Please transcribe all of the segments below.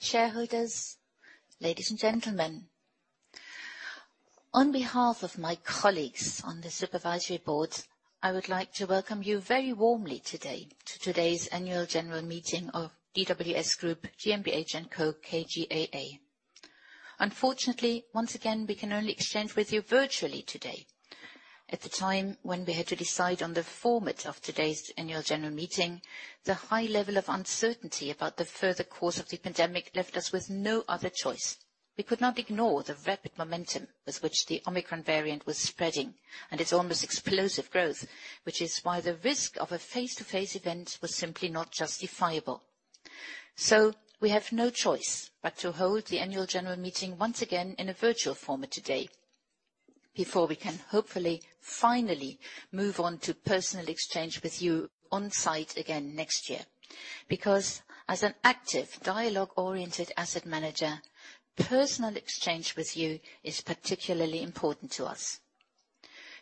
Shareholders, ladies and gentlemen. On behalf of my colleagues on the Supervisory Board, I would like to welcome you very warmly today to today's Annual General Meeting of DWS Group GmbH & Co. KGaA. Unfortunately, once again, we can only exchange with you virtually today. At the time when we had to decide on the format of today's Annual General Meeting, the high level of uncertainty about the further course of the pandemic left us with no other choice. We could not ignore the rapid momentum with which the Omicron variant was spreading and its almost explosive growth, which is why the risk of a face-to-face event was simply not justifiable. We have no choice but to hold the Annual General Meeting once again in a virtual format today before we can hopefully finally move on to personal exchange with you on site again next year. Because as an active dialogue-oriented asset manager, personal exchange with you is particularly important to us.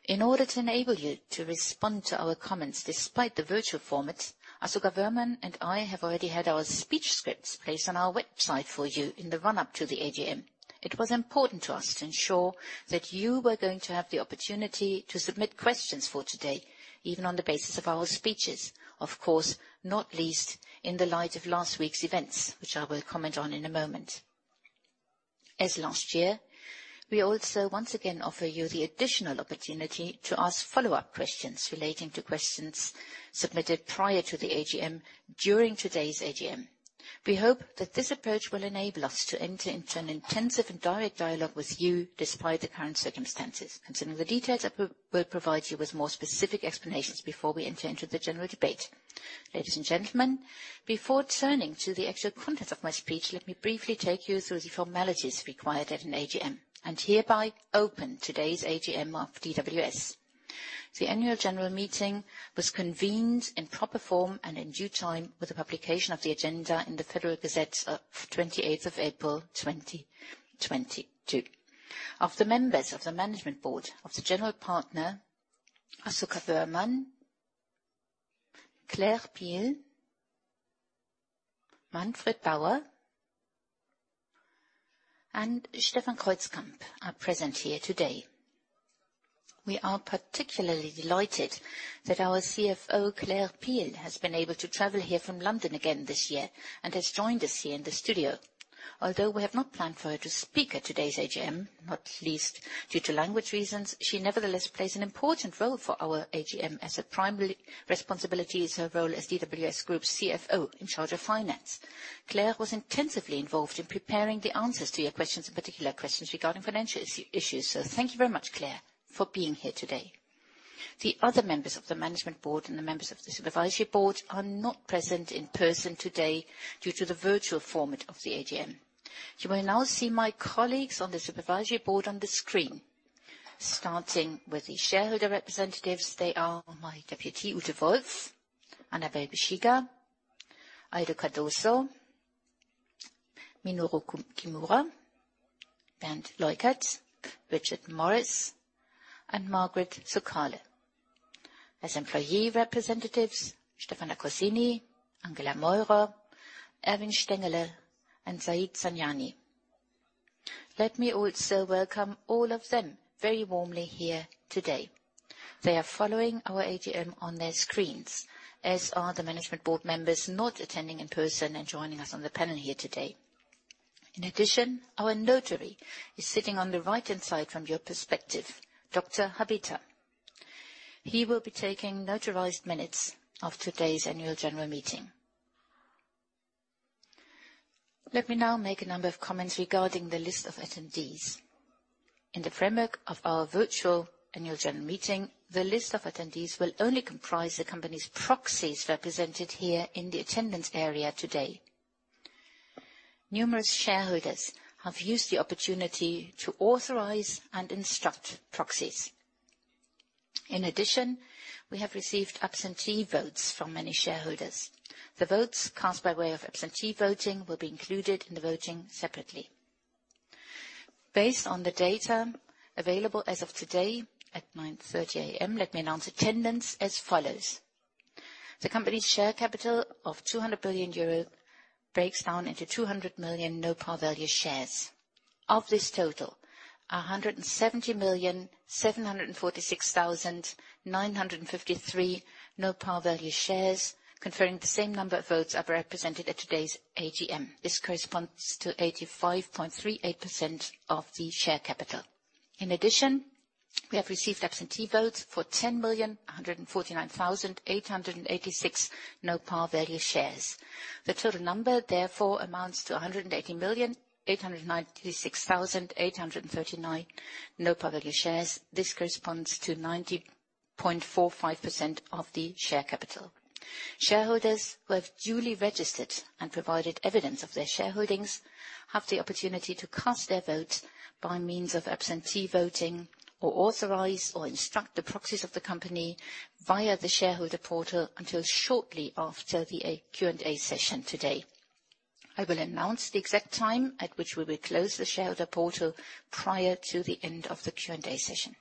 In order to enable you to respond to our comments despite the virtual format, Asoka Woehrmann and I have already had our speech scripts placed on our website for you in the run-up to the AGM. It was important to us to ensure that you were going to have the opportunity to submit questions for today, even on the basis of our speeches, of course, not least in the light of last week's events, which I will comment on in a moment. As last year, we also once again offer you the additional opportunity to ask follow-up questions relating to questions submitted prior to the AGM during today's AGM. We hope that this approach will enable us to enter into an intensive and direct dialogue with you despite the current circumstances. In the details, I will provide you with more specific explanations before we enter into the general debate. Ladies and gentlemen, before turning to the actual contents of my speech, let me briefly take you through the formalities required at an AGM, and hereby open today's AGM of DWS. The Annual General Meeting was convened in proper form and in due time with the publication of the agenda in the Federal Gazette of 28th of April, 2022. Of the members of the Management Board of the General Partner, Asoka Woehrmann, Claire Peel, Manfred Bauer, and Stefan Kreuzkamp are present here today. We are particularly delighted that our CFO, Claire Peel, has been able to travel here from London again this year and has joined us here in the studio. Although we have not planned for her to speak at today's AGM, not least due to language reasons, she nevertheless plays an important role for our AGM as her primary responsibility is her role as DWS Group's CFO in charge of Finance. Claire was intensively involved in preparing the answers to your questions, in particular questions regarding financial issues. Thank you very much, Claire, for being here today. The other members of the Management Board and the members of the Supervisory Board are not present in person today due to the virtual format of the AGM. You will now see my colleagues on the Supervisory Board on the screen. Starting with the shareholder representatives, they are my deputy, Ute Wolf, Annabelle Bexiga, Aldo Cardoso, Minoru Kimura, Bernd Leukert, Richard Morris, and Margret Suckale. As employee representatives, Stefano Accorsini, Angela Meurer, Erwin Stengele, and Said Zanjani. Let me also welcome all of them very warmly here today. They are following our AGM on their screens, as are the Management Board Members not attending in person and joining us on the panel here today. In addition, our notary is sitting on the right-hand side from your perspective, Dr. Habetha. He will be taking notarized minutes of today's Annual General Meeting. Let me now make a number of comments regarding the list of attendees. In the framework of our virtual Annual General Meeting, the list of attendees will only comprise the company's proxies represented here in the attendance area today. Numerous shareholders have used the opportunity to authorize and instruct proxies. In addition, we have received absentee votes from many shareholders. The votes cast by way of absentee voting will be included in the voting separately. Based on the data available as of today at 9:30 A.M., let me announce attendance as follows. The company's share capital of 200 billion euro breaks down into 200 million no-par-value shares. Of this total, 170,746,953 no-par-value shares conferring the same number of votes are represented at today's AGM. This corresponds to 85.38% of the share capital. In addition, we have received absentee votes for 10,149,886 no-par-value shares. The total number therefore amounts to 180,896,839 no-par-value shares. This corresponds to 90.45% of the share capital. Shareholders who have duly registered and provided evidence of their shareholdings have the opportunity to cast their vote by means of absentee voting or authorize or instruct the proxies of the company via the shareholder portal until shortly after the Q&A session today. I will announce the exact time at which we will close the shareholder portal prior to the end of the Q&A session.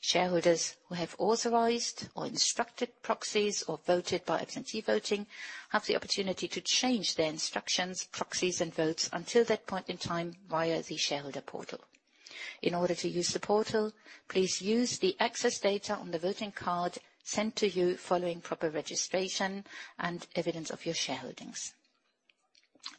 Shareholders who have authorized or instructed proxies or voted by absentee voting have the opportunity to change their instructions, proxies, and votes until that point in time via the shareholder portal. In order to use the portal, please use the access data on the voting card sent to you following proper registration and evidence of your shareholdings.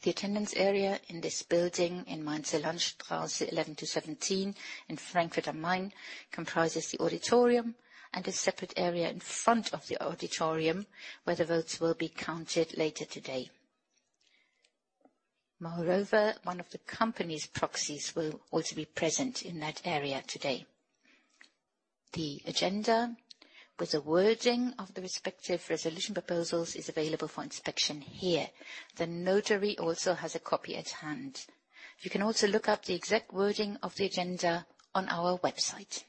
The attendance area in this building in Mainzer Landstraße 11-17 in Frankfurt am Main comprises the auditorium and a separate area in front of the auditorium, where the votes will be counted later today. Moreover, one of the company's proxies will also be present in that area today. The agenda with the wording of the respective resolution proposals is available for inspection here. The notary also has a copy at hand. You can also look up the exact wording of the agenda on our website.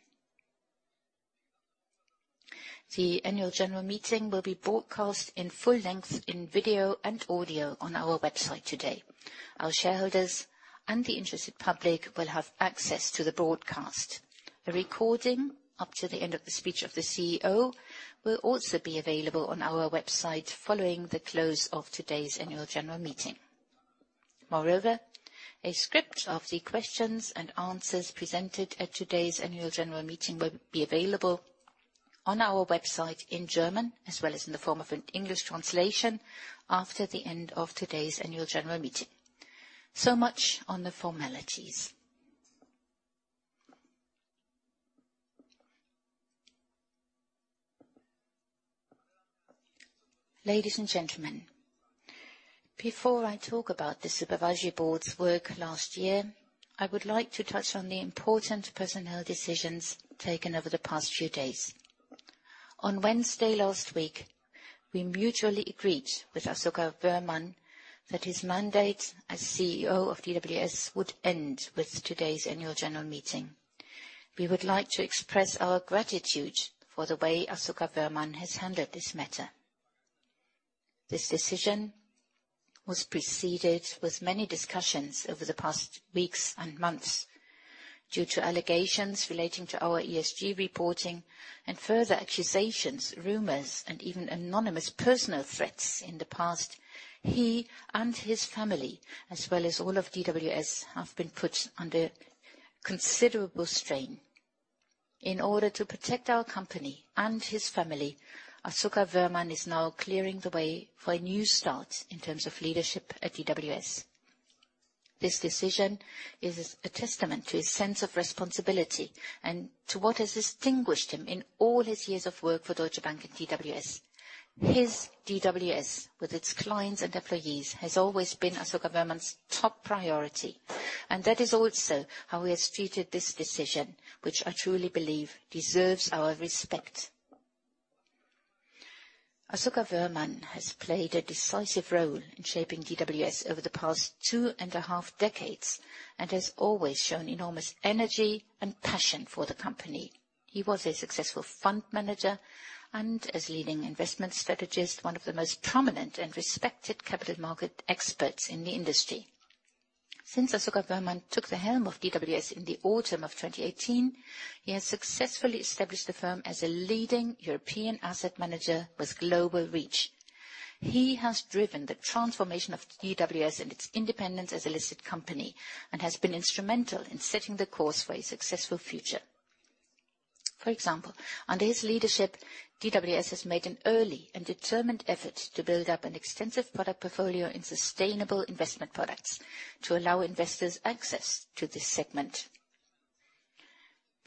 The Annual General Meeting will be broadcast in full length in video and audio on our website today. Our shareholders and the interested public will have access to the broadcast. A recording up to the end of the speech of the CEO will also be available on our website following the close of today's Annual General Meeting. Moreover, a script of the questions and answers presented at today's Annual General Meeting will be available on our website in German, as well as in the form of an English translation after the end of today's Annual General Meeting. Much on the formalities. Ladies and gentlemen, before I talk about the Supervisory Board's work last year, I would like to touch on the important personnel decisions taken over the past few days. On Wednesday last week, we mutually agreed with Asoka Woehrmann that his mandate as CEO of DWS would end with today's Annual General Meeting. We would like to express our gratitude for the way Asoka Woehrmann has handled this matter. This decision was preceded with many discussions over the past weeks and months due to allegations relating to our ESG reporting and further accusations, rumors, and even anonymous personal threats in the past. He and his family, as well as all of DWS, have been put under considerable strain. In order to protect our company and his family, Asoka Woehrmann is now clearing the way for a new start in terms of leadership at DWS. This decision is a testament to his sense of responsibility and to what has distinguished him in all his years of work for Deutsche Bank and DWS. His DWS, with its clients and employees, has always been Asoka Woehrmann's top priority, and that is also how he has treated this decision, which I truly believe deserves our respect. Asoka Woehrmann has played a decisive role in shaping DWS over the past 2.5 decades and has always shown enormous energy and passion for the company. He was a successful Fund Manager and a leading Investment Strategist, one of the most prominent and respected capital market experts in the industry. Since Asoka Woehrmann took the helm of DWS in the autumn of 2018, he has successfully established the firm as a leading European Asset Manager with global reach. He has driven the transformation of DWS and its independence as a listed company and has been instrumental in setting the course for a successful future. For example, under his leadership, DWS has made an early and determined effort to build up an extensive product portfolio in sustainable investment products to allow investors access to this segment.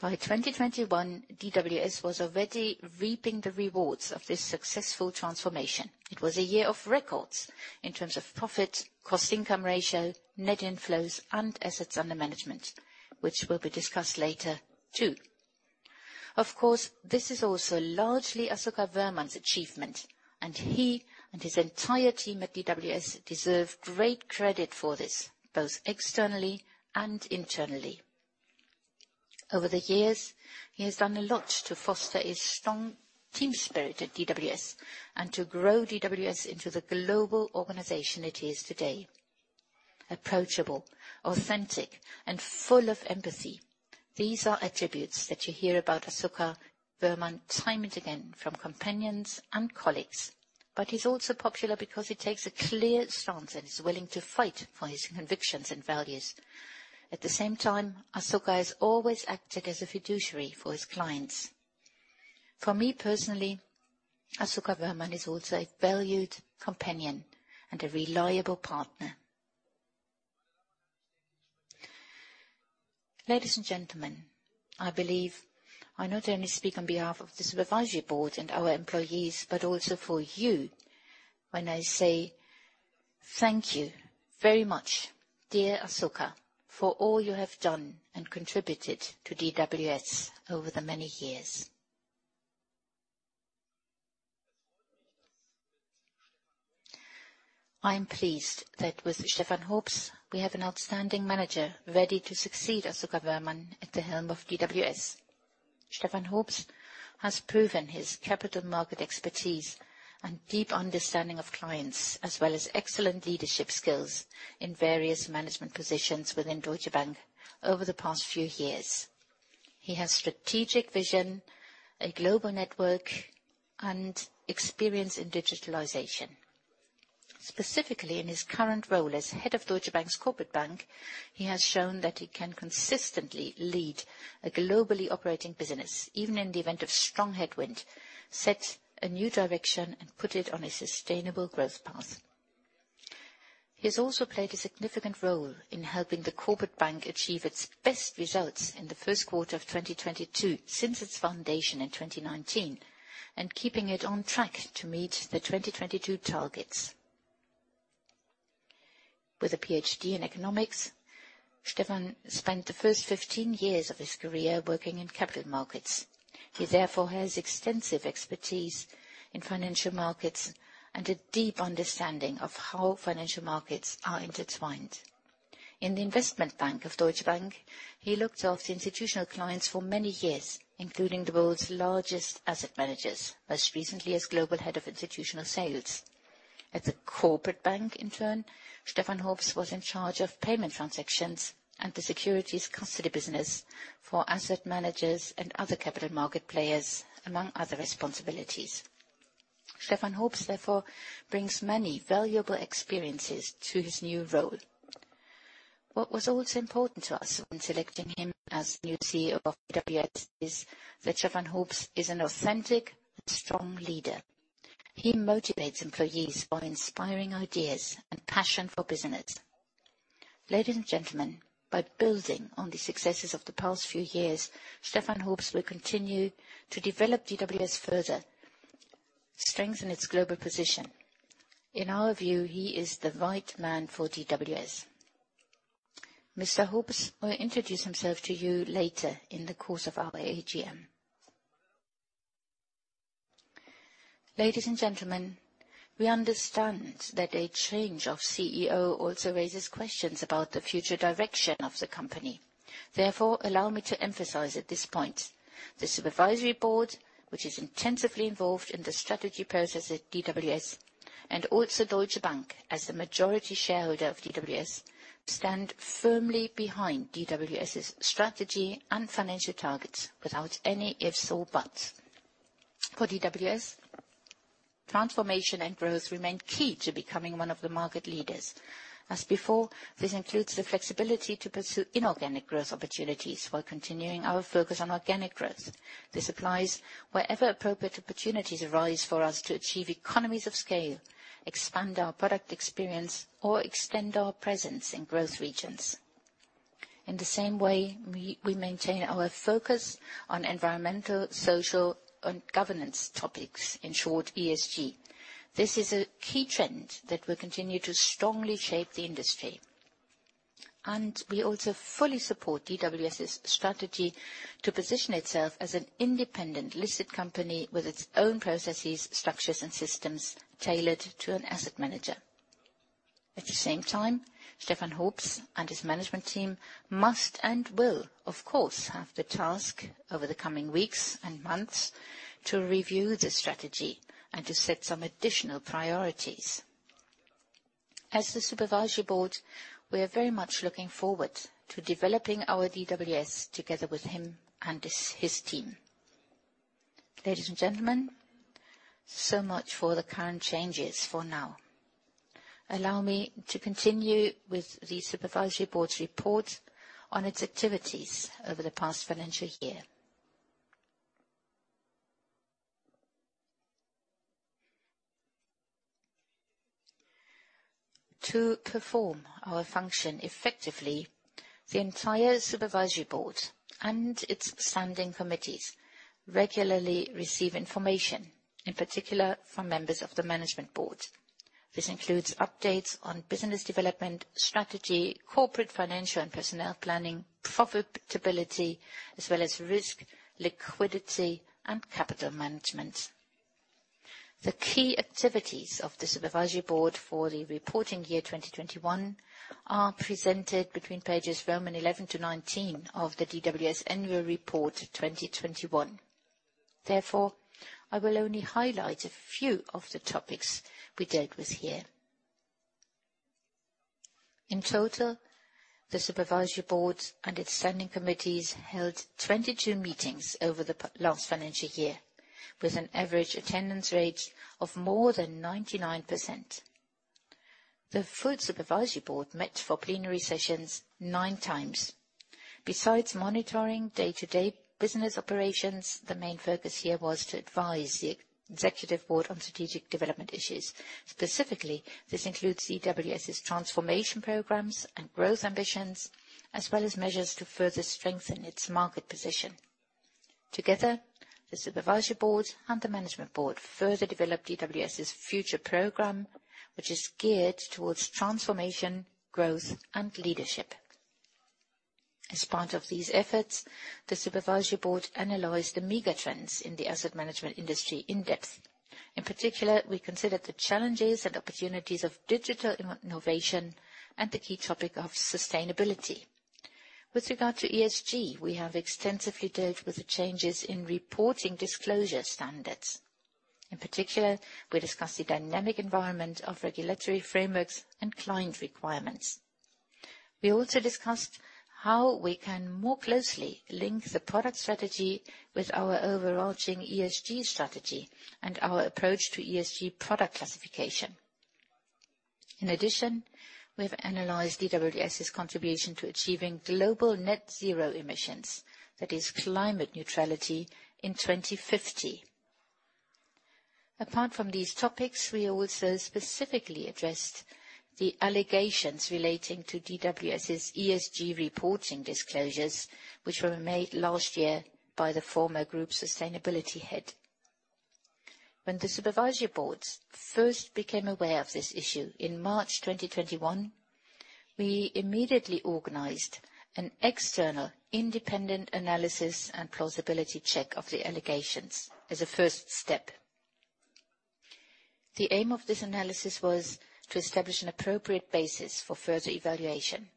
By 2021, DWS was already reaping the rewards of this successful transformation. It was a year of records in terms of profit, cost-income ratio, net inflows, and assets under management, which will be discussed later too. Of course, this is also largely Asoka Woehrmann's achievement, and he and his entire team at DWS deserve great credit for this, both externally and internally. Over the years, he has done a lot to foster a strong team spirit at DWS and to grow DWS into the global organization it is today. Approachable, authentic, and full of empathy. These are attributes that you hear about Asoka Woehrmann time and again from companions and colleagues. He's also popular because he takes a clear stance and is willing to fight for his convictions and values. At the same time, Asoka has always acted as a fiduciary for his clients. For me personally, Asoka Woehrmann is also a valued companion and a reliable partner. Ladies and gentlemen, I believe I not only speak on behalf of the Supervisory Board and our employees, but also for you when I say thank you very much, dear Asoka, for all you have done and contributed to DWS over the many years. I am pleased that with Stefan Hoops, we have an outstanding manager ready to succeed Asoka Woehrmann at the helm of DWS. Stefan Hoops has proven his capital market expertise and deep understanding of clients, as well as excellent leadership skills in various management positions within Deutsche Bank over the past few years. He has strategic vision, a global network, and experience in digitalization. Specifically in his current role as Head of Deutsche Bank's Corporate Bank, he has shown that he can consistently lead a globally operating business, even in the event of strong headwind, set a new direction, and put it on a sustainable growth path. He has also played a significant role in helping the Corporate Bank achieve its best results in the first quarter of 2022 since its foundation in 2019, and keeping it on track to meet the 2022 targets. With a PhD in economics, Stefan spent the first 15 years of his career working in capital markets. He therefore has extensive expertise in financial markets and a deep understanding of how financial markets are intertwined. In the Investment Bank of Deutsche Bank, he looked after institutional clients for many years, including the world's largest asset managers, most recently as Global Head of Institutional Sales. At the Corporate Bank in turn, Stefan Hoops was in charge of payment transactions and the securities custody business for asset managers and other capital market players, among other responsibilities. Stefan Hoops therefore brings many valuable experiences to his new role. What was also important to us in selecting him as new CEO of DWS is that Stefan Hoops is an authentic and strong leader. He motivates employees by inspiring ideas and passion for business. Ladies and gentlemen, by building on the successes of the past few years, Stefan Hoops will continue to develop DWS further, strengthen its global position. In our view, he is the right man for DWS. Mr. Hoops will introduce himself to you later in the course of our AGM. Ladies and gentlemen, we understand that a change of CEO also raises questions about the future direction of the company. Therefore, allow me to emphasize at this point, the Supervisory board, which is intensively involved in the strategy process at DWS, and also Deutsche Bank, as the majority shareholder of DWS, stand firmly behind DWS's strategy and financial targets without any ifs or buts. For DWS, transformation and growth remain key to becoming one of the market leaders. As before, this includes the flexibility to pursue inorganic growth opportunities while continuing our focus on organic growth. This applies wherever appropriate opportunities arise for us to achieve economies of scale, expand our product experience, or extend our presence in growth regions. In the same way, we maintain our focus on Environmental, Social, and Governance topics, in short, ESG. This is a key trend that will continue to strongly shape the industry. We also fully support DWS's strategy to position itself as an independent listed company with its own processes, structures, and systems tailored to an asset manager. At the same time, Stefan Hoops and his management team must and will of course have the task over the coming weeks and months to review the strategy and to set some additional priorities. As the Supervisory Board, we are very much looking forward to developing our DWS together with him and his team. Ladies and gentlemen, so much for the current changes for now. Allow me to continue with the Supervisory board's report on its activities over the past financial year. To perform our function effectively, the entire Supervisory board and its standing committees regularly receive information, in particular from members of the Management Board. This includes updates on business development, strategy, corporate, financial and personnel planning, profitability, as well as risk, liquidity, and capital management. The key activities of the Supervisory Board for the reporting year 2021 are presented between pages XI to XIX of the DWS Annual Report 2021. Therefore, I will only highlight a few of the topics we dealt with here. In total, the Supervisory Board and its standing committees held 22 meetings over the last financial year, with an average attendance rate of more than 99%. The full Supervisory Board met for plenary sessions 9x. Besides monitoring day-to-day business operations, the main focus here was to advise the Executive Board on strategic development issues. Specifically, this includes DWS's transformation programs and growth ambitions, as well as measures to further strengthen its market position. Together, the Supervisory Board and the Management Board further developed DWS's future program, which is geared towards transformation, growth, and leadership. As part of these efforts, the Supervisory board analyzed the mega trends in the asset management industry in-depth. In particular, we considered the challenges and opportunities of digital innovation and the key topic of sustainability. With regard to ESG, we have extensively dealt with the changes in reporting disclosure standards. In particular, we discussed the dynamic environment of regulatory frameworks and client requirements. We also discussed how we can more closely link the product strategy with our overarching ESG strategy and our approach to ESG product classification. In addition, we have analyzed DWS's contribution to achieving global net zero emissions. That is climate neutrality in 2050. Apart from these topics, we also specifically addressed the allegations relating to DWS's ESG reporting disclosures, which were made last year by the former group sustainability head. When the Supervisory Board first became aware of this issue in March 2021, we immediately organized an external independent analysis and plausibility check of the allegations as a first step. The aim of this analysis was to establish an appropriate basis for further evaluation.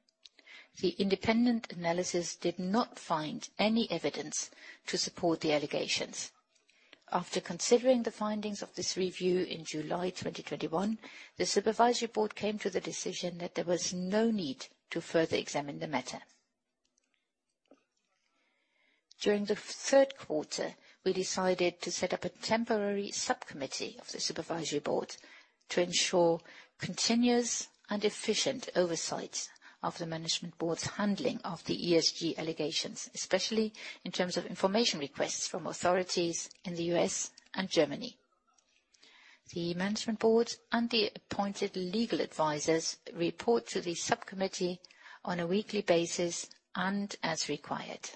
The independent analysis did not find any evidence to support the allegations. After considering the findings of this review in July 2021, the Supervisory Board came to the decision that there was no need to further examine the matter. During the third quarter, we decided to set up a temporary subcommittee of the Supervisory Board to ensure continuous and efficient oversight of the Management Board's handling of the ESG allegations, especially in terms of information requests from authorities in the U.S. and Germany. The Management Board and the appointed legal advisors report to the subcommittee on a weekly basis and as required.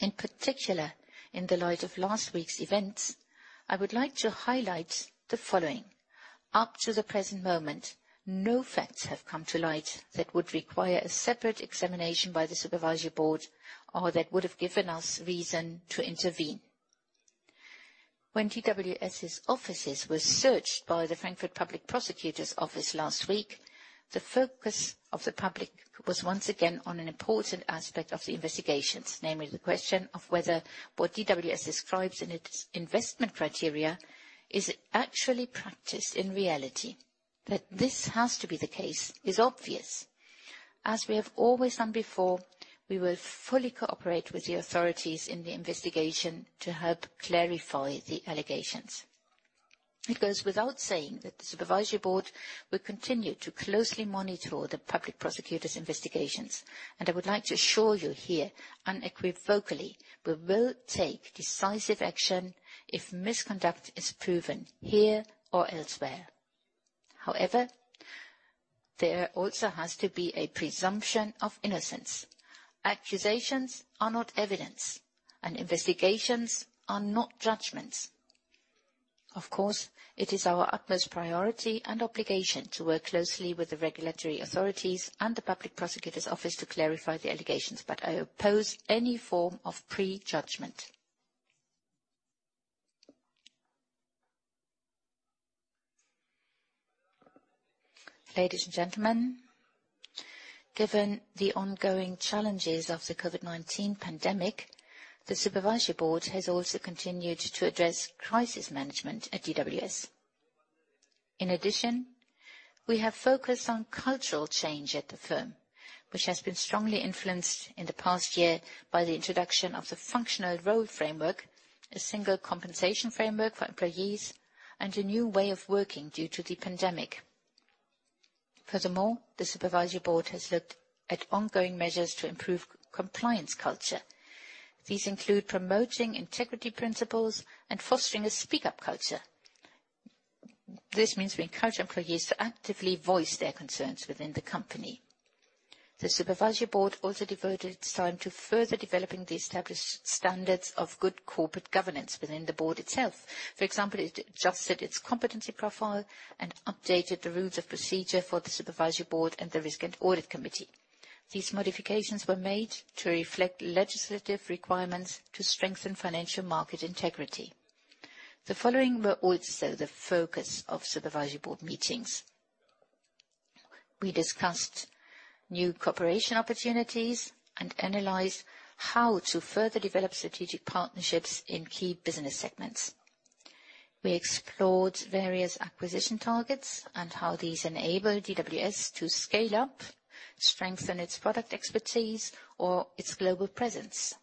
In particular, in the light of last week's events, I would like to highlight the following. Up to the present moment, no facts have come to light that would require a separate examination by the Supervisory Board or that would have given us reason to intervene. When DWS's offices were searched by the Frankfurt Public Prosecutor's Office last week, the focus of the public was once again on an important aspect of the investigations, namely the question of whether what DWS describes in its investment criteria is actually practiced in reality. That this has to be the case is obvious. As we have always done before, we will fully cooperate with the authorities in the investigation to help clarify the allegations. It goes without saying that the Supervisory Board will continue to closely monitor all the Public Prosecutor's investigations. I would like to assure you here unequivocally, we will take decisive action if misconduct is proven here or elsewhere. However, there also has to be a presumption of innocence. Accusations are not evidence, and investigations are not judgments. Of course, it is our utmost priority and obligation to work closely with the regulatory authorities and the public prosecutor's office to clarify the allegations, but I oppose any form of prejudgment. Ladies and gentlemen, given the ongoing challenges of the COVID-19 pandemic, the Supervisory Board has also continued to address crisis management at DWS. In addition, we have focused on cultural change at the firm, which has been strongly influenced in the past year by the introduction of the functional role framework, a single compensation framework for employees, and a new way of working due to the pandemic. Furthermore, the Supervisory Board has looked at ongoing measures to improve compliance culture. These include promoting integrity principles and fostering a speak-up culture. This means we encourage employees to actively voice their concerns within the company. The Supervisory Board also devoted its time to further developing the established standards of good corporate governance within the board itself. For example, it adjusted its competency profile and updated the rules of procedure for the Supervisory Board and the Risk and Audit Committee. These modifications were made to reflect legislative requirements to strengthen financial market integrity. The following were also the focus of Supervisory Board meetings. We discussed new cooperation opportunities and analyzed how to further develop strategic partnerships in key business segments. We explored various acquisition targets and how these enable DWS to scale up, strengthen its product expertise or its global presence.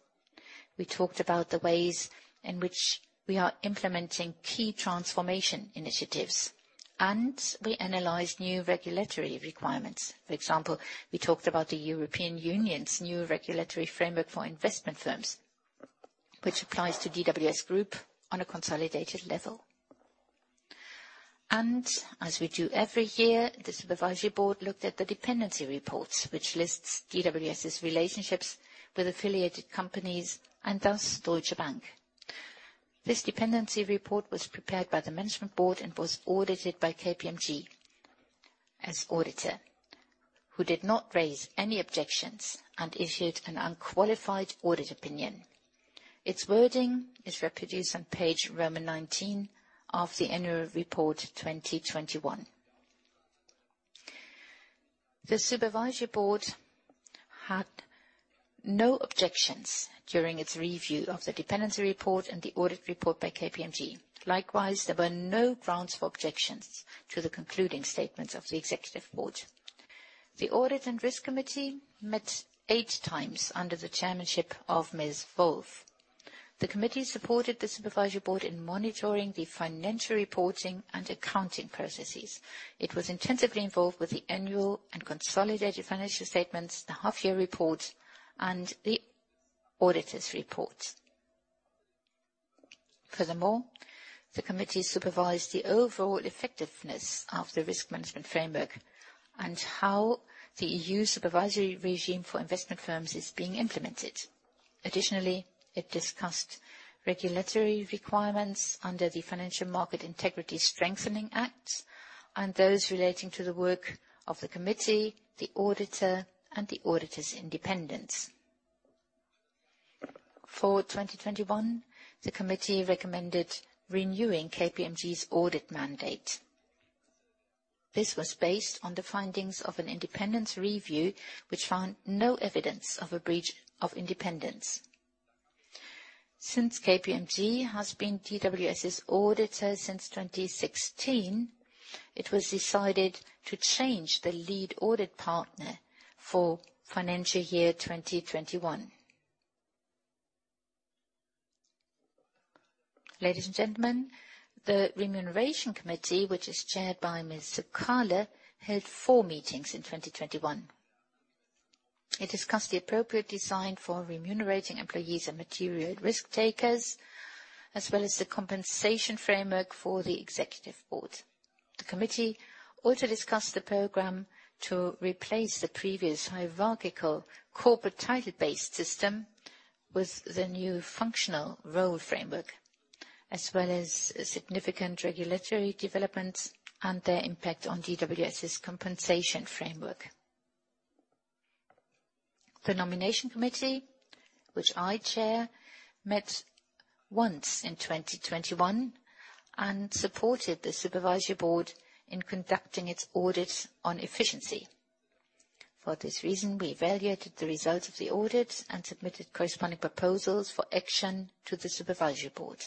We talked about the ways in which we are implementing key transformation initiatives, and we analyzed new regulatory requirements. For example, we talked about the European Union's new regulatory framework for investment firms, which applies to DWS Group on a consolidated level. As we do every year, the Supervisory Board looked at the dependency reports, which lists DWS's relationships with affiliated companies and thus Deutsche Bank. This dependency report was prepared by the Management Board and was audited by KPMG as auditor, who did not raise any objections and issued an unqualified audit opinion. Its wording is reproduced on page XIX of the Annual Report 2021. The Supervisory Board had no objections during its review of the dependency report and the audit report by KPMG. Likewise, there were no grounds for objections to the concluding statements of the Executive Board. The Audit and Risk Committee met eight times under the chairmanship of Ms. Ute Wolf. The committee supported the Supervisory Board in monitoring the financial reporting and accounting processes. It was intensively involved with the Annual and Consolidated financial statements, the half-year report, and the auditor's report. Furthermore, the committee supervised the overall effectiveness of the risk management framework and how the EU Supervisory regime for investment firms is being implemented. Additionally, it discussed regulatory requirements under the Financial Market Integrity Strengthening Act and those relating to the work of the committee, the auditor, and the auditor's independence. For 2021, the committee recommended renewing KPMG's audit mandate. This was based on the findings of an independent review, which found no evidence of a breach of independence. Since KPMG has been DWS's auditor since 2016, it was decided to change the lead audit partner for financial year 2021. Ladies and gentlemen, the Remuneration Committee, which is chaired by Ms. Suckale, held four meetings in 2021. It discussed the appropriate design for remunerating employees and material risk takers, as well as the compensation framework for the Executive Board. The committee also discussed the program to replace the previous hierarchical corporate title-based system with the new functional role framework, as well as significant regulatory developments and their impact on DWS's compensation framework. The Nomination Committee, which I chair, met once in 2021 and supported the Supervisory Board in conducting its audit on efficiency. For this reason, we evaluated the results of the audit and submitted corresponding proposals for action to the Supervisory Board.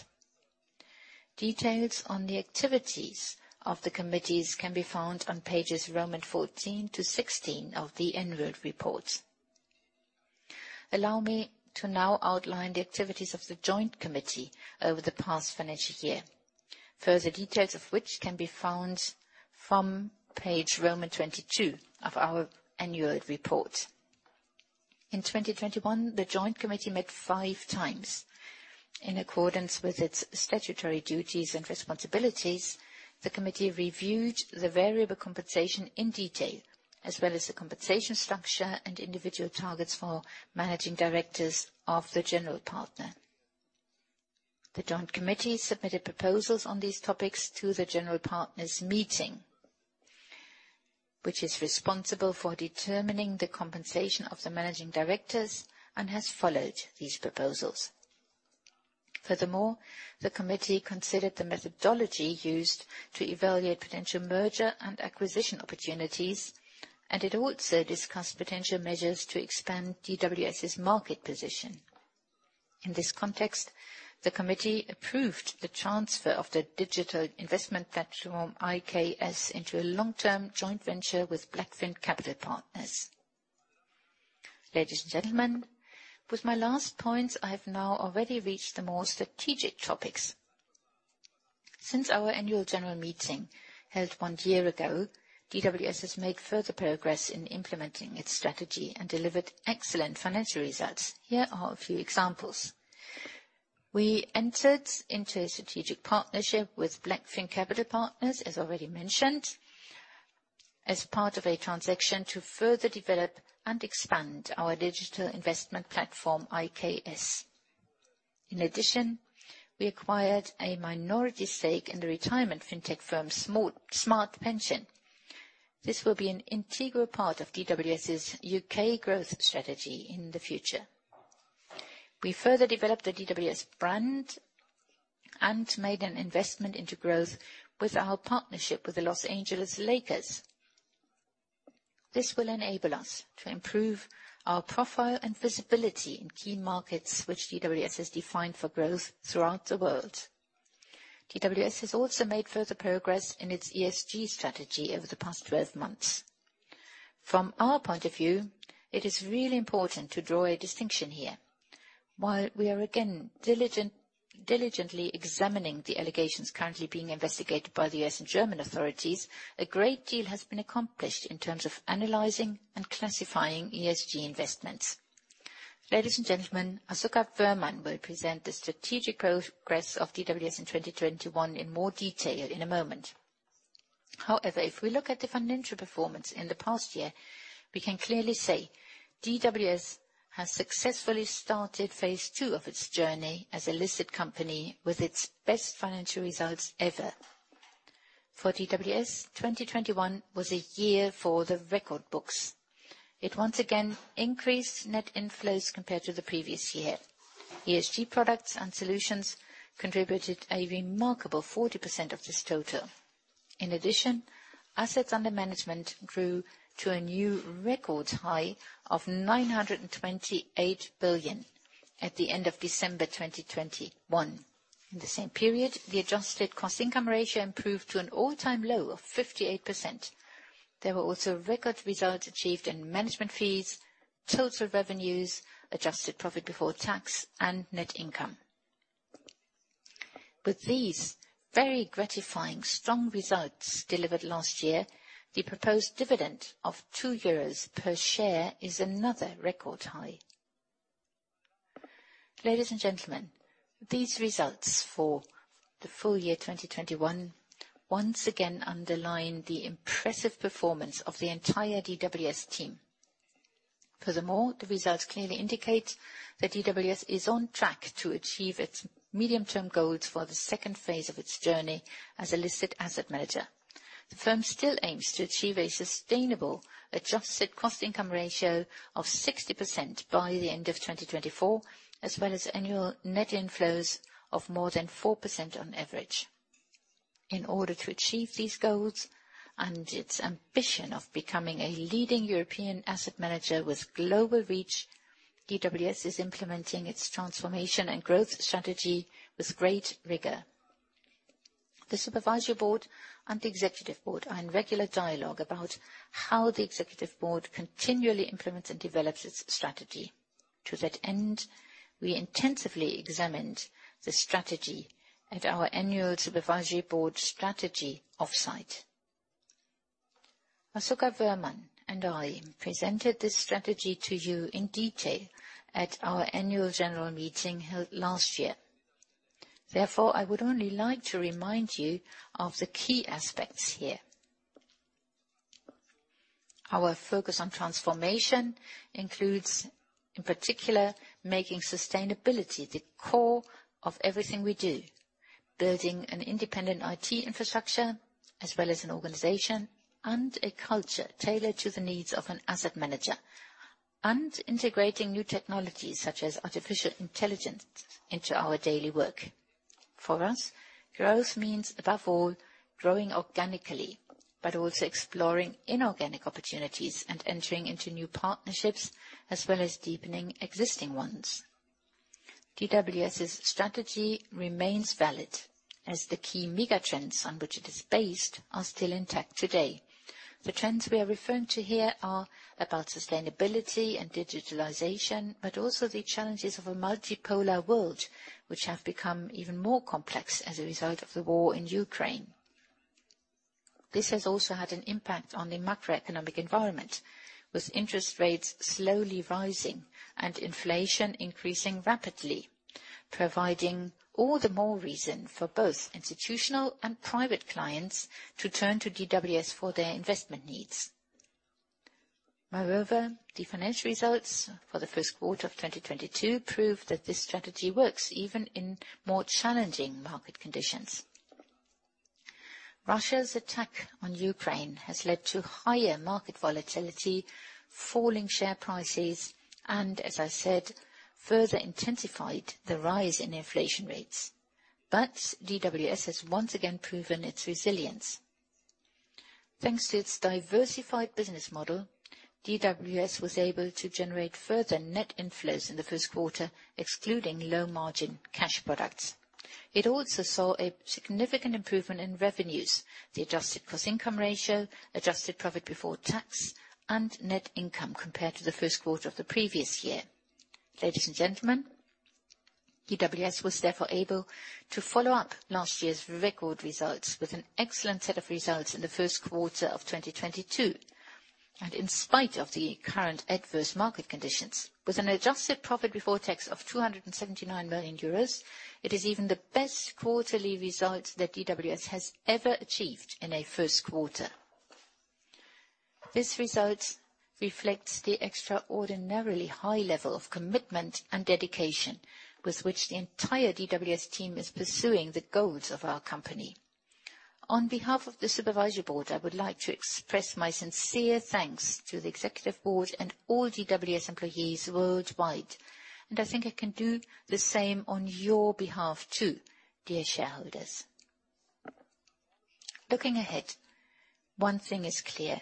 Details on the activities of the committees can be found on pages XIV-XVI of the Annual Report. Allow me to now outline the activities of the Joint Committee over the past financial year. Further details of which can be found from page XXII of our Annual Report. In 2021, the Joint Committee met 5x. In accordance with its statutory duties and responsibilities, the committee reviewed the variable compensation in detail, as well as the compensation structure and individual targets for Managing Directors of the General Partner. The Joint Committee submitted proposals on these topics to the General Partners Meeting, which is responsible for determining the compensation of the Managing Directors and has followed these proposals. Furthermore, the committee considered the methodology used to evaluate potential merger and acquisition opportunities, and it also discussed potential measures to expand DWS's market position. In this context, the committee approved the transfer of the digital investment platform, IKS into a long-term joint venture with BlackFin Capital Partners. Ladies and gentlemen, with my last point, I have now already reached the more strategic topics. Since our Annual General Meeting held one year ago, DWS has made further progress in implementing its strategy and delivered excellent financial results. Here are a few examples. We entered into a strategic partnership with BlackFin Capital Partners, as already mentioned, as part of a transaction to further develop and expand our digital investment platform, IKS. In addition, we acquired a minority stake in the retirement fintech firm Smart Pension. This will be an integral part of DWS's U.K. growth strategy in the future. We further developed the DWS brand and made an investment into growth with our partnership with the Los Angeles Lakers. This will enable us to improve our profile and visibility in key markets which DWS has defined for growth throughout the world. DWS has also made further progress in its ESG strategy over the past 12 months. From our point of view, it is really important to draw a distinction here. While we are again diligently examining the allegations currently being investigated by the U.S. and German authorities, a great deal has been accomplished in terms of analyzing and classifying ESG investments. Ladies and gentlemen, Asoka Woehrmann will present the strategic progress of DWS in 2021 in more detail in a moment. However, if we look at the financial performance in the past year, we can clearly say DWS has successfully started phase two of its journey as a listed company with its best financial results ever. For DWS, 2021 was a year for the record books. It once again increased net inflows compared to the previous year. ESG products and solutions contributed a remarkable 40% of this total. In addition, assets under management grew to a new record high of 928 billion at the end of December 2021. In the same period, the Adjusted cost income ratio improved to an all-time low of 58%. There were also record results achieved in management fees, total revenues, Adjusted profit before tax and net income. With these very gratifying strong results delivered last year, the proposed dividend of 2 euros per share is another record high. Ladies and gentlemen, these results for the full year 2021 once again underline the impressive performance of the entire DWS team. Furthermore, the results clearly indicate that DWS is on track to achieve its medium-term goals for the second phase of its journey as a listed asset manager. The firm still aims to achieve a sustainable adjusted cost income ratio of 60% by the end of 2024, as well as annual net inflows of more than 4% on average. In order to achieve these goals and its ambition of becoming a leading European asset manager with global reach, DWS is implementing its transformation and growth strategy with great rigor. The Supervisory Board and Executive Board are in regular dialogue about how the Executive Board continually implements and develops its strategy. To that end, we intensively examined the strategy at our annual Supervisory Board strategy offsite. Asoka Woehrmann and I presented this strategy to you in detail at our Annual General Meeting held last year. Therefore, I would only like to remind you of the key aspects here. Our focus on transformation includes, in particular, making sustainability the core of everything we do, building an independent IT infrastructure, as well as an organization and a culture tailored to the needs of an asset manager, and integrating new technologies such as artificial intelligence into our daily work. For us, growth means, above all, growing organically, but also exploring inorganic opportunities and entering into new partnerships, as well as deepening existing ones. DWS's strategy remains valid as the key megatrends on which it is based are still intact today. The trends we are referring to here are about sustainability and digitalization, but also the challenges of a multipolar world which have become even more complex as a result of the war in Ukraine. This has also had an impact on the macroeconomic environment, with interest rates slowly rising and inflation increasing rapidly, providing all the more reason for both institutional and private clients to turn to DWS for their investment needs. Moreover, the financial results for the first quarter of 2022 prove that this strategy works even in more challenging market conditions. Russia's attack on Ukraine has led to higher market volatility, falling share prices, and, as I said, further intensified the rise in inflation rates. DWS has once again proven its resilience. Thanks to its Diversified Business Model, DWS was able to generate further net inflows in the first quarter, excluding low-margin cash products. It also saw a significant improvement in revenues, the Adjusted cost income ratio, Adjusted profit before tax and net income compared to the first quarter of the previous year. Ladies and gentlemen, DWS was therefore able to follow up last year's record results with an excellent set of results in the first quarter of 2022. In spite of the current adverse market conditions. With an Adjusted profit before tax of 279 million euros, it is even the best quarterly result that DWS has ever achieved in a first quarter. This result reflects the extraordinarily high level of commitment and dedication with which the entire DWS team is pursuing the goals of our company. On behalf of the Supervisory Board, I would like to express my sincere thanks to the Executive Board and all DWS employees worldwide, and I think I can do the same on your behalf too, dear shareholders. Looking ahead, one thing is clear.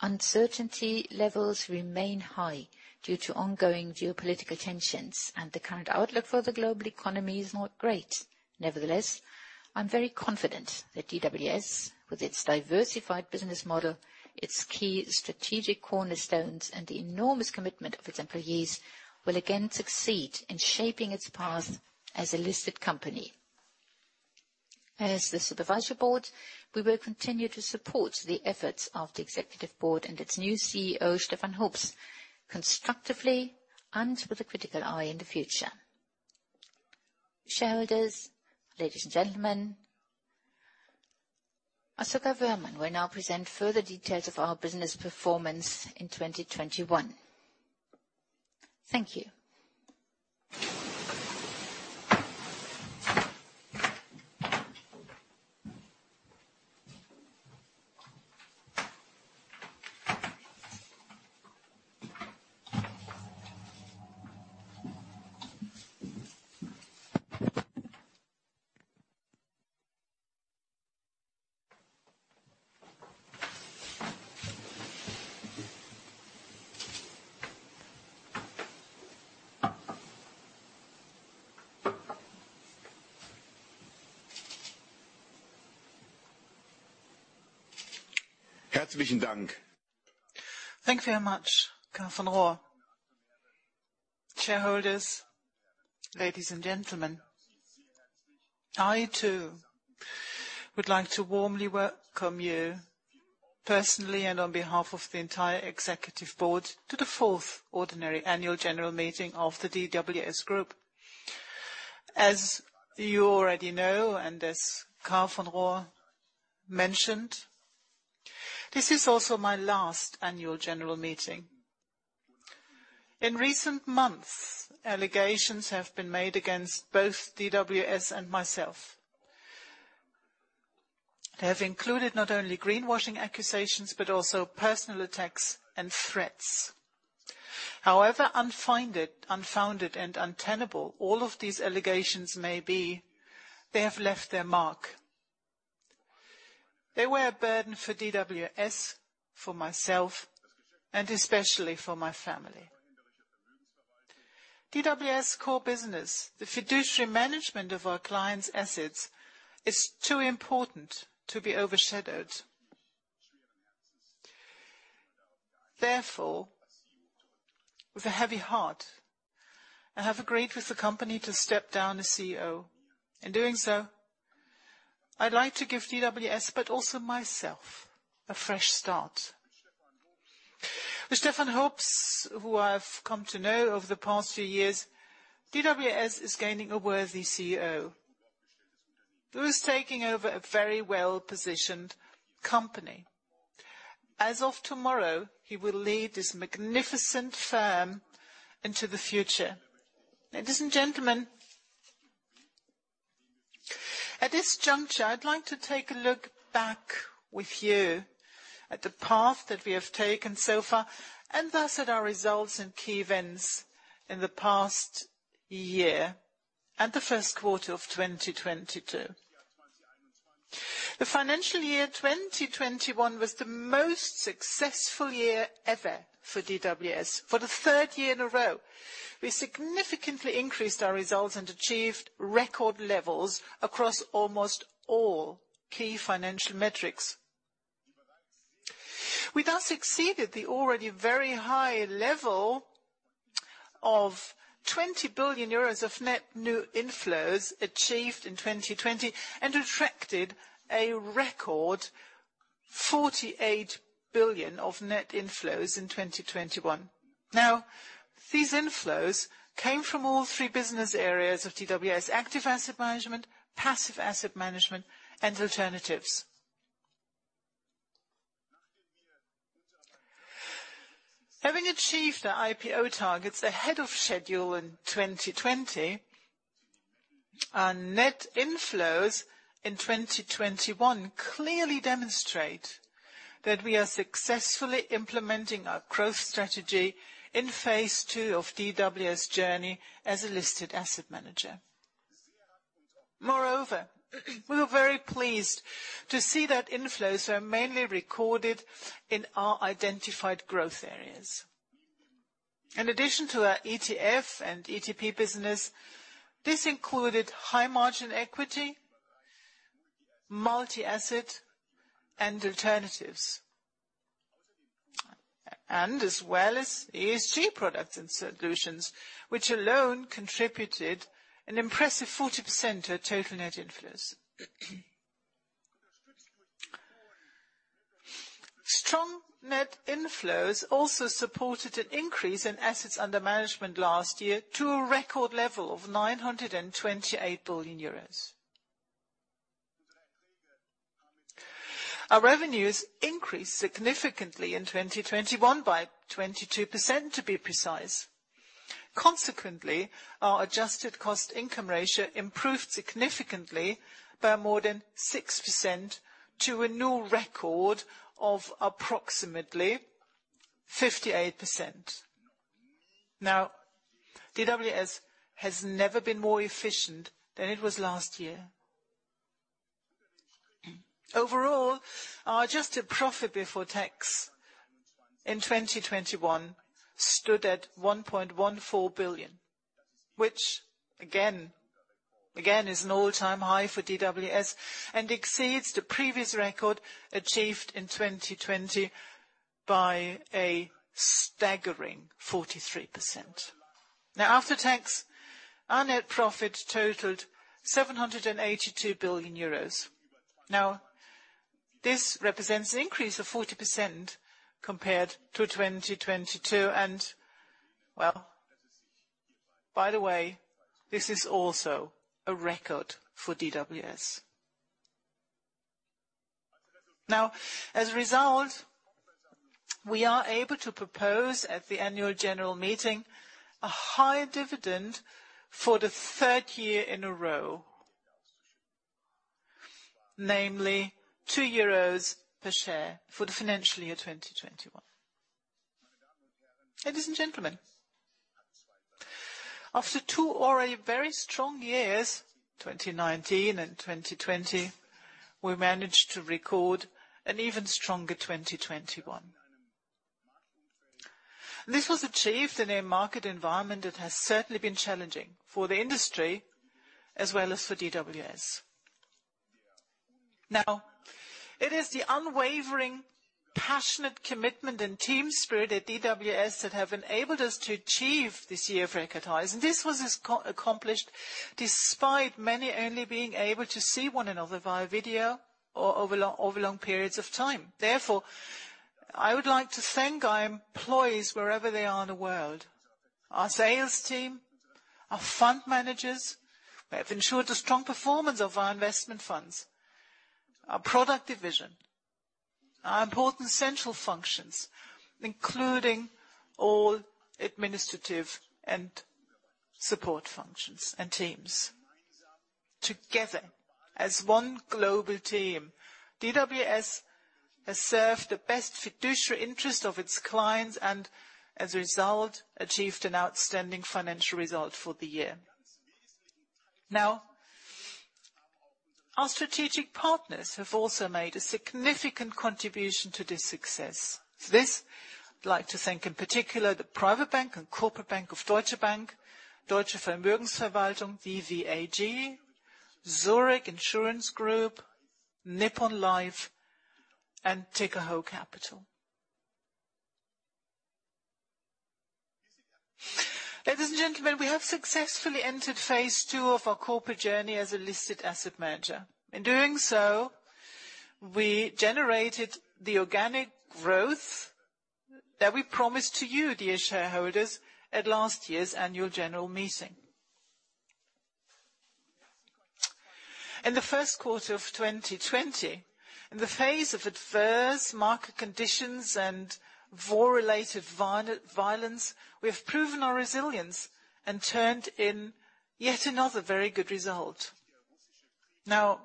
Uncertainty levels remain high due to ongoing geopolitical tensions, and the current outlook for the global economy is not great. Nevertheless, I'm very confident that DWS, with its Diversified Business Model, its key strategic cornerstones, and the enormous commitment of its employees, will again succeed in shaping its path as a listed company. As the Supervisory Board, we will continue to support the efforts of the Executive Board and its new CEO, Stefan Hoops, constructively and with a critical eye in the future. Shareholders, ladies and gentlemen, Asoka Woehrmann will now present further details of our business performance in 2021. Thank you. Thank you very much, Karl von Rohr. Shareholders, ladies and gentlemen, I, too, would like to warmly welcome you personally and on behalf of the entire Executive Board to the fourth ordinary Annual General Meeting of the DWS Group. As you already know, and as Karl von Rohr mentioned, this is also my last Annual General Meeting. In recent months, allegations have been made against both DWS and myself. They have included not only greenwashing accusations, but also personal attacks and threats. However unfounded and untenable all of these allegations may be, they have left their mark. They were a burden for DWS, for myself, and especially for my family. DWS core business, the fiduciary management of our clients' assets is too important to be overshadowed. Therefore, with a heavy heart, I have agreed with the company to step down as CEO. In doing so, I'd like to give DWS, but also myself, a fresh start. With Stefan Hoops, who I've come to know over the past few years, DWS is gaining a worthy CEO who is taking over a very well-positioned company. As of tomorrow, he will lead this magnificent firm into the future. Ladies and gentlemen, at this juncture, I'd like to take a look back with you at the path that we have taken so far, and thus at our results and key events in the past year, and the first quarter of 2022. The financial year 2021 was the most successful year ever for DWS. For the third year in a row, we significantly increased our results and achieved record levels across almost all key financial metrics. We thus exceeded the already very high level of 20 billion euros of net new inflows achieved in 2020, and attracted a record 48 billion of net inflows in 2021. Now, these inflows came from all three business areas of DWS: active asset management, passive asset management, and alternatives. Having achieved our IPO targets ahead of schedule in 2020, our net inflows in 2021 clearly demonstrate that we are successfully implementing our growth strategy in Phase 2 of DWS' journey as a listed asset manager. Moreover, we were very pleased to see that inflows were mainly recorded in our identified growth areas. In addition to our ETF and ETP business, this included high-margin equity, multi-asset, and alternatives. And as well as ESG products and solutions, which alone contributed an impressive 40% of total net inflows. Strong net inflows also supported an increase in assets under management last year to a record level of 928 billion euros. Our revenues increased significantly in 2021, by 22% to be precise. Consequently, our Adjusted cost income ratio improved significantly by more than 6% to a new record of approximately 58%. DWS has never been more efficient than it was last year. Overall, our Adjusted profit before tax in 2021 stood at 1.14 billion, which again is an all-time high for DWS, and exceeds the previous record achieved in 2020 by a staggering 43%. After tax, our net profit totaled 782 billion euros. This represents an increase of 40% compared to 2022. Well, by the way, this is also a record for DWS. Now, as a result, we are able to propose at the Annual General Meeting a higher dividend for the third year in a row. Namely 2 euros per share for the financial year 2021. Ladies and gentlemen, after two already very strong years, 2019 and 2020, we managed to record an even stronger 2021. This was achieved in a market environment that has certainly been challenging for the industry, as well as for DWS. Now, it is the unwavering, passionate commitment and team spirit at DWS that have enabled us to achieve this year of record highs. This was accomplished despite many only being able to see one another via video or over long periods of time. Therefore, I would like to thank our employees wherever they are in the world, our sales team, our fund managers who have ensured the strong performance of our investment funds, our product division, our important central functions, including all administrative and support functions and teams. Together as one global team, DWS has served the best fiduciary interest of its clients and as a result, achieved an outstanding financial result for the year. Now, our strategic partners have also made a significant contribution to this success. For this, I'd like to thank in particular the private bank and corporate bank of Deutsche Bank, Deutsche Vermögensberatung AG, Zurich Insurance Group, Nippon Life, and Tikehau Capital. Ladies and gentlemen, we have successfully entered phase two of our corporate journey as a listed asset manager. In doing so, we generated the organic growth that we promised to you, dear shareholders, at last year's Annual General Meeting. In the first quarter of 2020, in the face of adverse market conditions and war-related violence, we have proven our resilience and turned in yet another very good result. Now,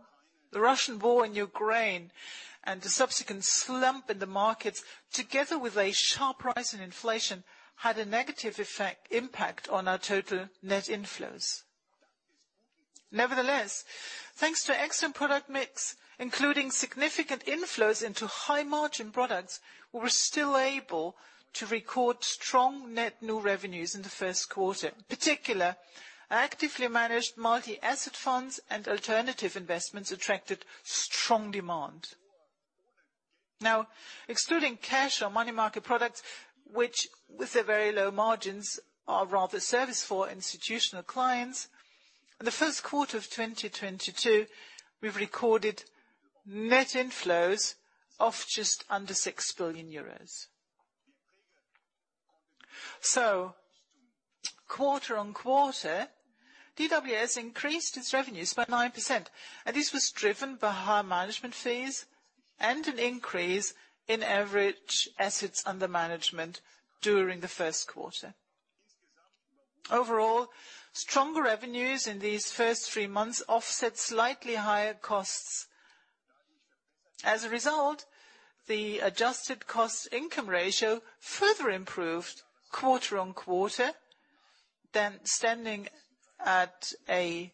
the Russian war in Ukraine and the subsequent slump in the markets, together with a sharp rise in inflation, had a negative impact on our total net inflows. Nevertheless, thanks to excellent product mix, including significant inflows into high-margin products, we were still able to record strong net new revenues in the first quarter. In particular, actively managed multi-asset funds and alternative investments attracted strong demand. Excluding cash or money market products, which with their very low margins are rather service for institutional clients, in the first quarter of 2022, we've recorded net inflows of just under 6 billion euros. Quarter-on-quarter, DWS increased its revenues by 9%, and this was driven by high management fees and an increase in average assets under management during the first quarter. Overall, stronger revenues in these first three months offset slightly higher costs. As a result, the Adjusted cost-income ratio further improved quarter-on-quarter, then standing at a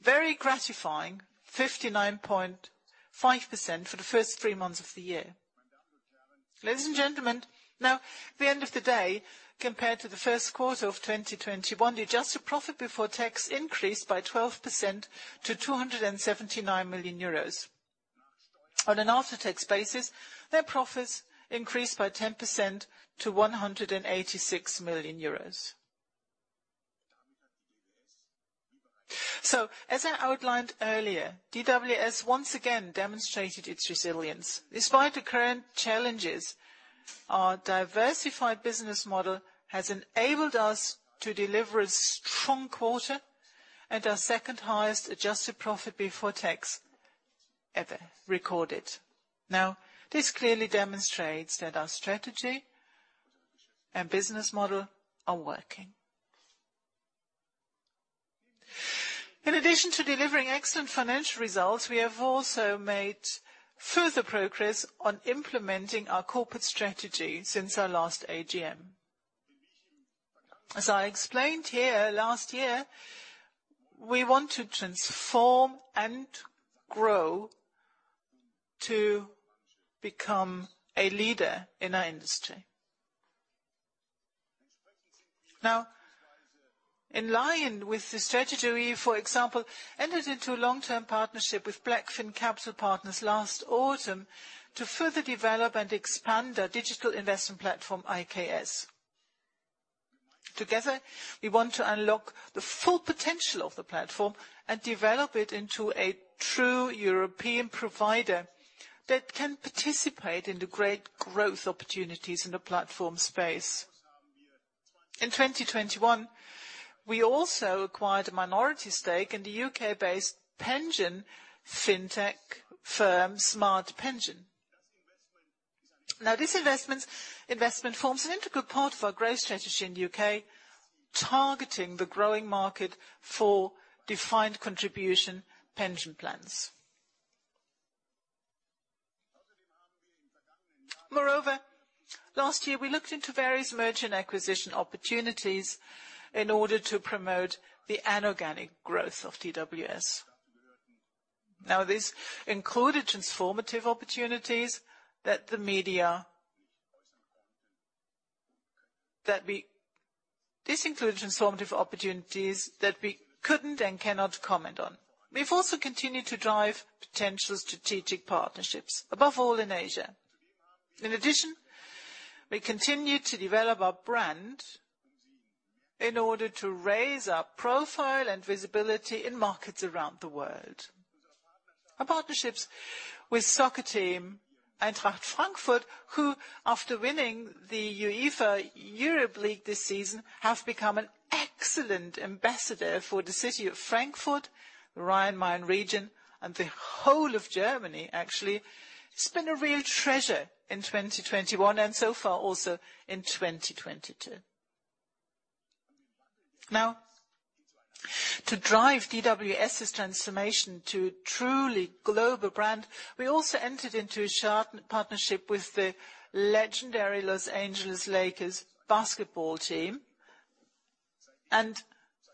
very gratifying 59.5% for the first three months of the year. Ladies and gentlemen, now at the end of the day, compared to the first quarter of 2021, the Adjusted profit before tax increased by 12% to 279 million euros. On an after-tax basis, their profits increased by 10% to 186 million euros. As I outlined earlier, DWS once again demonstrated its resilience. Despite the current challenges, our Diversified Business Model has enabled us to deliver a strong quarter and our second-highest adjusted profit before tax ever recorded. This clearly demonstrates that our strategy and business model are working. In addition to delivering excellent financial results, we have also made further progress on implementing our corporate strategy since our last AGM. As I explained here last year, we want to transform and grow to become a leader in our industry. In line with the strategy, we, for example, entered into a long-term partnership with BlackFin Capital Partners last autumn to further develop and expand our digital investment platform, IKS. Together, we want to unlock the full potential of the platform and develop it into a true European provider that can participate in the great growth opportunities in the platform space. In 2021, we also acquired a minority stake in the U.K.-based pension fintech firm Smart Pension. This investment forms an integral part of our growth strategy in the U.K., targeting the growing market for defined contribution pension plans. Moreover, last year we looked into various merger and acquisition opportunities in order to promote the inorganic growth of DWS. This includes transformative opportunities that we couldn't and cannot comment on. We've also continued to drive potential strategic partnerships, above all in Asia. In addition, we continued to develop our brand in order to raise our profile and visibility in markets around the world. Our partnerships with soccer team Eintracht Frankfurt, who after winning the UEFA Europa League this season, have become an excellent ambassador for the city of Frankfurt, Rhine-Main region, and the whole of Germany actually. It's been a real treasure in 2021 and so far also in 2022. Now, to drive DWS's transformation to a truly global brand, we also entered into a shared partnership with the legendary Los Angeles Lakers basketball team.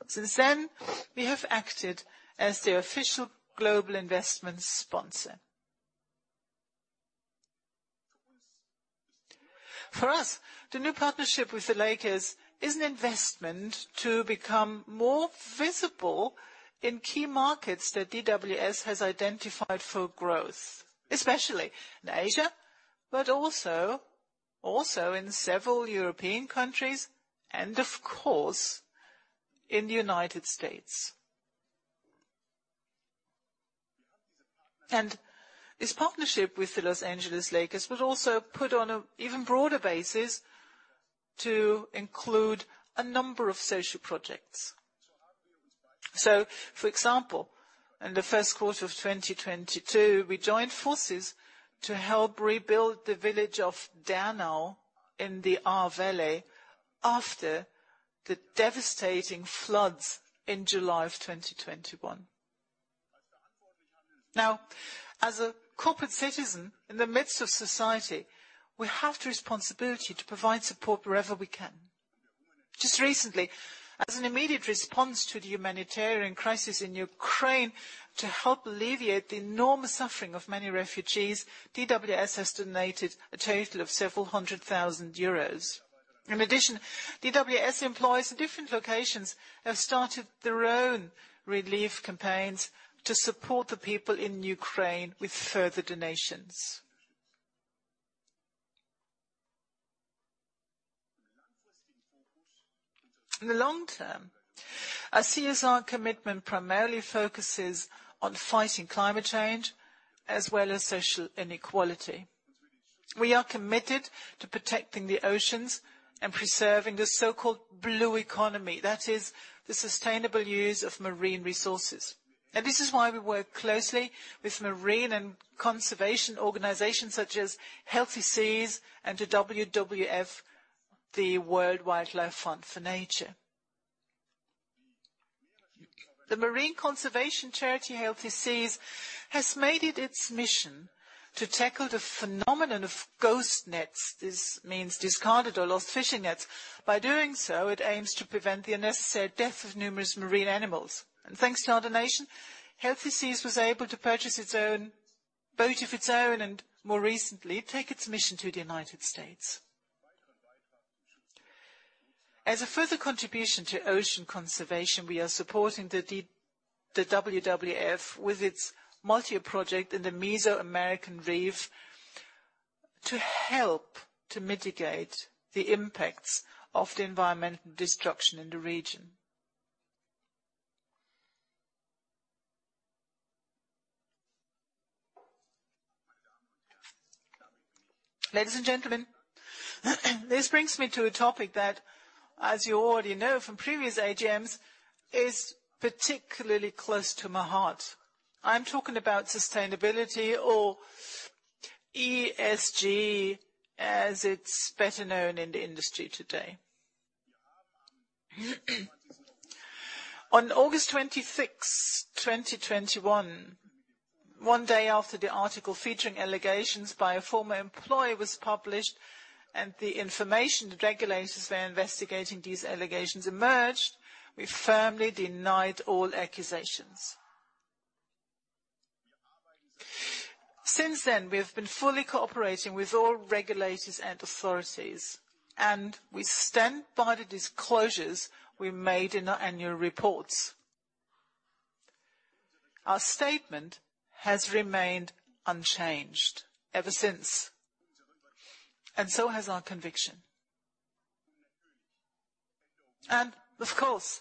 Since then, we have acted as their official global investment sponsor. For us, the new partnership with the Lakers is an investment to become more visible in key markets that DWS has identified for growth, especially in Asia, but also in several European countries and of course, in the United States. This partnership with the Los Angeles Lakers was also put on an even broader basis to include a number of social projects. For example, in the first quarter of 2022, we joined forces to help rebuild the village of Dernau in the Ahr Valley after the devastating floods in July 2021. Now, as a corporate citizen in the midst of society, we have the responsibility to provide support wherever we can. Just recently, as an immediate response to the humanitarian crisis in Ukraine, to help alleviate the enormous suffering of many refugees, DWS has donated a total of several hundred thousand EUR. In addition, DWS employees in different locations have started their own relief campaigns to support the people in Ukraine with further donations. In the long term, our CSR commitment primarily focuses on fighting climate change as well as social inequality. We are committed to protecting the oceans and preserving the so-called Blue Economy, that is, the sustainable use of marine resources. This is why we work closely with marine and conservation organizations such as Healthy Seas and the WWF, the World Wide Fund for Nature. The marine conservation charity Healthy Seas has made it its mission to tackle the phenomenon of ghost nets. This means discarded or lost fishing nets. By doing so, it aims to prevent the unnecessary death of numerous marine animals. Thanks to our donation, Healthy Seas was able to purchase its own boat, and more recently, take its mission to the United States. As a further contribution to ocean conservation, we are supporting the WWF with its multi-project in the Mesoamerican Reef to help to mitigate the impacts of the environmental destruction in the region. Ladies and gentlemen, this brings me to a topic that, as you already know from previous AGMs, is particularly close to my heart. I'm talking about sustainability or ESG, as it's better known in the industry today. On August 26th, 2021, one day after the article featuring allegations by a former employee was published and the information that regulators were investigating these allegations emerged, we firmly denied all accusations. Since then, we have been fully cooperating with all regulators and authorities, and we stand by the disclosures we made in our Annual Reports. Our statement has remained unchanged ever since, and so has our conviction. Of course,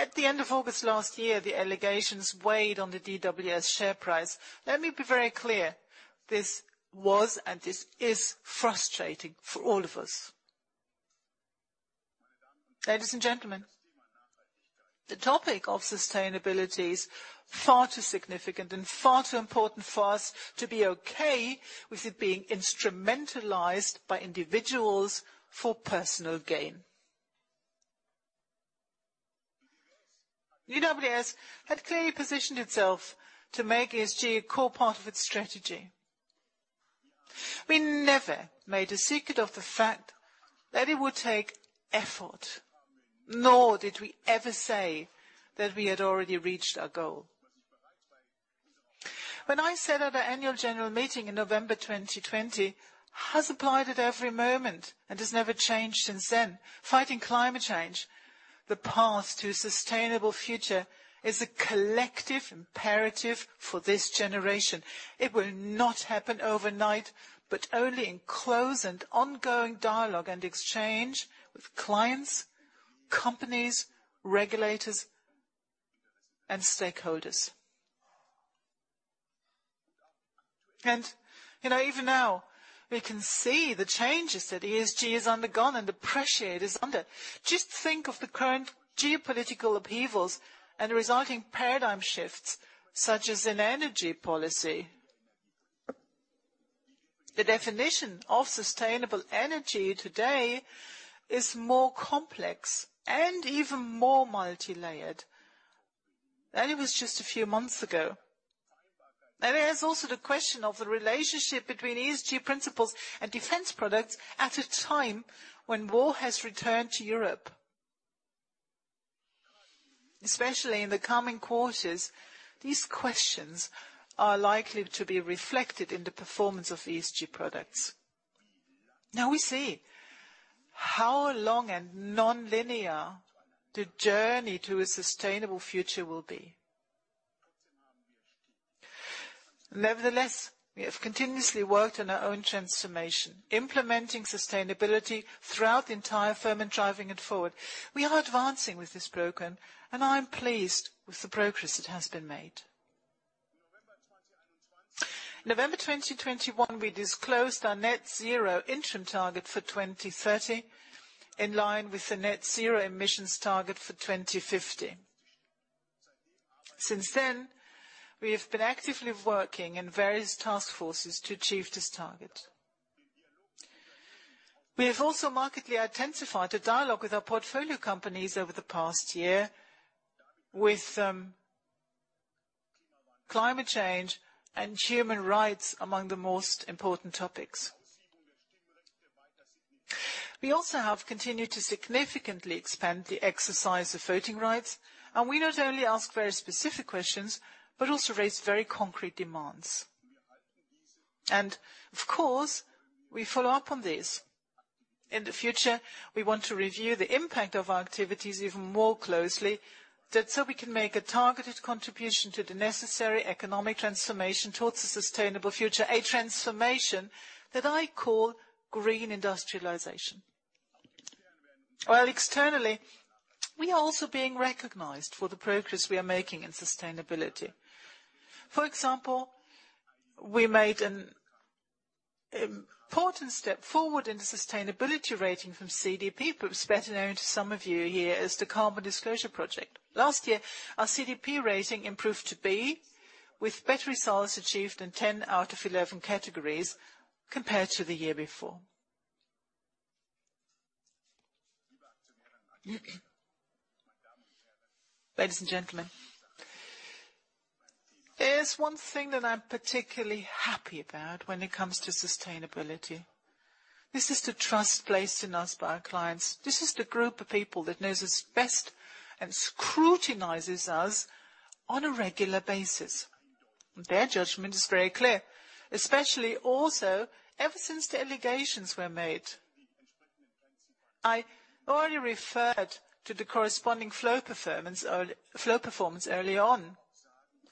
at the end of August last year, the allegations weighed on the DWS share price. Let me be very clear. This was, and this is frustrating for all of us. Ladies and gentlemen, the topic of sustainability is far too significant and far too important for us to be okay with it being instrumentalized by individuals for personal gain. DWS had clearly positioned itself to make ESG a core part of its strategy. We never made a secret of the fact that it would take effort, nor did we ever say that we had already reached our goal. When I said at our Annual General Meeting in November 2020, has applied at every moment and has never changed since then. Fighting climate change, the path to a sustainable future is a collective imperative for this generation. It will not happen overnight, but only in close and ongoing dialogue and exchange with clients, companies, regulators, and stakeholders. You know, even now we can see the changes that ESG has undergone and the pressure it is under. Just think of the current geopolitical upheavals and the resulting paradigm shifts, such as in energy policy. The definition of sustainable energy today is more complex and even more multilayered than it was just a few months ago. Now there's also the question of the relationship between ESG principles and defense products at a time when war has returned to Europe. Especially in the coming quarters, these questions are likely to be reflected in the performance of ESG products. Now we see how long and nonlinear the journey to a sustainable future will be. Nevertheless, we have continuously worked on our own transformation, implementing sustainability throughout the entire firm and driving it forward. We are advancing with this program, and I'm pleased with the progress that has been made. November 2021, we disclosed our net zero interim target for 2030, in line with the net zero emissions target for 2050. Since then, we have been actively working in various task forces to achieve this target. We have markedly intensified the dialogue with our portfolio companies over the past year with climate change and human rights among the most important topics. We also have continued to significantly expand the exercise of voting rights, and we not only ask very specific questions but also raise very concrete demands. Of course, we follow up on this. In the future, we want to review the impact of our activities even more closely, so that we can make a targeted contribution to the necessary economic transformation towards a sustainable future, a transformation that I call green industrialization. Well, externally, we are also being recognized for the progress we are making in sustainability. For example, we made an important step forward in the sustainability rating from CDP, perhaps better known to some of you here as the Carbon Disclosure Project. Last year, our CDP rating improved to B, with better results achieved in 10 out of 11 categories compared to the year before. Ladies and gentlemen, there's one thing that I'm particularly happy about when it comes to sustainability. This is the trust placed in us by our clients. This is the group of people that knows us best and scrutinizes us on a regular basis. Their judgment is very clear, especially also ever since the allegations were made. I already referred to the corresponding flow performance early on.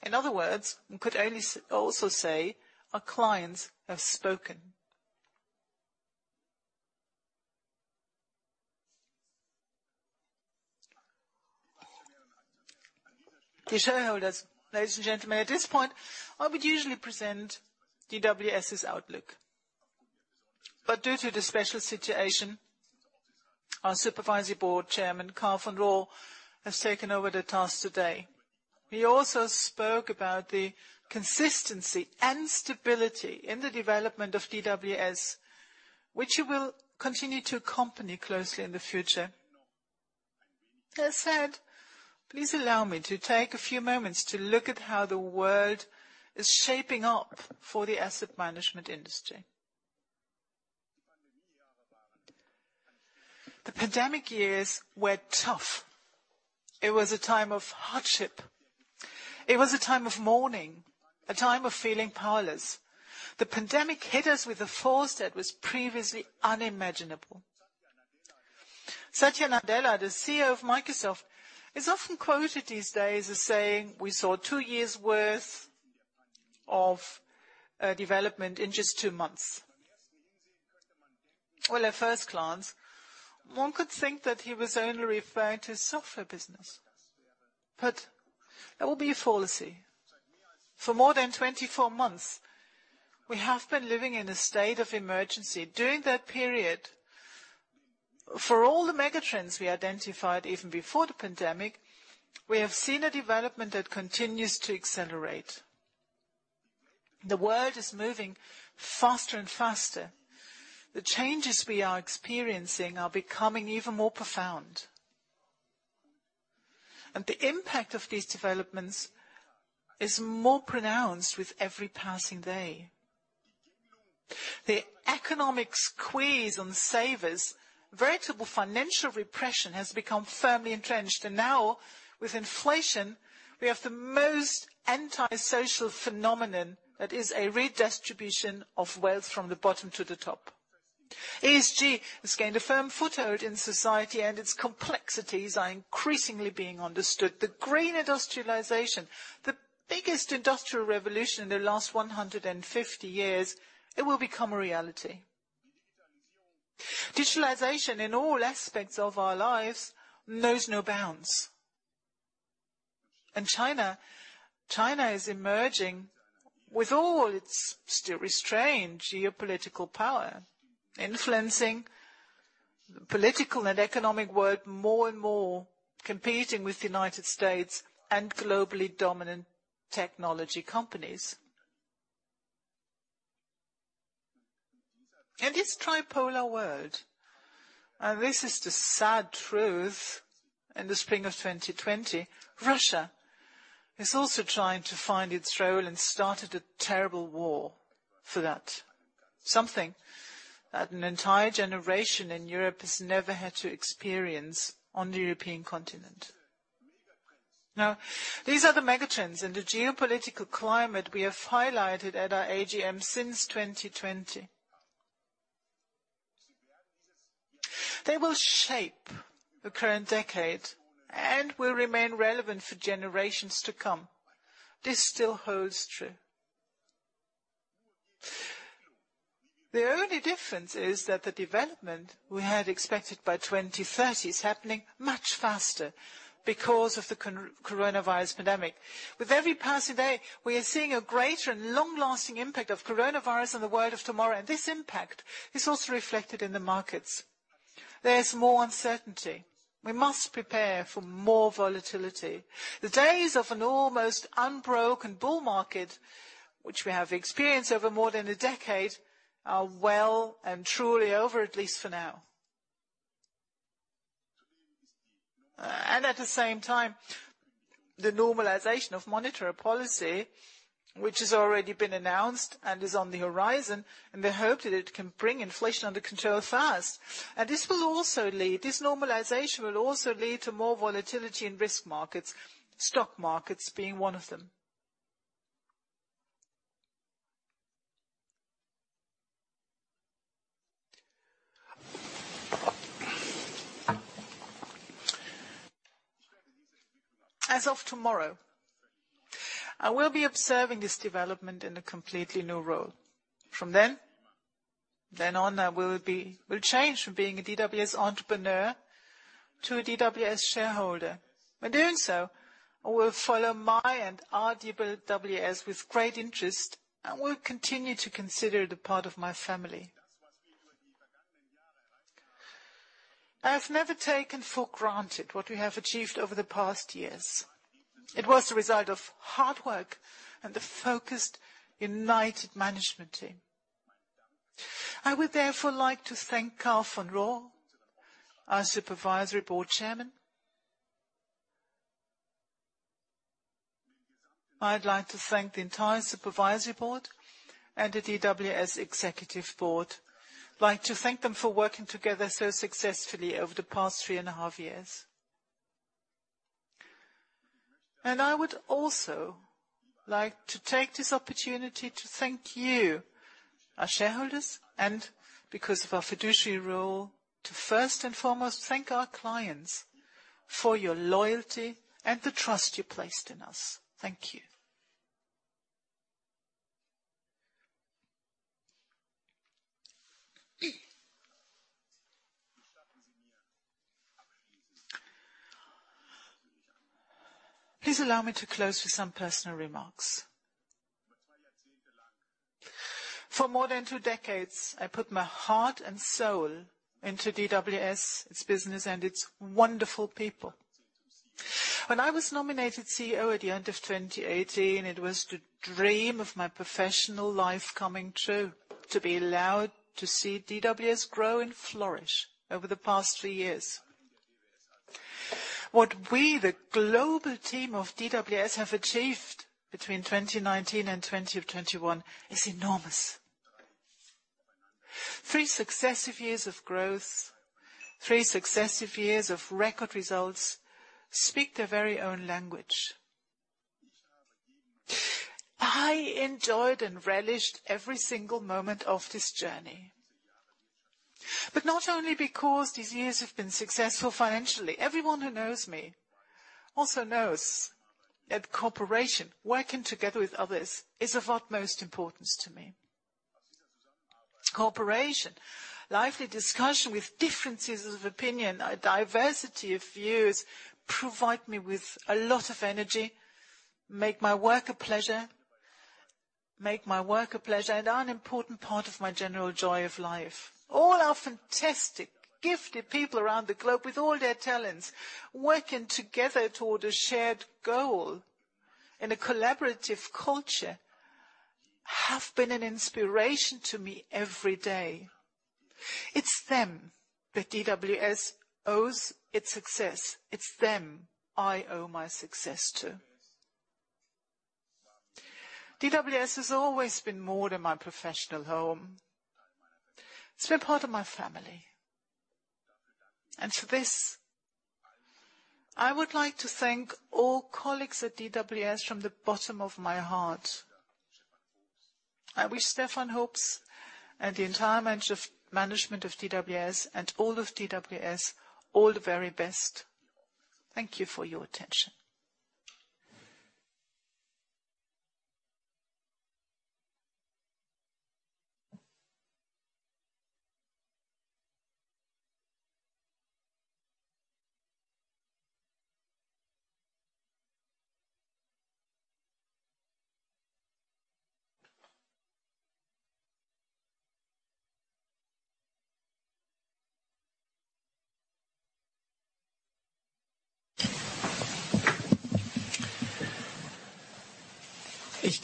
In other words, we could also say our clients have spoken. Dear shareholders, ladies and gentlemen, at this point, I would usually present DWS's outlook, but due to the special situation, our Supervisory Board Chairman, Karl von Rohr, has taken over the task today. He also spoke about the consistency and stability in the development of DWS, which he will continue to accompany closely in the future. That said, please allow me to take a few moments to look at how the world is shaping up for the asset management industry. The pandemic years were tough. It was a time of hardship. It was a time of mourning, a time of feeling powerless. The pandemic hit us with a force that was previously unimaginable. Satya Nadella, the CEO of Microsoft, is often quoted these days as saying, "We saw two years' worth of development in just two months." Well, at first glance, one could think that he was only referring to software business. That would be a fallacy. For more than 24 months, we have been living in a state of emergency. During that period, for all the mega-trends we identified even before the pandemic, we have seen a development that continues to accelerate. The world is moving faster and faster. The changes we are experiencing are becoming even more profound. The impact of these developments is more pronounced with every passing day. The economic squeeze on savers, veritable financial repression, has become firmly entrenched. Now, with inflation, we have the most antisocial phenomenon that is a redistribution of wealth from the bottom to the top. ESG has gained a firm foothold in society, and its complexities are increasingly being understood. The Green Industrialization, the biggest industrial revolution in the last 150 years, it will become a reality. Digitalization in all aspects of our lives knows no bounds. China is emerging with all its still restrained geopolitical power, influencing political and economic world more and more, competing with the United States and globally dominant technology companies. In this tripolar world, and this is the sad truth, in the spring of 2020, Russia is also trying to find its role and started a terrible war for that. Something that an entire generation in Europe has never had to experience on the European continent. Now, these are the mega-trends in the geopolitical climate we have highlighted at our AGM since 2020. They will shape the current decade and will remain relevant for generations to come. This still holds true. The only difference is that the development we had expected by 2030 is happening much faster because of the Coronavirus pandemic. With every passing day, we are seeing a greater and long-lasting impact of Coronavirus on the world of tomorrow. This impact is also reflected in the markets. There is more uncertainty. We must prepare for more volatility. The days of an almost unbroken bull market, which we have experienced over more than a decade, are well and truly over, at least for now. At the same time, the normalization of monetary policy, which has already been announced and is on the horizon, and the hope that it can bring inflation under control fast. This normalization will also lead to more volatility in risk markets, stock markets being one of them. As of tomorrow, I will be observing this development in a completely new role. From then on, I will change from being a DWS entrepreneur to a DWS shareholder. By doing so, I will follow my and our DWS with great interest, and will continue to consider it a part of my family. I have never taken for granted what we have achieved over the past years. It was the result of hard work and a focused, united management team. I would therefore like to thank Karl von Rohr, our Supervisory Board Chairman. I'd like to thank the entire Supervisory Board and the DWS Executive Board. I'd like to thank them for working together so successfully over the past 3.5 years. I would also like to take this opportunity to thank you, our shareholders, and because of our fiduciary role, to first and foremost thank our clients for your loyalty and the trust you placed in us. Thank you. Please allow me to close with some personal remarks. For more than two decades, I put my heart and soul into DWS, its business and its wonderful people. When I was nominated CEO at the end of 2018, it was the dream of my professional life coming true to be allowed to see DWS grow and flourish over the past three years. What we, the global team of DWS, have achieved between 2019 and 2021 is enormous. Three successive years of growth, three successive years of record results speak their very own language. I enjoyed and relished every single moment of this journey. Not only because these years have been successful financially. Everyone who knows me also knows that cooperation, working together with others, is of utmost importance to me. Cooperation, lively discussion with differences of opinion, a diversity of views provide me with a lot of energy, make my work a pleasure, and are an important part of my general joy of life. All our fantastic, gifted people around the globe with all their talents, working together toward a shared goal in a collaborative culture, have been an inspiration to me every day. It's them that DWS owes its success. It's them I owe my success to. DWS has always been more than my professional home. It's been part of my family. For this, I would like to thank all colleagues at DWS from the bottom of my heart. I wish Stefan Hoops and the entire management of DWS, and all of DWS, all the very best. Thank you for your attention.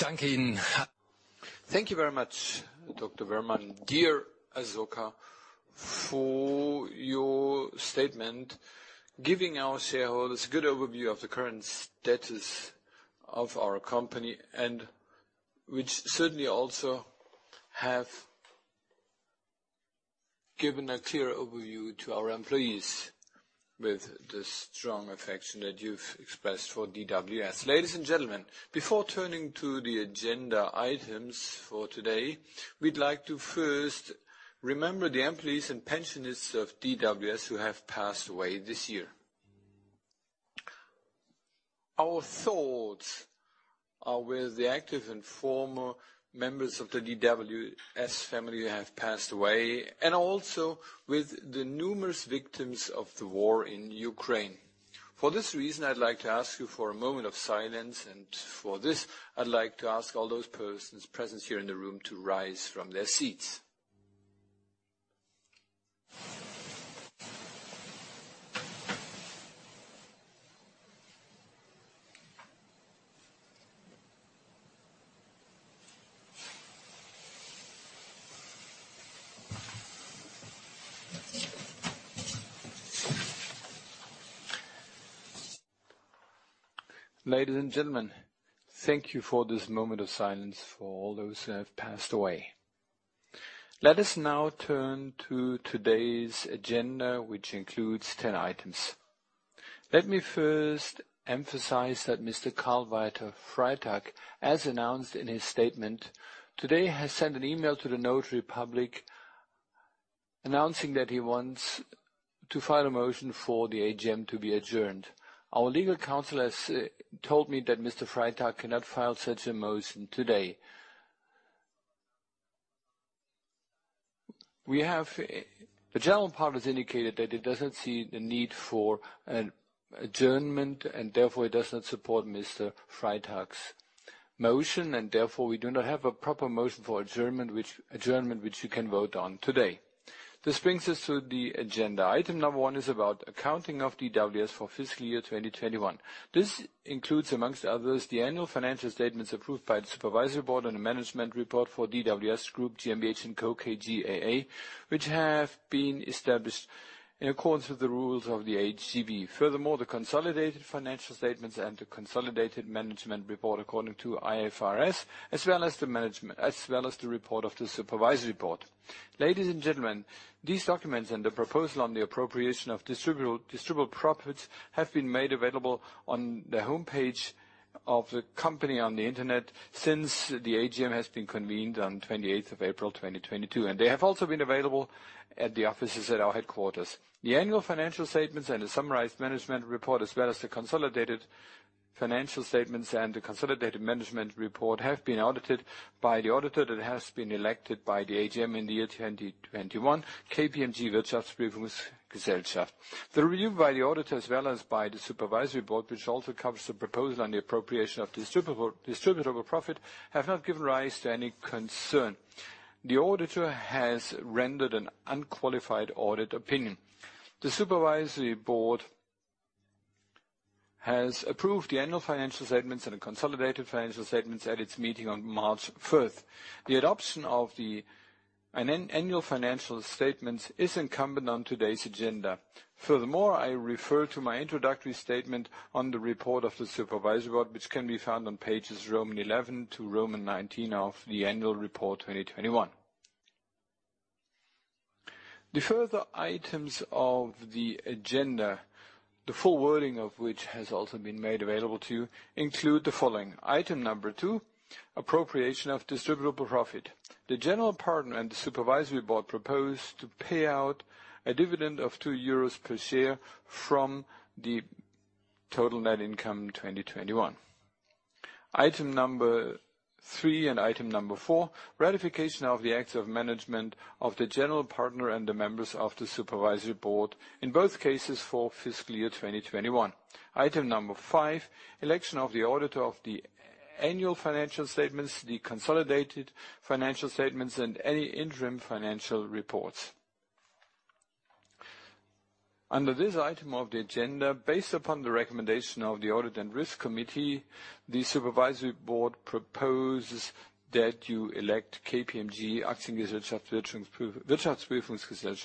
Thank you very much, Dr. Woehrmann, dear Asoka, for your statement, giving our shareholders a good overview of the current status of our company, and which certainly also have given a clear overview to our employees with the strong affection that you've expressed for DWS. Ladies and gentlemen, before turning to the agenda items for today, we'd like to first remember the employees and pensioners of DWS who have passed away this year. Our thoughts are with the active and former members of the DWS family who have passed away, and also with the numerous victims of the war in Ukraine. For this reason, I'd like to ask you for a moment of silence, and for this, I'd like to ask all those persons present here in the room to rise from their seats. Ladies and gentlemen, thank you for this moment of silence for all those who have passed away. Let us now turn to today's agenda, which includes 10 items. Let me first emphasize that Mr. Karl-Walter Freitag, as announced in his statement, today has sent an email to the notary public announcing that he wants to file a motion for the AGM to be adjourned. Our legal counsel has told me that Mr. Freitag cannot file such a motion today. The General Partner has indicated that it doesn't see the need for an adjournment, and therefore it does not support Mr. Freitag's motion, and therefore, we do not have a proper motion for adjournment which you can vote on today. This brings us to the agenda. Item number 1 is about accounting of DWS for fiscal year 2021. This includes, among others, the annual financial statements approved by the Supervisory Board and the management report for DWS Group GmbH & Co. KGaA, which have been established in accordance with the rules of the HGB. Furthermore, the consolidated financial statements and the consolidated management report according to IFRS, as well as the management report of the Supervisory Board. Ladies and gentlemen, these documents and the proposal on the appropriation of distributable profits have been made available on the homepage of the company on the Internet since the AGM has been convened on 28th of April 2022, and they have also been available at the offices at our headquarters. The annual financial statements and the summarized management report, as well as the consolidated financial statements and the consolidated management report, have been audited by the auditor that has been elected by the AGM in the year 2021, KPMG. The further items of the agenda, the full wording of which has also been made available to you, include the following. Item 2: Appropriation of Distributable Profit. The General Partner and the Supervisory Board propose to pay out a dividend of 2 euros per share from the total net income 2021. Item 3 and Item 4, Ratification of the acts of management of the General Partner and the members of the Supervisory Board, in both cases for fiscal year 2021. Item 5, Election of the Auditor of the annual financial statements, the consolidated financial statements, and any interim financial reports. Under this item of the agenda, based upon the recommendation of the Audit and Risk Committee, the Supervisory Board proposes that you elect KPMG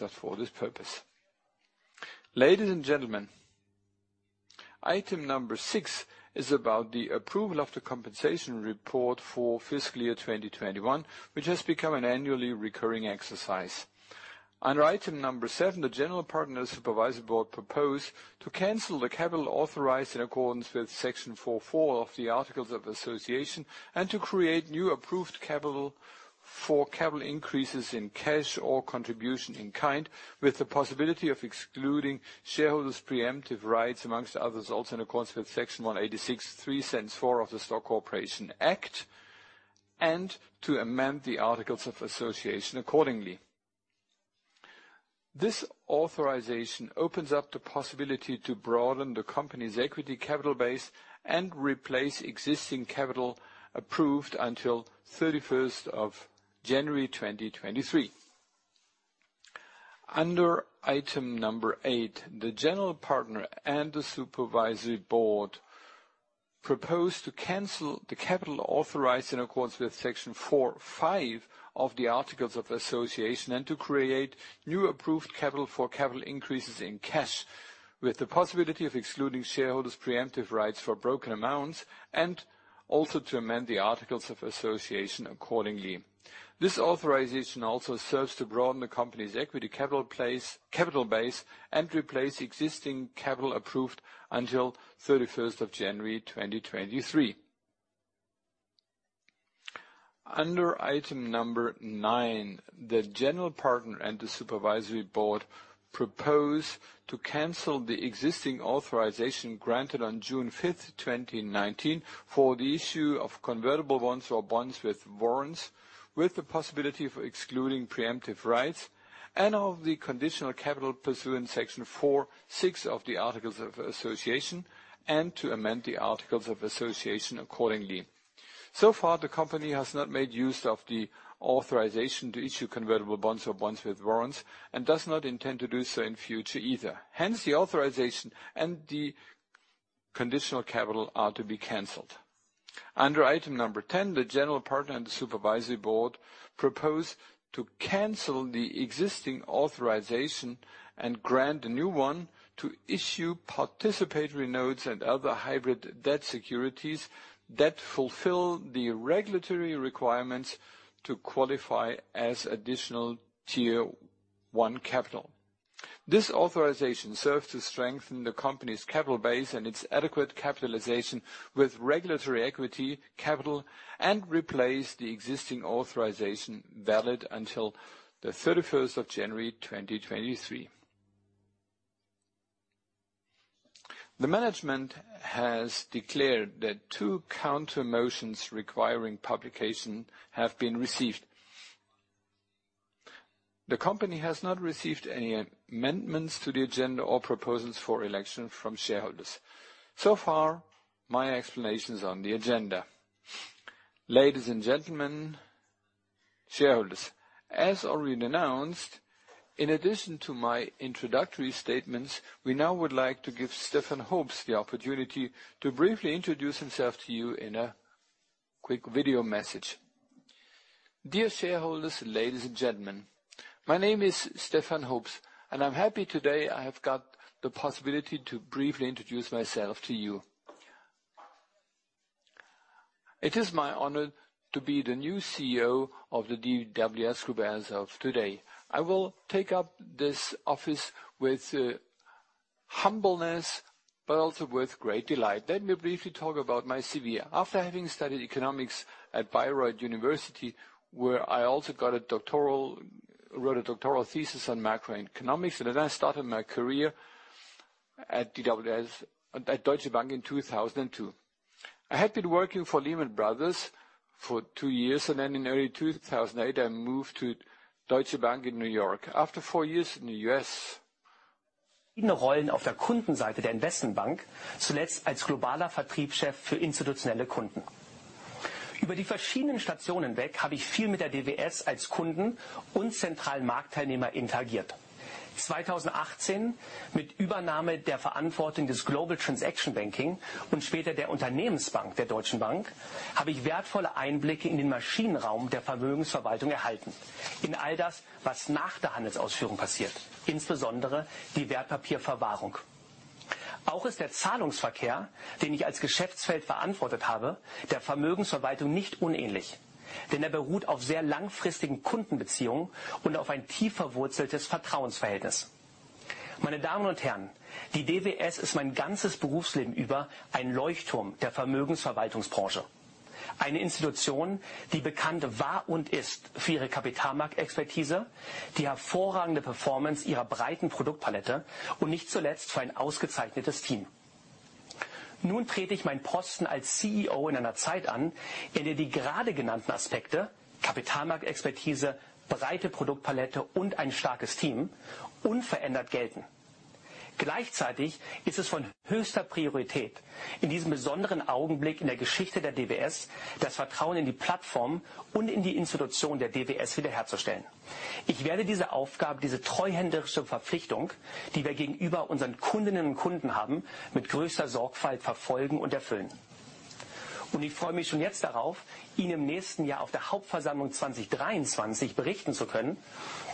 for this purpose. Ladies and gentlemen, Item number 6 is about the approval of the compensation report for fiscal year 2021, which has become an annually recurring exercise. Under Item number 7, the General Partner and Supervisory Board proposed to cancel the capital authorized in accordance with Section 44 of the Articles of Association and to create new approved capital for capital increases in cash or contribution in kind, with the possibility of excluding shareholders preemptive rights, among others, also in accordance with Section 186(3), Sentence 4 of the Stock Corporation Act, and to amend the articles of association accordingly. This authorization opens up the possibility to broaden the company's equity capital base and replace existing capital approved until 31st of January 2023. Under Item 8, the General Partner and the Supervisory Board propose to cancel the capital authorized in accordance with Section 4.5 of the Articles of Association and to create new approved capital for capital increases in cash, with the possibility of excluding shareholders' preemptive rights for broken amounts and also to amend the articles of association accordingly. This authorization also serves to broaden the company's equity capital base and replace existing capital approved until 31st of January 2023. Under Item 9, the General Partner and the Supervisory Board propose to cancel the existing authorization granted on June 5, 2019, for the issue of convertible bonds or bonds with warrants, with the possibility for excluding preemptive rights and of the conditional capital pursuant to Section 4, and Section 6 of the Articles of Association, and to amend the Articles of Association accordingly. So far, the company has not made use of the authorization to issue convertible bonds or bonds with warrants and does not intend to do so in future either. Hence, the authorization and the conditional capital are to be canceled. Under Item 10, the General Partner and the Supervisory Board propose to cancel the existing authorization and grant a new one to issue participatory notes and other hybrid debt securities that fulfill the regulatory requirements to qualify as additional Tier 1 Capital. This authorization serves to strengthen the company's capital base and its adequate capitalization with regulatory equity capital and replace the existing authorization valid until the 31st of January, 2023. The management has declared that two counter-motions requiring publication have been received. The company has not received any amendments to the agenda or proposals for election from shareholders. So far, my explanations on the agenda. Ladies and gentlemen, shareholders, as already announced, in addition to my introductory statements, we now would like to give Stefan Hoops the opportunity to briefly introduce himself to you in a quick video message. Dear shareholders, ladies and gentlemen, my name is Stefan Hoops, and I'm happy today I have got the possibility to briefly introduce myself to you. It is my honor to be the new CEO of the DWS Group as of today. I will take up this office with humbleness, but also with great delight. Let me briefly talk about my CV. After having studied economics at University of Bayreuth, where I also wrote a doctoral thesis on macroeconomics, and then I started my career at DWS at Deutsche Bank in 2002. I had been working for Lehman Brothers for two years, and then in early 2008, I moved to Deutsche Bank in New York. After four years in the US, Eine Institution, die bekannt war und ist für ihre Kapitalmarktexpertise, die hervorragende Performance ihrer breiten Produktpalette und nicht zuletzt für ein ausgezeichnetes Team. Nun trete ich meinen Posten als CEO in einer Zeit an, in der die gerade genannten Aspekte Kapitalmarktexpertise, breite Produktpalette und ein starkes Team unverändert gelten. Gleichzeitig ist es von höchster Priorität, in diesem besonderen Augenblick in der Geschichte der DWS das Vertrauen in die Plattform und in die Institution der DWS wiederherzustellen. Ich werde diese Aufgabe, diese treuhänderische Verpflichtung, die wir gegenüber unseren Kundinnen und Kunden haben, mit größter Sorgfalt verfolgen und erfüllen. Ich freue mich schon jetzt darauf, Ihnen im nächsten Jahr auf der Hauptversammlung 2023 berichten zu können,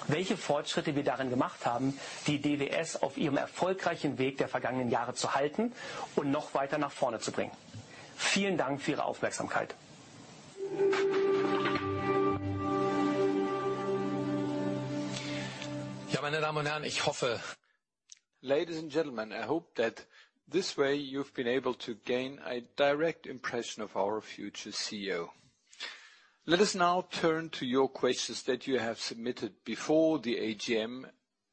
welche Fortschritte wir darin gemacht haben, die DWS auf ihrem erfolgreichen Weg der vergangenen Jahre zu halten und noch weiter nach vorne zu bringen. Vielen Dank für Ihre Aufmerksamkeit. Ja, meine Damen und Herren, Ladies and gentlemen, I hope that this way you've been able to gain a direct impression of our future CEO. Let us now turn to your questions that you have submitted before the AGM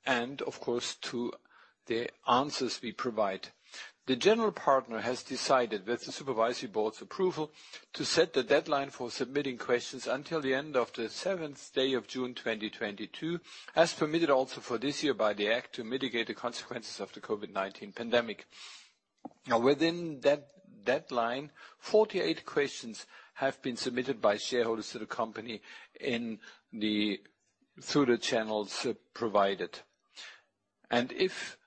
and of course to the answers we provide. The General Partner has decided, with the Supervisory Board's approval, to set the deadline for submitting questions until the end of the 7th day of June, 2022, as permitted also for this year by the act to mitigate the consequences of the COVID-19 pandemic. Now, within that deadline, 48 questions have been submitted by shareholders to the company through the channels provided. If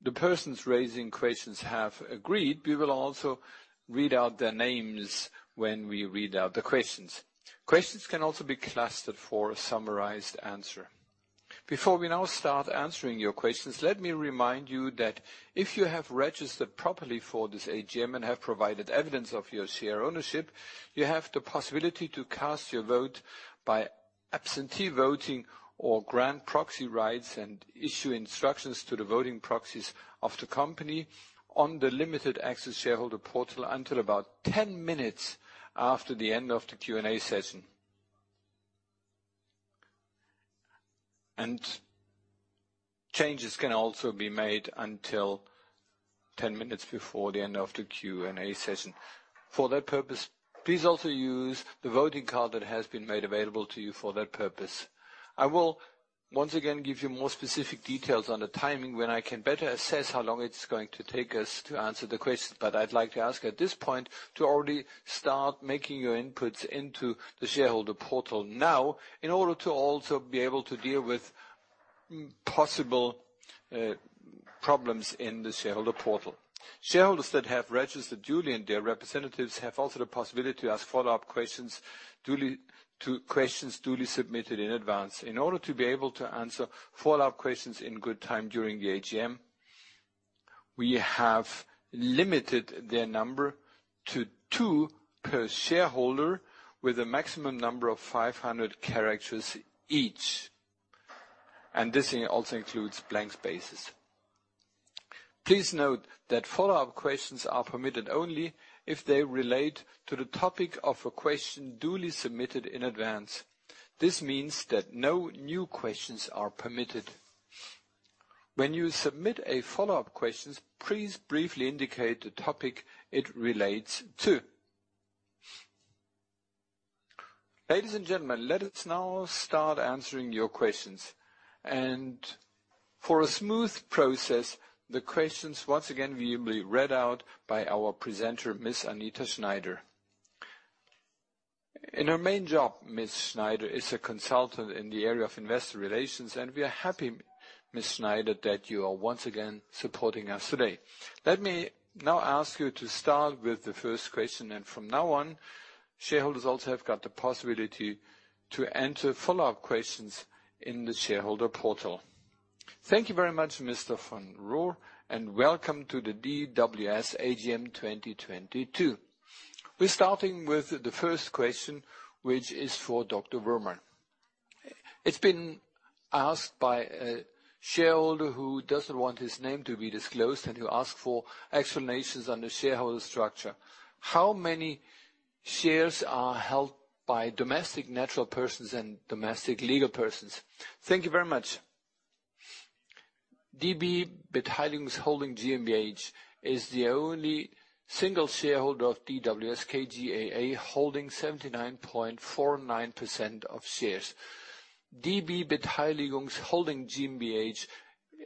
the persons raising questions have agreed, we will also read out their names when we read out the questions. Questions can also be clustered for a summarized answer. Before we now start answering your questions, let me remind you that if you have registered properly for this AGM and have provided evidence of your share ownership, you have the possibility to cast your vote by absentee voting or grant proxy rights and issue instructions to the voting proxies of the company on the limited access shareholder portal until about 10 minutes after the end of the Q&A session. Changes can also be made until 10 minutes before the end of the Q&A session. For that purpose, please also use the voting card that has been made available to you for that purpose. I will once again give you more specific details on the timing when I can better assess how long it's going to take us to answer the question. I'd like to ask at this point to already start making your inputs into the shareholder portal now in order to also be able to deal with possible problems in the shareholder portal. Shareholders that have registered duly and their representatives have also the possibility to ask follow-up questions to questions duly submitted in advance. In order to be able to answer follow-up questions in good time during the AGM, we have limited their number to two per shareholder with a maximum number of 500 characters each. This also includes blank spaces. Please note that follow-up questions are permitted only if they relate to the topic of a question duly submitted in advance. This means that no new questions are permitted. When you submit a follow-up question, please briefly indicate the topic it relates to. Ladies and gentlemen, let us now start answering your questions. For a smooth process, the questions once again will be read out by our presenter, Ms. Anita Schneider. In her main job, Ms. Schneider is a consultant in the area of investor relations, and we are happy, Ms. Schneider, that you are once again supporting us today. Let me now ask you to start with the first question, and from now on, shareholders also have got the possibility to enter follow-up questions in the shareholder portal. Thank you very much, Mr. Karl von Rohr, and welcome to the DWS AGM 2022. We're starting with the first question, which is for Dr. Asoka Woehrmann. It's been asked by a shareholder who doesn't want his name to be disclosed and who asked for explanations on the shareholder structure. How many shares are held by domestic natural persons and domestic legal persons? Thank you very much. DB Beteiligungs-Holding GmbH is the only single shareholder of DWS KGaA, holding 79.49% of shares. DB Beteiligungs-Holding GmbH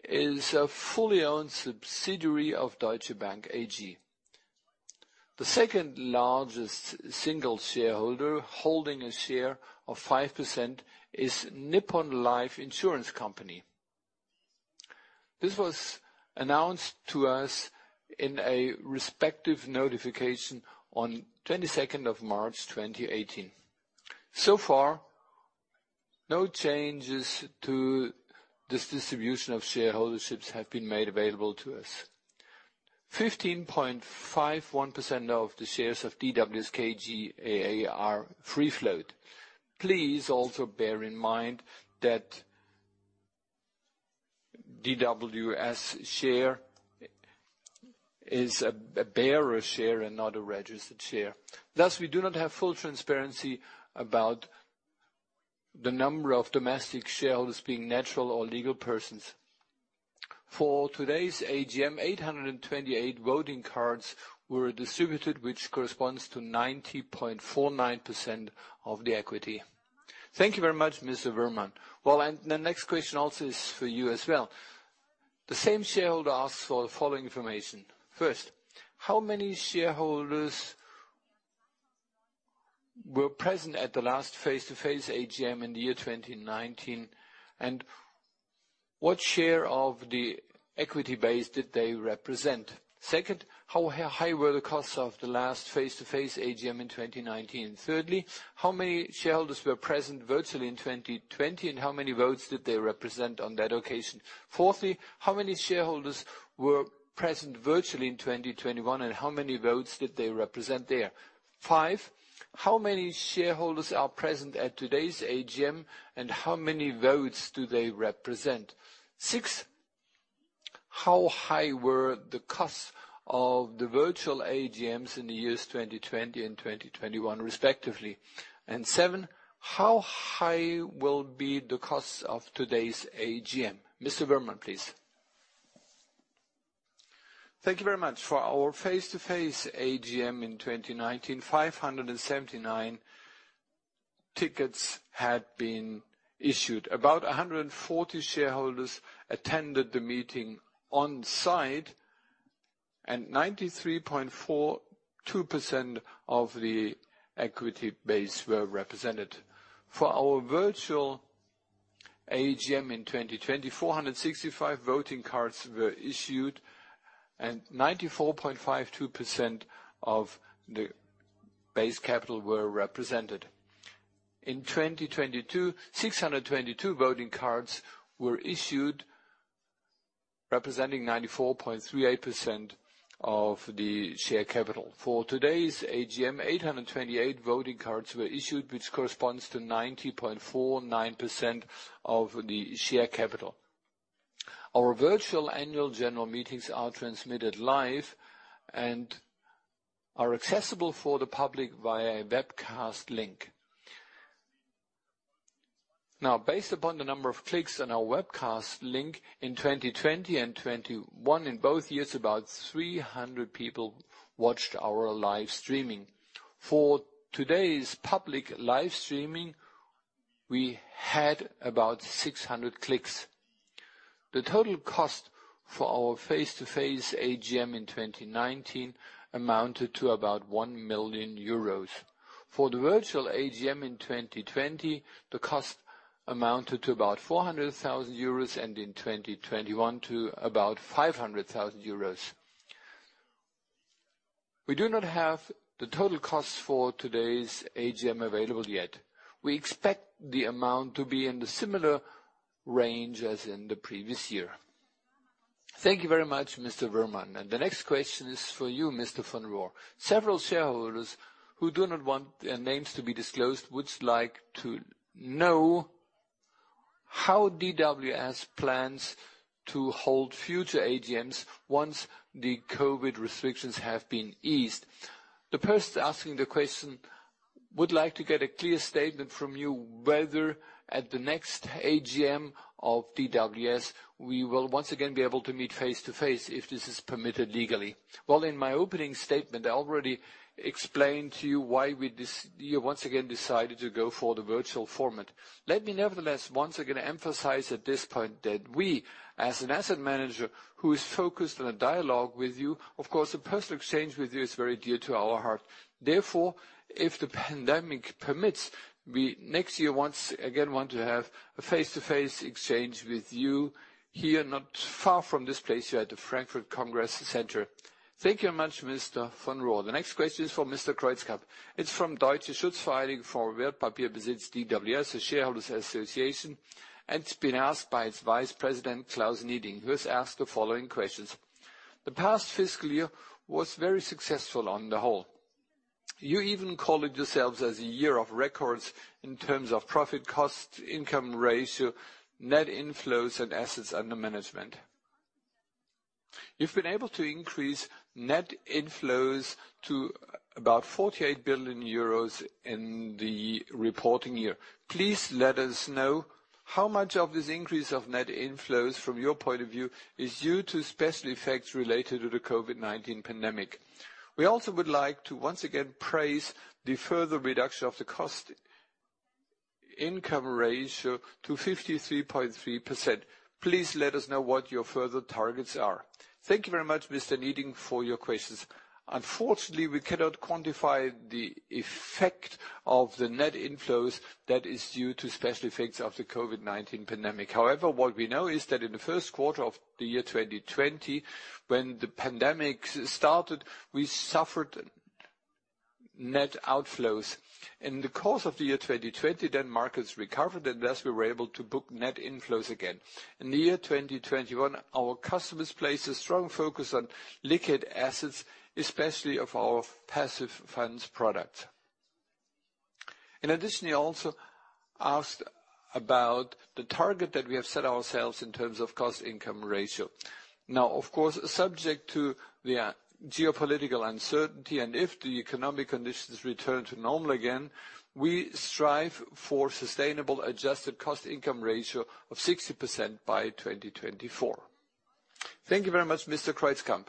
is a fully owned subsidiary of Deutsche Bank AG. The second-largest single shareholder holding a share of 5% is Nippon Life Insurance Company. This was announced to us in a respective notification on 22nd of March, 2018. So far, no changes to this distribution of shareholdings have been made available to us. 15.51% of the shares of DWS KGaA are free float. Please also bear in mind that DWS share is a bearer share and not a registered share. Thus, we do not have full transparency about the number of domestic shareholders being natural or legal persons. For today's AGM, 828 voting cards were distributed, which corresponds to 90.49% of the equity. Thank you very much, Mr. Woehrmann, and the next question also is for you as well. The same shareholder asks for the following information. First, how many shareholders were present at the last face-to-face AGM in the year 2019, and what share of the equity base did they represent? Second, how high were the costs of the last face-to-face AGM in 2019? Thirdly, how many shareholders were present virtually in 2020, and how many votes did they represent on that occasion? Fourthly, how many shareholders were present virtually in 2021, and how many votes did they represent there? Five, how many shareholders are present at today's AGM, and how many votes do they represent? Six, how high were the costs of the virtual AGMs in the years 2020 and 2021 respectively? Seven, how high will be the costs of today's AGM? Mr. Woehrmann, please. Thank you very much. For our face-to-face AGM in 2019, 579 tickets had been issued. About 140 shareholders attended the meeting on-site, and 93.42% of the equity base were represented. For our virtual AGM in 2020, 465 voting cards were issued, and 94.52% of the base capital were represented. In 2022, 622 voting cards were issued, representing 94.38% of the share capital. For today's AGM, 828 voting cards were issued, which corresponds to 90.49% of the share capital. Our virtual Annual General Meetings are transmitted live and are accessible for the public via a webcast link. Now, based upon the number of clicks on our webcast link in 2020 and 2021, in both years, about 300 people watched our live streaming. For today's public live streaming, we had about 600 clicks. The total cost for our face-to-face AGM in 2019 amounted to about 1 million euros. For the virtual AGM in 2020, the cost amounted to about 400,000 euros, and in 2021 to about 500,000 euros. We do not have the total costs for today's AGM available yet. We expect the amount to be in the similar range as in the previous year. Thank you very much, Mr. Woehrmann. The next question is for you, Mr. von Rohr. Several shareholders who do not want their names to be disclosed would like to know how DWS plans to hold future AGMs once the COVID restrictions have been eased? The person asking the question would like to get a clear statement from you whether at the next AGM of DWS, we will once again be able to meet face to face if this is permitted legally. Well, in my opening statement, I already explained to you why we once again decided to go for the virtual format. Let me nevertheless once again emphasize at this point that we, as an asset manager who is focused on a dialogue with you, of course, a personal exchange with you is very dear to our heart. Therefore, if the pandemic permits, we next year once again want to have a face-to-face exchange with you here not far from this place here at the Frankfurt Congress Center. Thank you very much, Mr. von Rohr. The next question is for Mr. Kreuzkamp. It's from Deutsche Schutzvereinigung für Wertpapierbesitz e.V. DSW, a shareholders association. It's been asked by its Vice President, Klaus Nieding, who has asked the following questions. The past fiscal year was very successful on the whole. You even called it yourselves as a year of records in terms of profit, cost-income ratio, net inflows, and assets under management. You've been able to increase net inflows to about 48 billion euros in the reporting year. Please let us know how much of this increase of net inflows from your point of view is due to special effects related to the COVID-19 pandemic? We also would like to once again praise the further reduction of the cost-income ratio to 53.3%. Please let us know what your further targets are? Thank you very much, Mr. Nieding, for your questions. Unfortunately, we cannot quantify the effect of the net inflows that is due to special effects of the COVID-19 pandemic. However, what we know is that in the first quarter of 2020, when the pandemic started, we suffered net outflows. In the course of 2020, then markets recovered, and thus we were able to book net inflows again. In 2021, our customers placed a strong focus on liquid assets, especially of our passive funds product. In addition, you also asked about the target that we have set ourselves in terms of cost-income ratio. Now, of course, subject to the geopolitical uncertainty and if the economic conditions return to normal again, we strive for sustainable Adjusted cost-income ratio of 60% by 2024. Thank you very much, Mr. Kreuzkamp.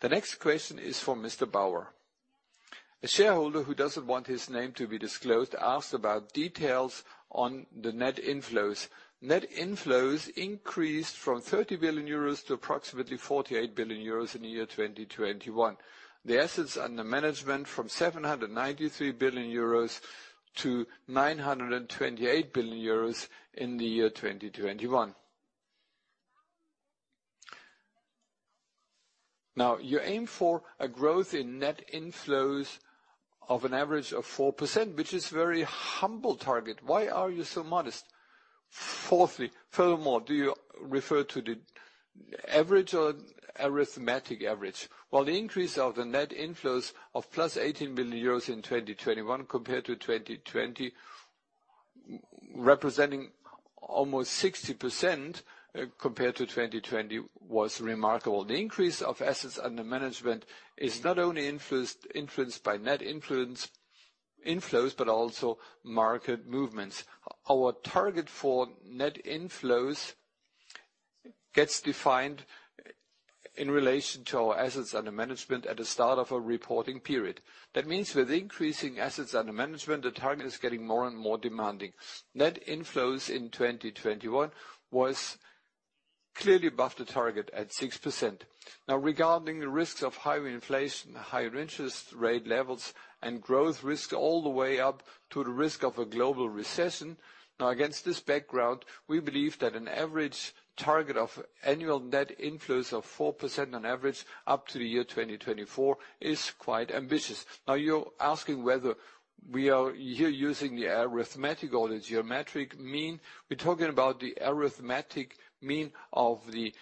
The next question is for Mr. Bauer. A shareholder who doesn't want his name to be disclosed asked about details on the net inflows. Net inflows increased from 30 billion euros to approximately 48 billion euros in the year 2021. The assets under management from 793 billion-928 billion euros in the year 2021. Now, you aim for a growth in net inflows of an average of 4%, which is very humble target. Why are you so modest? Furthermore, do you refer to the average or arithmetic average? Well, the increase of the net inflows of 18 billion euros+ in 2021 compared to 2020, representing almost 60%, compared to 2020 was remarkable. The increase of assets under management is not only influenced by net inflows, but also market movements. Our target for net inflows gets defined in relation to our assets under management at the start of a reporting period. That means with increasing assets under management, the target is getting more and more demanding. Net inflows in 2021 was clearly above the target at 6%. Now regarding the risks of higher inflation, higher interest rate levels, and growth risk all the way up to the risk of a global recession. Now against this background, we believe that an average target of annual net inflows of 4% on average up to the year 2024 is quite ambitious. Now you're asking whether we are here using the arithmetic or the geometric mean. We're talking about the arithmetic mean of the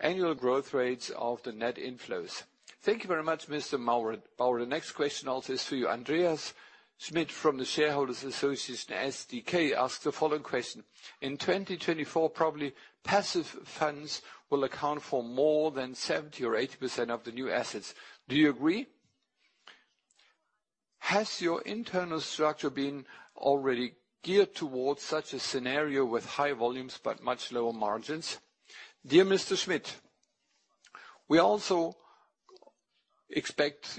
annual growth rates of the net inflows. Thank you very much, Mr. Bauer. The next question also is for you. Andreas Schmidt from the Shareholders Association SdK asks the following question: In 2024, probably passive funds will account for more than 70% or 80% of the new assets. Do you agree? Has your internal structure been already geared towards such a scenario with high volumes but much lower margins? Dear Mr. Schmidt, we also expect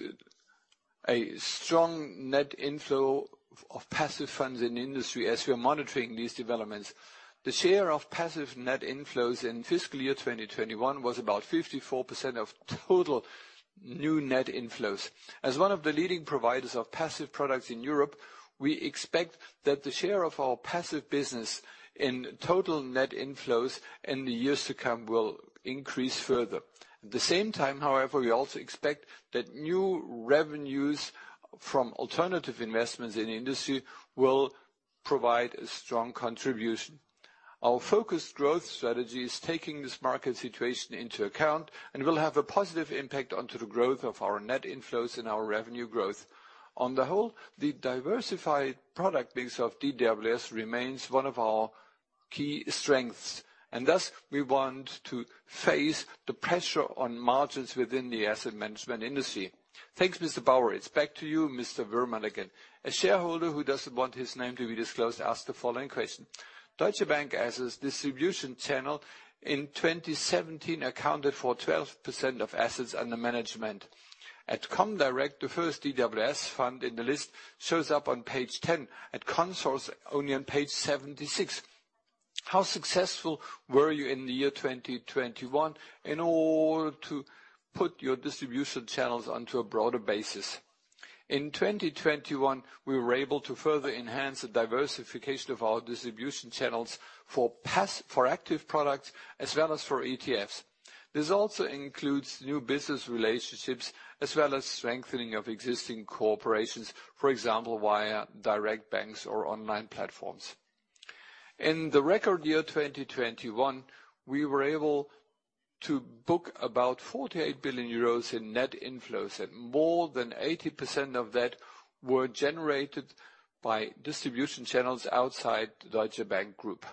a strong net inflow of passive funds in the industry as we are monitoring these developments. The share of passive net inflows in fiscal year 2021 was about 54% of total new net inflows. As one of the leading providers of passive products in Europe, we expect that the share of our passive business in total net inflows in the years to come will increase further. At the same time, however, we also expect that new revenues from alternative investments in the industry will provide a strong contribution. Our focused growth strategy is taking this market situation into account, and will have a positive impact onto the growth of our net inflows and our revenue growth. On the whole, the diversified product base of DWS remains one of our key strengths, and thus we want to face the pressure on margins within the asset management industry. Thanks, Mr. Bauer. It's back to you, Mr. Woehrmann again. A shareholder who doesn't want his name to be disclosed asked the following question: Deutsche Bank as a distribution channel in 2017 accounted for 12% of assets under management. At comdirect, the first DWS fund in the list shows up on page 10, at Consorsbank only on page 76. How successful were you in the year 2021 in order to put your distribution channels onto a broader basis? In 2021, we were able to further enhance the diversification of our distribution channels for active products as well as for ETFs. This also includes new business relationships as well as strengthening of existing relationships, for example, via direct banks or online platforms. In the record year 2021, we were able to book about 48 billion euros in net inflows, and more than 80% of that were generated by distribution channels outside Deutsche Bank Group.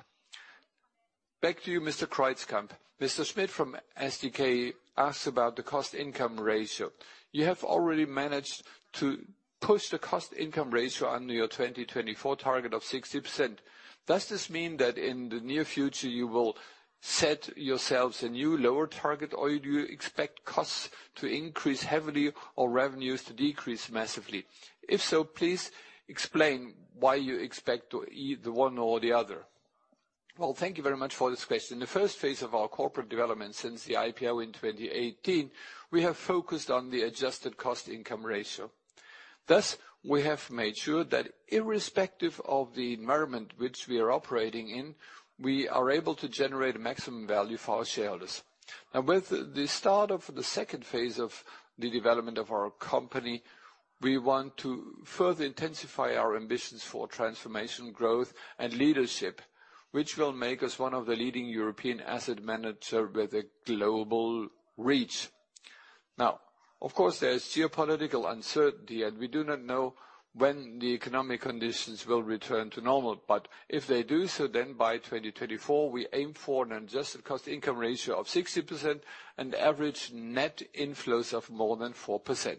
Back to you, Mr. Kreuzkamp. Mr. Schmidt from SdK asks about the cost-income ratio. You have already managed to push the cost-income ratio under your 2024 target of 60%. Does this mean that in the near future, you will set yourselves a new lower target, or do you expect costs to increase heavily or revenues to decrease massively? If so, please explain why you expect either one or the other. Well, thank you very much for this question. The first phase of our corporate development since the IPO in 2018, we have focused on the adjusted cost-income ratio. Thus, we have made sure that irrespective of the environment which we are operating in, we are able to generate maximum value for our shareholders. Now with the start of the second phase of the development of our company, we want to further intensify our ambitions for transformation growth and leadership, which will make us one of the leading European asset manager with a global reach. Now, of course, there is geopolitical uncertainty, and we do not know when the economic conditions will return to normal. But if they do so, then by 2024 we aim for an adjusted cost income ratio of 60% and average net inflows of more than 4%.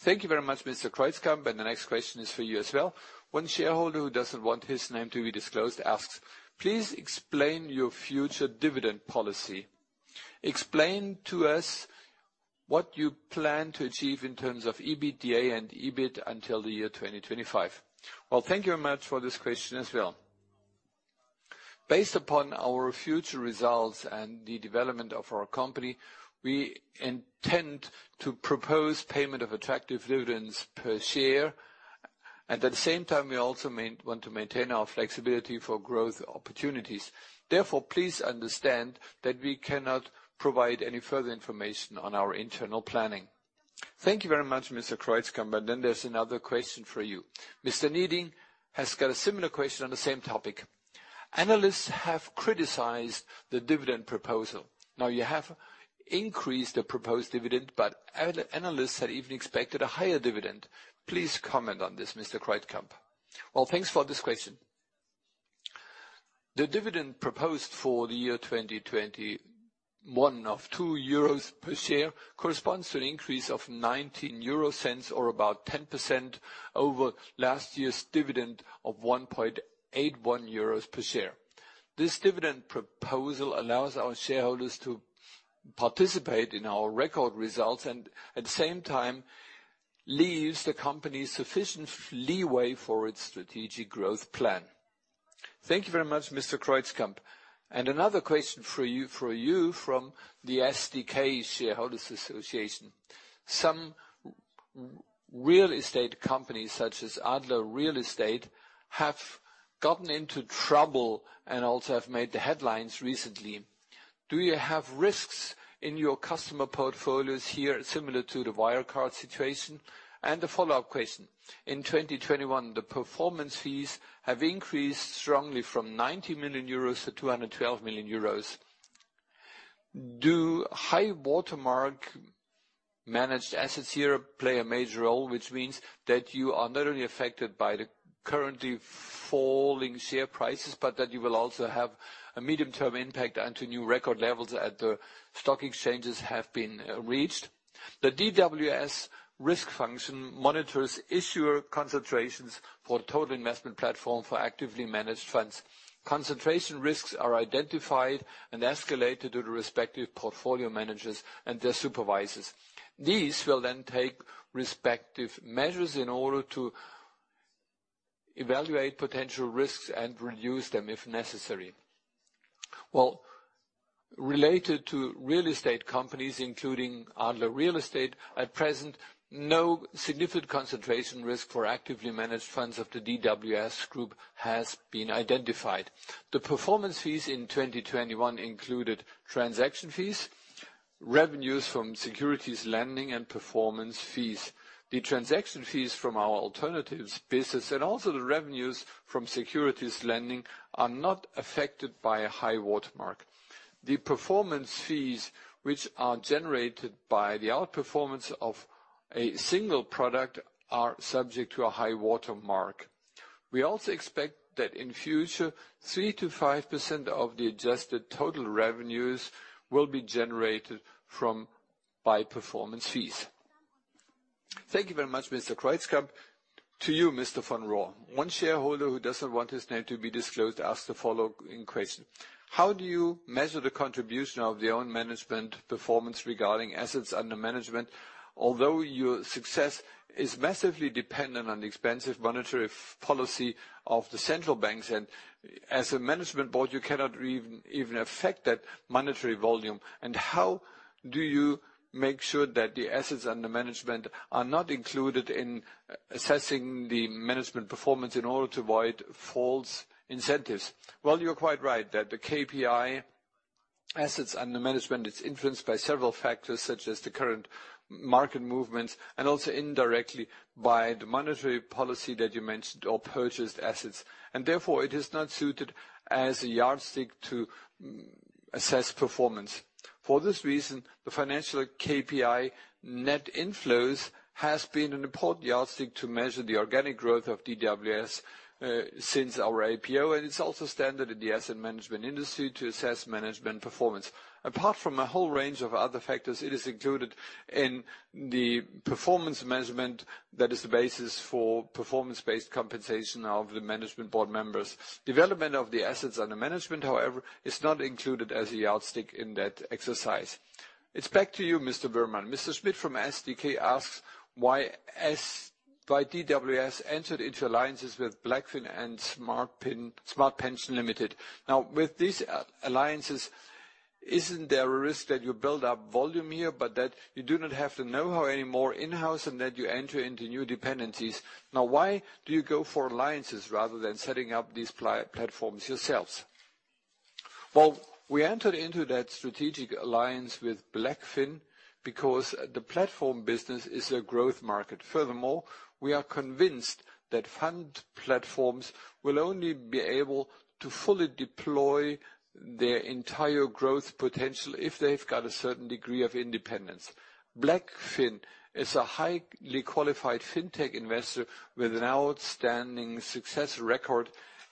Thank you very much, Mr. Kreuzkamp. And the next question is for you as well. One shareholder who doesn't want his name to be disclosed asks, "Please explain your future dividend policy. Explain to us what you plan to achieve in terms of EBITDA and EBIT until the year 2025?" Well, thank you very much for this question as well. Based upon our future results and the development of our company, we intend to propose payment of attractive dividends per share. At the same time, we also want to maintain our flexibility for growth opportunities. Therefore, please understand that we cannot provide any further information on our internal planning. Thank you very much, Mr. Kreuzkamp. There's another question for you. Mr. Nieding has got a similar question on the same topic. "Analysts have criticized the dividend proposal. Now you have increased the proposed dividend, but analysts had even expected a higher dividend. Please comment on this, Mr. Kreuzkamp?" Well, thanks for this question. The dividend proposed for the year 2021 of 2 euros per share corresponds to an increase of 0.19 or about 10% over last year's dividend of 1.81 euros per share. This dividend proposal allows our shareholders to participate in our record results and at the same time leaves the company sufficient leeway for its strategic growth plan. Thank you very much, Mr. Kreuzkamp. Another question for you from the SdK Shareholders Association. Some real estate companies, such as ADLER Real Estate, have gotten into trouble and also have made the headlines recently. Do you have risks in your customer portfolios here similar to the Wirecard situation?" And a follow-up question: "In 2021, the performance fees have increased strongly from 90 million-212 million euros. Do high watermark managed assets here play a major role, which means that you are not only affected by the currently falling share prices, but that you will also have a medium-term impact until new record levels at the stock exchanges have been reached?" The DWS risk function monitors issuer concentrations for total investment platform for actively managed funds. Concentration risks are identified and escalated to the respective portfolio managers and their supervisors. These will then take respective measures in order to evaluate potential risks and reduce them if necessary. Well, related to real estate companies, including ADLER Real Estate, at present, no significant concentration risk for actively managed funds of the DWS Group has been identified. The performance fees in 2021 included transaction fees, revenues from securities lending and performance fees. The transaction fees from our alternatives business and also the revenues from securities lending are not affected by a high watermark. The performance fees, which are generated by the outperformance of a single product, are subject to a high watermark. We also expect that in future, 3%-5% of the adjusted total revenues will be generated by performance fees. Thank you very much, Mr. Kreuzkamp. To you, Mr. von Rohr. One shareholder who doesn't want his name to be disclosed asks the following question: "How do you measure the contribution of your own management performance regarding assets under management, although your success is massively dependent on the easy monetary policy of the central banks, and as a Management Board you cannot even affect that monetary volume? How do you make sure that the assets under management are not included in assessing the management performance in order to avoid false incentives?" Well, you're quite right that the KPI assets under management is influenced by several factors, such as the current market movements and also indirectly by the monetary policy that you mentioned or purchased assets. Therefore, it is not suited as a yardstick to assess performance. For this reason, the financial KPI net inflows has been an important yardstick to measure the organic growth of DWS since our IPO, and it's also standard in the asset management industry to assess management performance. Apart from a whole range of other factors, it is included in the performance management that is the basis for performance-based compensation of the Management Board members. Development of the assets under management, however, is not included as a yardstick in that exercise. It's back to you, Mr. Woehrmann. Mr. Schmidt from SdK asks why DWS entered into alliances with BlackFin and Smart Pension Limited. "Now, with these alliances, isn't there a risk that you build up volume here but that you do not have the know-how anymore in-house and that you enter into new dependencies? Now, why do you go for alliances rather than setting up these platforms yourselves?" Well, we entered into that strategic alliance with BlackFin because the platform business is a growth market. Furthermore, we are convinced that fund platforms will only be able to fully deploy their entire growth potential if they've got a certain degree of independence. BlackFin is a highly qualified fintech investor with an outstanding success record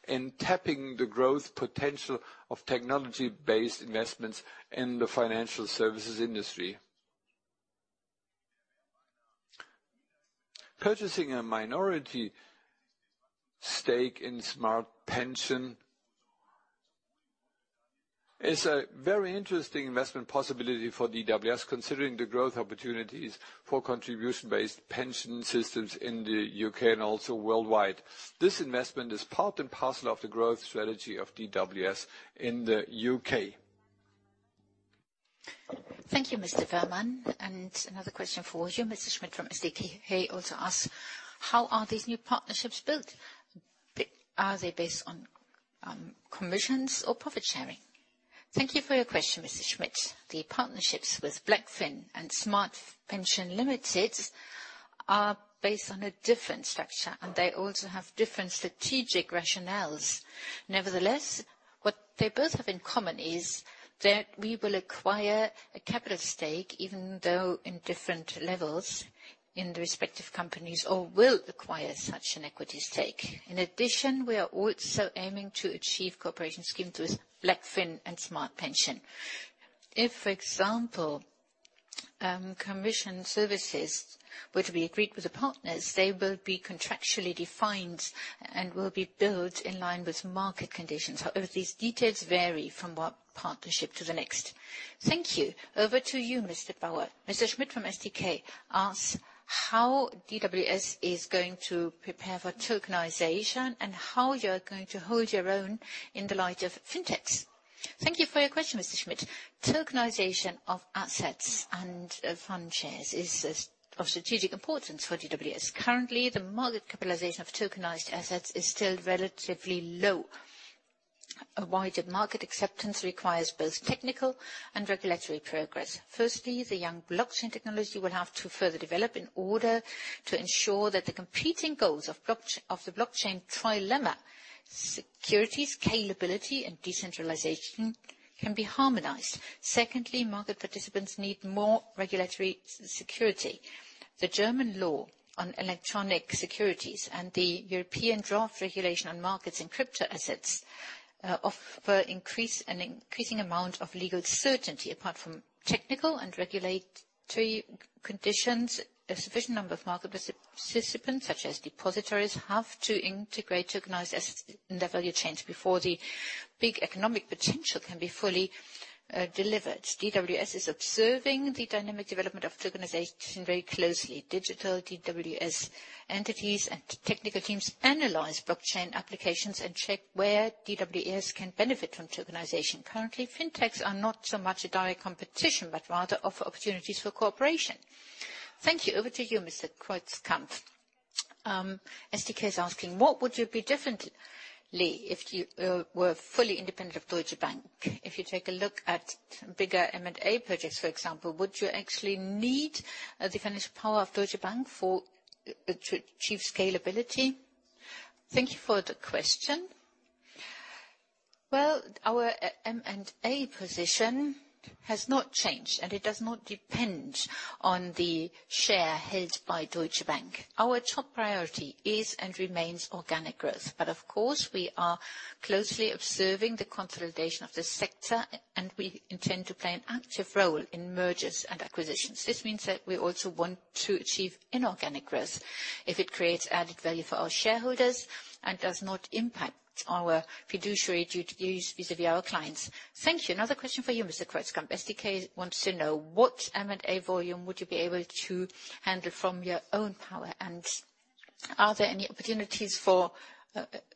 in tapping the growth potential of technology-based investments in the financial services industry. Purchasing a minority stake in Smart Pension is a very interesting investment possibility for DWS, considering the growth opportunities for contribution-based pension systems in the U.K. and also worldwide. This investment is part and parcel of the growth strategy of DWS in the U.K. Thank you, Mr. Woehrmann. Another question for you, Mr. Schmidt from SdK. He also asks, "How are these new partnerships built? Are they based on commissions or profit sharing?" Thank you for your question, Mr. Schmidt. The partnerships with BlackFin and Smart Pension Limited are based on a different structure. They also have different strategic rationales. Nevertheless, what they both have in common is that we will acquire a capital stake, even though in different levels, in the respective companies, or will acquire such an equity stake. In addition, we are also aiming to achieve cooperation schemes with BlackFin and Smart Pension. If, for example, commission services were to be agreed with the partners, they will be contractually defined and will be built in line with market conditions. However, these details vary from one partnership to the next. Thank you. Over to you, Mr. Bauer. Mr. Schmidt from SdK asks how DWS is going to prepare for tokenization and how you're going to hold your own in the light of fintechs? Thank you for your question, Mr. Schmidt. Tokenization of assets and fund shares is of strategic importance for DWS. Currently, the market capitalization of tokenized assets is still relatively low. A wider market acceptance requires both technical and regulatory progress. Firstly, the young blockchain technology will have to further develop in order to ensure that the competing goals of the blockchain trilemma, security, scalability, and decentralization can be harmonized. Secondly, market participants need more regulatory security. The German law on electronic securities and the European draft regulation on Markets in crypto-assets offer an increasing amount of legal certainty. Apart from technical and regulatory conditions, a sufficient number of market participants, such as depositories, have to integrate tokenized assets in their value chains before the big economic potential can be fully delivered. DWS is observing the dynamic development of tokenization very closely. Digital DWS entities and technical teams analyze blockchain applications and check where DWS can benefit from tokenization. Currently, fintechs are not so much a direct competition, but rather offer opportunities for cooperation. Thank you. Over to you, Mr. Kreuzkamp. SdK is asking, "What would you do differently if you were fully independent of Deutsche Bank? If you take a look at bigger M&A projects, for example, would you actually need the financial power of Deutsche Bank to achieve scalability?" Thank you for the question. Well, our M&A position has not changed, and it does not depend on the share held by Deutsche Bank. Our top priority is and remains organic growth. Of course, we are closely observing the consolidation of this sector, and we intend to play an active role in mergers and acquisitions. This means that we also want to achieve inorganic growth if it creates added value for our shareholders and does not impact our fiduciary duties vis-à-vis our clients. Thank you. Another question for you, Mr. Kreuzkamp. SdK wants to know what M&A volume would you be able to handle from your own power, and are there any opportunities for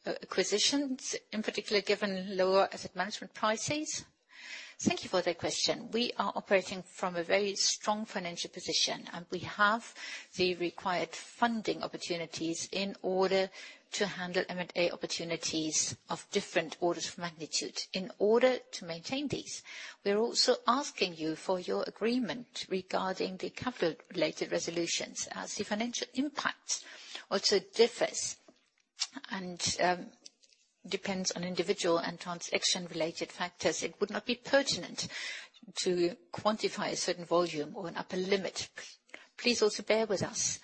acquisitions, in particular, given lower asset management prices? Thank you for the question. We are operating from a very strong financial position, and we have the required funding opportunities in order to handle M&A opportunities of different orders of magnitude. In order to maintain these, we are also asking you for your agreement regarding the capital-related resolutions. As the financial impact also differs and, depends on individual and transaction-related factors, it would not be pertinent to quantify a certain volume or an upper limit. Please also bear with us,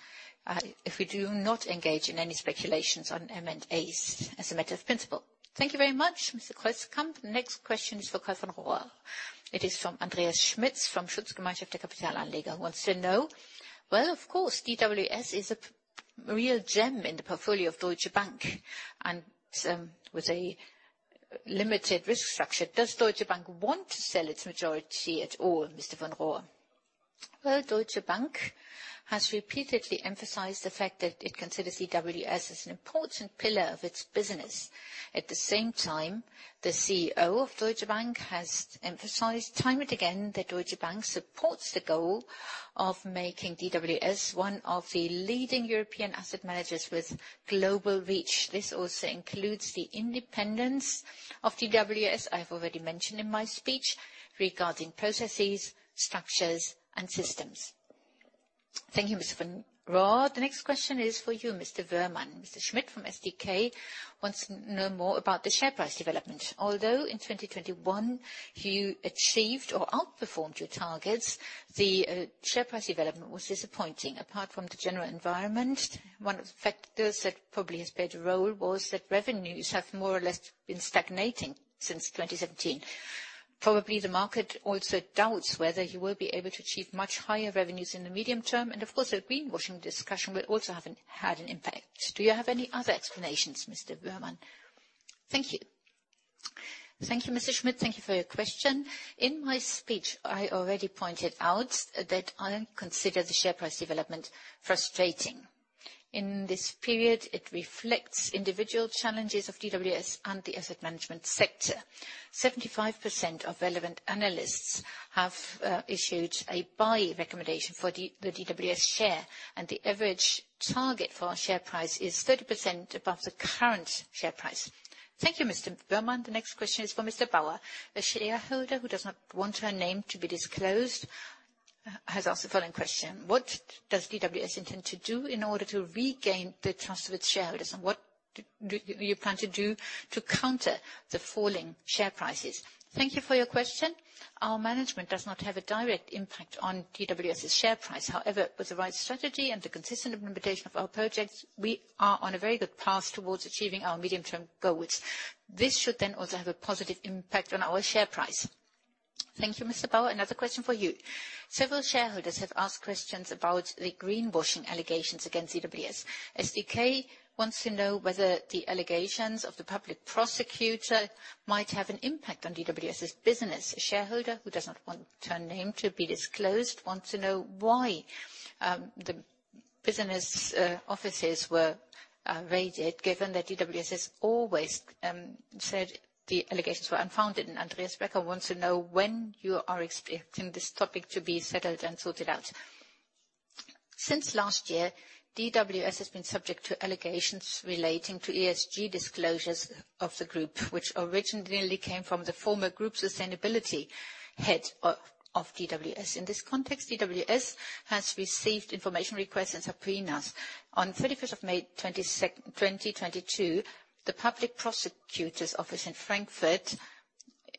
if we do not engage in any speculations on M&As as a matter of principle. Thank you very much, Mr. Kreuzkamp. Next question is for Karl von Rohr. It is from Andreas Schmidt from Schutzgemeinschaft der Kapitalanleger. Wants to know, "Well, of course, DWS is a real gem in the portfolio of Deutsche Bank, and, with a limited risk structure. Does Deutsche Bank want to sell its majority at all, Mr. von Rohr?" Well, Deutsche Bank has repeatedly emphasized the fact that it considers DWS as an important pillar of its business. At the same time, the CEO of Deutsche Bank has emphasized time and again that Deutsche Bank supports the goal of making DWS one of the leading European asset managers with global reach. This also includes the independence of DWS. I've already mentioned in my speech, regarding processes, structures, and systems. Thank you, Mr. von Rohr. The next question is for you, Mr. Woehrmann. Mr. Schmidt from SdK wants to know more about the share price development. Although in 2021 you achieved or outperformed your targets, the share price development was disappointing. Apart from the general environment, one of the factors that probably has played a role was that revenues have more or less been stagnating since 2017. Probably the market also doubts whether you will be able to achieve much higher revenues in the medium term. Of course, the greenwashing discussion will also have had an impact. Do you have any other explanations, Mr. Woehrmann? Thank you. Thank you, Mr. Schmidt. Thank you for your question. In my speech, I already pointed out that I don't consider the share price development frustrating. In this period, it reflects individual challenges of DWS and the asset management sector. 75% of relevant analysts have issued a "buy" recommendation for the DWS share, and the average target for our share price is 30% above the current share price. Thank you, Mr. Woehrmann. The next question is for Mr. Bauer. A shareholder who does not want her name to be disclosed has asked the following question: "What does DWS intend to do in order to regain the trust of its shareholders, and what do you plan to do to counter the falling share prices?" Thank you for your question. Our management does not have a direct impact on DWS's share price. However, with the right strategy and the consistent implementation of our projects, we are on a very good path towards achieving our medium-term goals. This should then also have a positive impact on our share price. Thank you, Mr. Bauer. Another question for you. Several shareholders have asked questions about the greenwashing allegations against DWS. SdK wants to know whether the allegations of the public prosecutor might have an impact on DWS's business. A shareholder who does not want her name to be disclosed wants to know why the business offices were raided, given that DWS has always said the allegations were unfounded. Andreas Becker wants to know when you are expecting this topic to be settled and sorted out. Since last year, DWS has been subject to allegations relating to ESG disclosures of the group, which originally came from the former Group's Sustainability Head of DWS. In this context, DWS has received information requests and subpoenas. On May 31, 2022, the Frankfurt Public Prosecutor's Office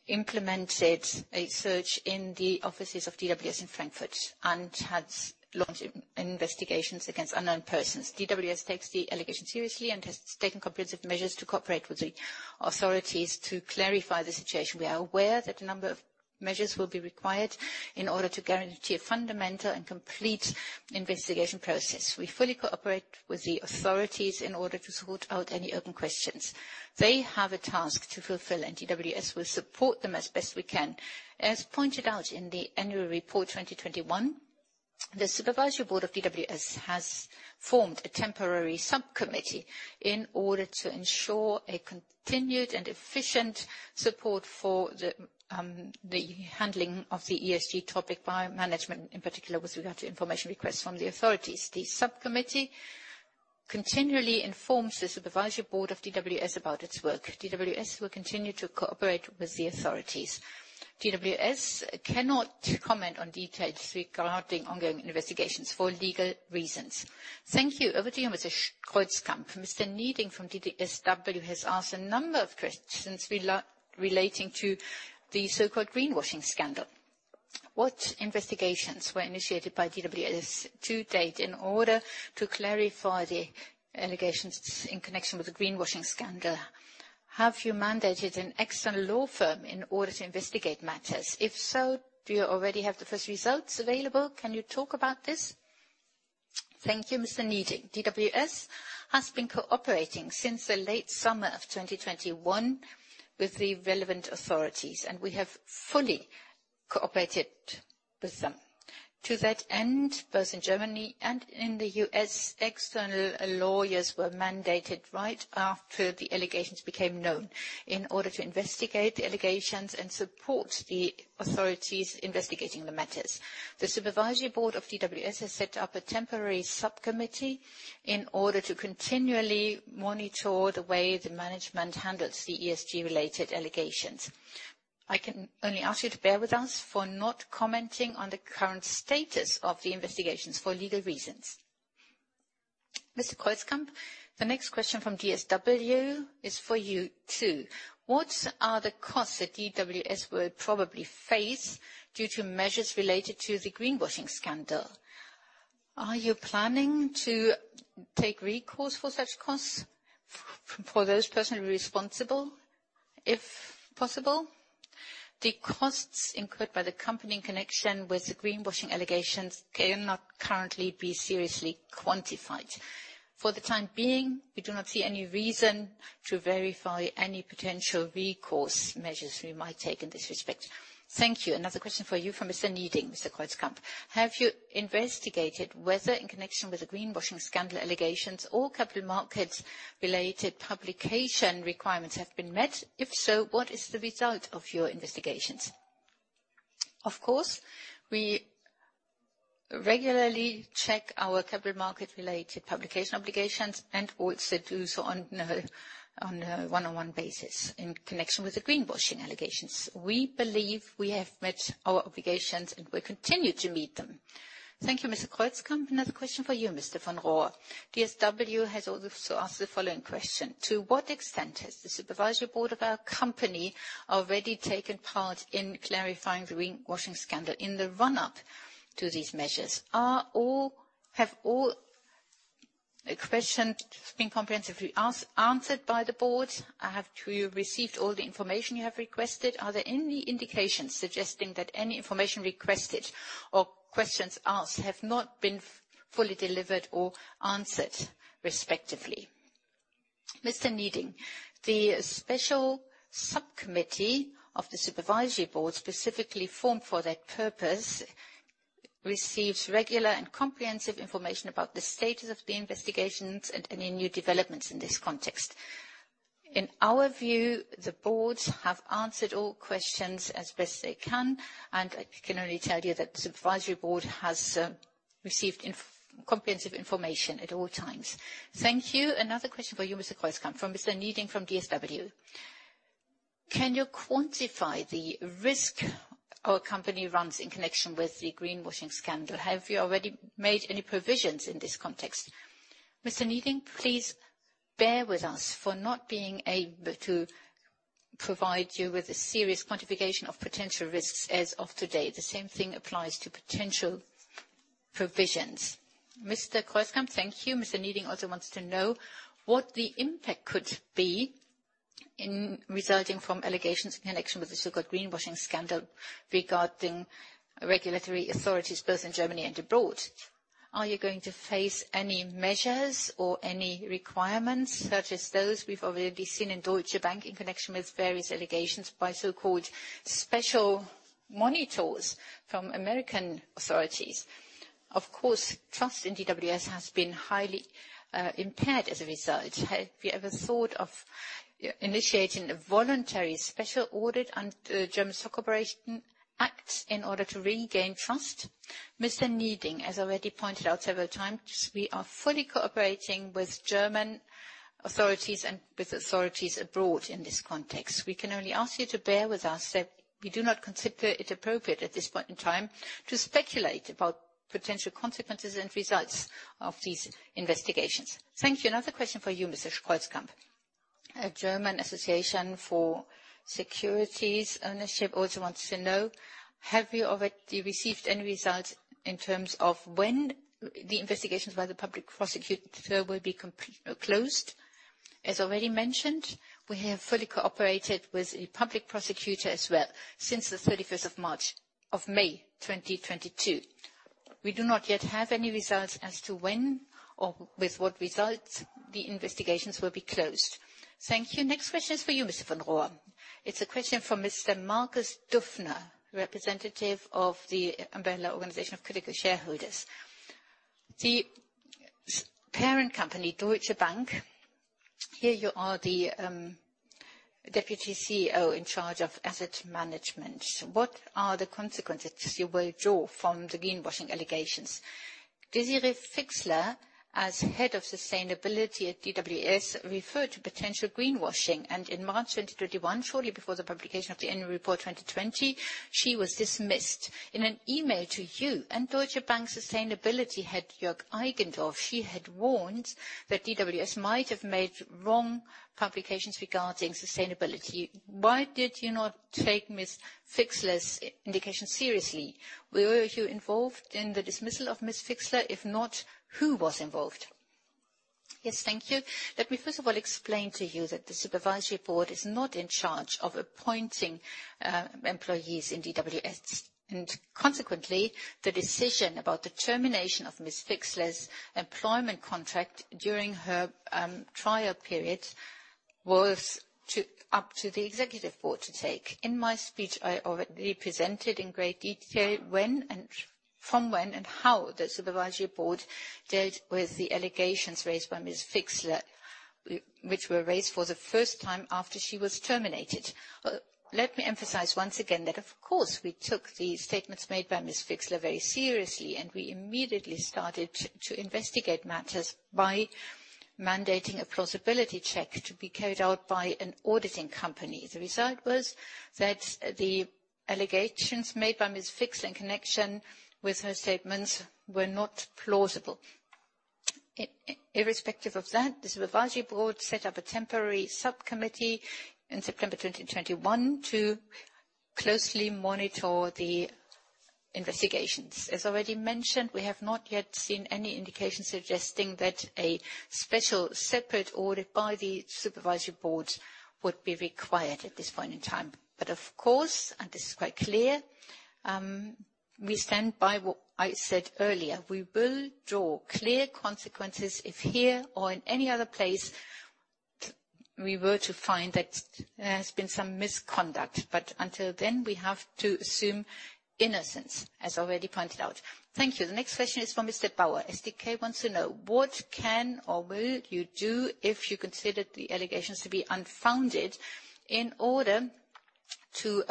implemented a search in the offices of DWS in Frankfurt and has launched investigations against unknown persons. DWS takes the allegations seriously and has taken comprehensive measures to cooperate with the authorities to clarify the situation. We are aware that a number of measures will be required in order to guarantee a fundamental and complete investigation process. We fully cooperate with the authorities in order to sort out any open questions. They have a task to fulfill, and DWS will support them as best we can. As pointed out in the Annual Report 2021, the Supervisory Board of DWS has formed a temporary subcommittee in order to ensure a continued and efficient support for the handling of the ESG topic by management, in particular with regard to information requests from the authorities. The subcommittee continually informs the Supervisory Board of DWS about its work. DWS will continue to cooperate with the authorities. DWS cannot comment on details regarding ongoing investigations for legal reasons. Thank you. Over to you, Mr. Kreuzkamp. Mr. Nieding from DSW has asked a number of questions relating to the so-called greenwashing scandal. "What investigations were initiated by DWS to date in order to clarify the allegations in connection with the greenwashing scandal? Have you mandated an external law firm in order to investigate matters? If so, do you already have the first results available? Can you talk about this?" Thank you, Mr. Nieding. DWS has been cooperating since the late summer of 2021 with the relevant authorities, and we have fully cooperated with them. To that end, both in Germany and in the U.S., external lawyers were mandated right after the allegations became known in order to investigate the allegations and support the authorities investigating the matters. The Supervisory Board of DWS has set up a temporary subcommittee in order to continually monitor the way the management handles the ESG-related allegations. I can only ask you to bear with us for not commenting on the current status of the investigations for legal reasons. Mr. Kreuzkamp, the next question from DSW is for you, too. "What are the costs that DWS will probably face due to measures related to the greenwashing scandal? Are you planning to take recourse for such costs for those personally responsible, if possible?" The costs incurred by the company in connection with the greenwashing allegations cannot currently be seriously quantified. For the time being, we do not see any reason to verify any potential recourse measures we might take in this respect. Thank you. Another question for you from Mr. Nieding. "Mr. Kreuzkamp, have you investigated whether, in connection with the greenwashing scandal allegations, all capital markets-related publication requirements have been met? If so, what is the result of your investigations?" Of course, we regularly check our capital market related publication obligations, and also do so on a one-on-one basis in connection with the greenwashing allegations. We believe we have met our obligations, and we continue to meet them. Thank you, Mr. Kreuzkamp. Another question for you, Mr. von Rohr. DSW has also asked the following question: "To what extent has the Supervisory Board of our company already taken part in clarifying the greenwashing scandal in the run-up to these measures? Have all the questions been comprehensively answered by the board? Have you received all the information you have requested? Are there any indications suggesting that any information requested or questions asked have not been fully delivered or answered, respectively?" Mr. Nieding, the special subcommittee of the Supervisory Board, specifically formed for that purpose, receives regular and comprehensive information about the status of the investigations and any new developments in this context. In our view, the Boards have answered all questions as best they can, and I can only tell you that the Supervisory Board has received comprehensive information at all times. Thank you. Another question for you, Mr. Kreuzkamp. From Mr. Nieding from DSW: "Can you quantify the risk our company runs in connection with the greenwashing scandal? Have you already made any provisions in this context?" Mr. Nieding, please bear with us for not being able to provide you with a serious quantification of potential risks as of today. The same thing applies to potential provisions. Mr. Kreuzkamp. Thank you. Mr. Nieding also wants to know what the impact could be in resulting from allegations in connection with the so-called greenwashing scandal regarding regulatory authorities, both in Germany and abroad? "Are you going to face any measures or any requirements, such as those we've already seen in Deutsche Bank in connection with various allegations by so-called special monitors from American authorities? Of course, trust in DWS has been highly impaired as a result. Have you ever thought of initiating a voluntary special audit under German Stock Corporation Act in order to regain trust?" Mr. Nieding, as already pointed out several times, we are fully cooperating with German authorities and with authorities abroad in this context. We can only ask you to bear with us, that we do not consider it appropriate at this point in time to speculate about potential consequences and results of these investigations. Thank you. Another question for you, Mr. Kreuzkamp. A German association for securities ownership also wants to know: "Have you already received any results in terms of when the investigations by the public prosecutor will be closed?" As already mentioned, we have fully cooperated with the public prosecutor as well since the 31st of May 2022. We do not yet have any results as to when or with what results the investigations will be closed. Thank you. Next question is for you, Mr. von Rohr. It's a question from Mr. Markus Dufner, representative of the Umbrella Organization of Critical Shareholders. "The parent company, Deutsche Bank, here you are the deputy CEO in charge of asset management. What are the consequences you will draw from the greenwashing allegations? Desiree Fixler, as Head of Sustainability at DWS, referred to potential greenwashing, and in March 2021, shortly before the publication of the Annual Report 2020, she was dismissed. In an email to you and Deutsche Bank sustainability head Jörg Eigendorf, she had warned that DWS might have made wrong publications regarding sustainability. Why did you not take Ms. Fixler's indications seriously? Were you involved in the dismissal of Ms. Fixler? If not, who was involved?" Yes. Thank you. Let me first of all explain to you that the Supervisory Board is not in charge of appointing employees in DWS, and consequently, the decision about the termination of Ms. Fixler's employment contract during her trial period was up to the Executive Board to take. In my speech, I already presented in great detail when and how the Supervisory Board dealt with the allegations raised by Ms. Fixler, which were raised for the first time after she was terminated. Let me emphasize once again that of course, we took the statements made by Ms. Fixler very seriously, and we immediately started to investigate matters by mandating a plausibility check to be carried out by an auditing company. The result was that the allegations made by Ms. Fixler in connection with her statements were not plausible. Irrespective of that, the Supervisory Board set up a temporary subcommittee in September 2021 to closely monitor the investigations. As already mentioned, we have not yet seen any indication suggesting that a special separate audit by the Supervisory Board would be required at this point in time. Of course, and this is quite clear, we stand by what I said earlier. We will draw clear consequences if here or in any other place, we were to find that there has been some misconduct. Until then, we have to assume innocence, as already pointed out. Thank you. The next question is from Mr. Bauer. SdK wants to know: "What can or will you do if you considered the allegations to be unfounded in order to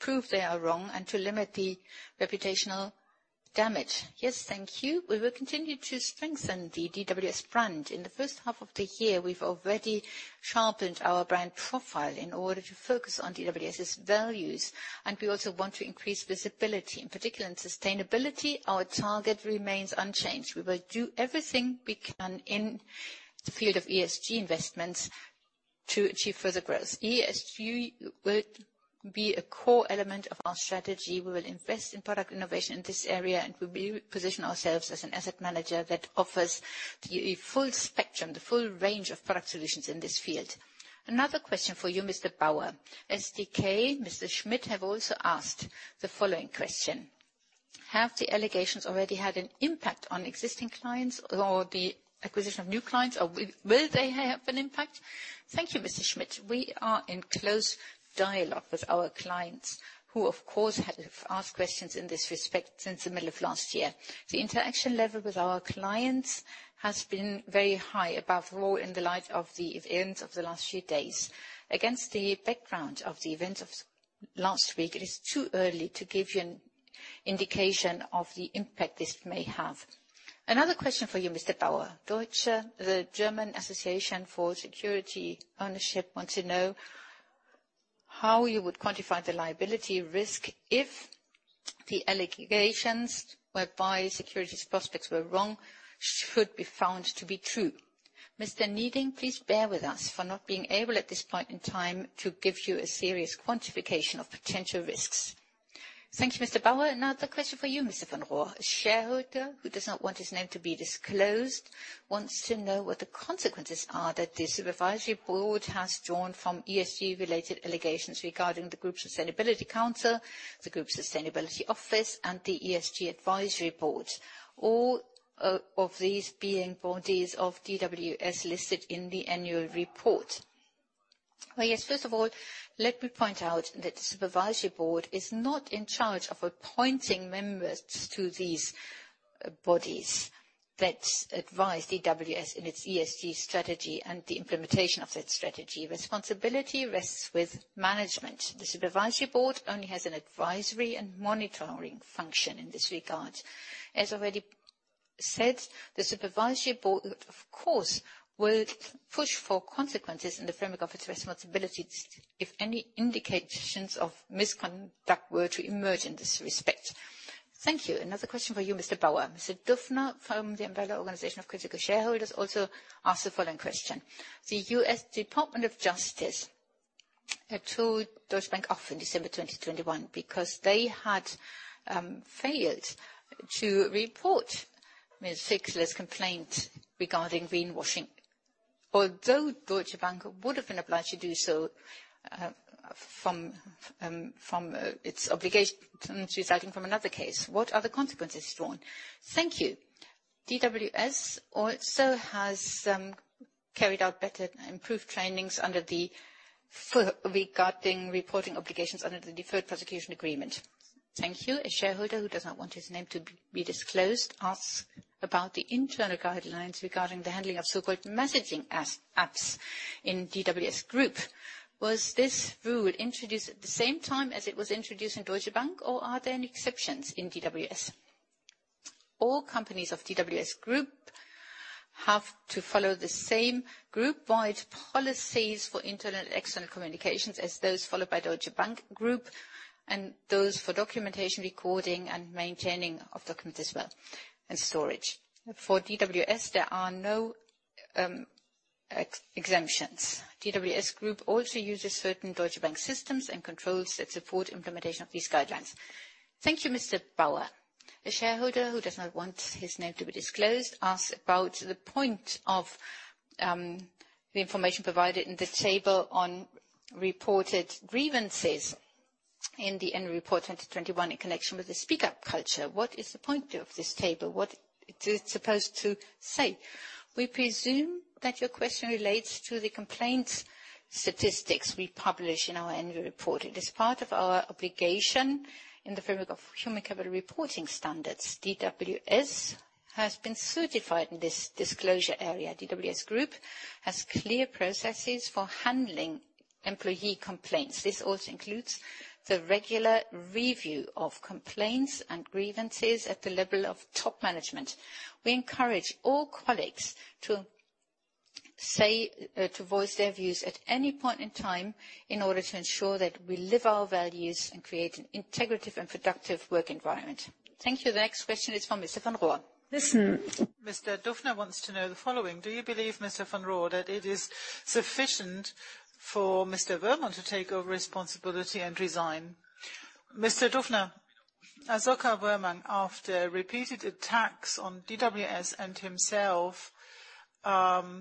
prove they are wrong and to limit the reputational damage?" Yes, thank you. We will continue to strengthen the DWS brand. In the first half of the year, we've already sharpened our brand profile in order to focus on DWS's values, and we also want to increase visibility. In particular in sustainability, our target remains unchanged. We will do everything we can in the field of ESG investments to achieve further growth. ESG will be a core element of our strategy. We will invest in product innovation in this area, and we'll re-position ourselves as an asset manager that offers the full spectrum, the full range of product solutions in this field. Another question for you, Mr. Bauer. SdK, Mr. Schmidt, have also asked the following question: "Have the allegations already had an impact on existing clients or the acquisition of new clients, or will they have an impact?" Thank you, Mr. Schmidt. We are in close dialogue with our clients, who of course have asked questions in this respect since the middle of last year. The interaction level with our clients has been very high, above all in the light of the events of the last few days. Against the background of the events of last week, it is too early to give you an indication of the impact this may have. Another question for you, Mr. Bauer. Deutsche, the German Association for Security Ownership, wants to know how you would quantify the liability risk if the allegations whereby securities prospectus were wrong should be found to be true. Mr. Nieding, please bear with us for not being able at this point in time to give you a serious quantification of potential risks. Thank you, Mr. Bauer. Another question for you, Mr. von Rohr. A shareholder who does not want his name to be disclosed wants to know what the consequences are that the Supervisory Board has drawn from ESG-related allegations regarding the group sustainability council, the Group Sustainability Office, and the ESG Advisory Board, all of these being bodies of DWS listed in the Annual Report. Well, yes, first of all, let me point out that the Supervisory Board is not in charge of appointing members to these bodies that advise DWS in its ESG strategy and the implementation of that strategy. Responsibility rests with management. The Supervisory Board only has an advisory and monitoring function in this regard. As already said, the Supervisory Board, of course, will push for consequences in the framework of its responsibilities if any indications of misconduct were to emerge in this respect. Thank you. Another question for you, Mr. Bauer. Mr. Dufner from the Umbrella Organisation of Critical Shareholders, also asked the following question." The U.S. Department of Justice told off Deutsche Bank in December 2021 because they had failed to report Ms. Fixler's complaint regarding greenwashing. Although Deutsche Bank would have been obliged to do so from its obligations resulting from another case. What are the consequences drawn?" Thank you. DWS also has carried out better improved trainings regarding reporting obligations under the Deferred Prosecution Agreement. Thank you. A shareholder who does not want his name to be disclosed asks about the internal guidelines regarding the handling of so-called messaging apps in DWS Group. "Was this rule introduced at the same time as it was introduced in Deutsche Bank, or are there any exceptions in DWS?" All companies of DWS Group have to follow the same group-wide policies for internal and external communications as those followed by Deutsche Bank Group and those for documentation recording and maintaining of documents as well, and storage. For DWS, there are no exemptions. DWS Group also uses certain Deutsche Bank systems and controls that support implementation of these guidelines. Thank you, Mr. Bauer. A shareholder who does not want his name to be disclosed asks about the point of the information provided in the table on reported grievances in the Annual Report 2021 in connection with the speak-up culture. "What is the point of this table? What is it supposed to say?" We presume that your question relates to the complaints statistics we publish in our Annual Report. It is part of our obligation in the framework of human capital reporting standards. DWS has been certified in this disclosure area. DWS Group has clear processes for handling employee complaints. This also includes the regular review of complaints and grievances at the level of top management. We encourage all colleagues to say, to voice their views at any point in time in order to ensure that we live our values and create an integrative and productive work environment. Thank you. The next question is from Mr. von Rohr. Listen, Mr. Dufner wants to know the following. Do you believe, Mr. von Rohr, that it is sufficient for Mr. Woehrmann to take over responsibility and resign? Mr. Dufner, as Asoka Woehrmann after repeated attacks on DWS and himself,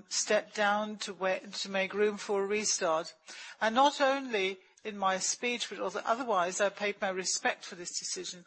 stepped down to make room for a restart. Not only in my speech, but also otherwise, I paid my respect for this decision.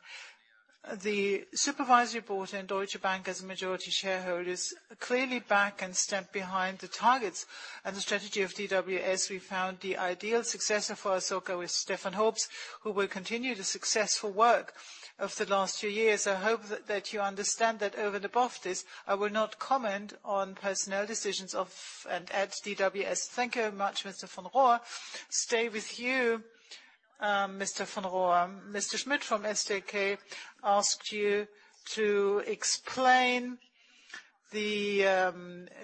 The Supervisory Board and Deutsche Bank as a majority shareholder is clearly back and stand behind the targets and the strategy of DWS. We found the ideal successor for Asoka Woehrmann with Stefan Hoops, who will continue the successful work of the last few years. I hope that you understand that over and above this, I will not comment on personnel decisions of and at DWS. Thank you very much, Mr. von Rohr. Stay with you. Mr. von Rohr, Mr. Schmidt from SdK asked you to explain the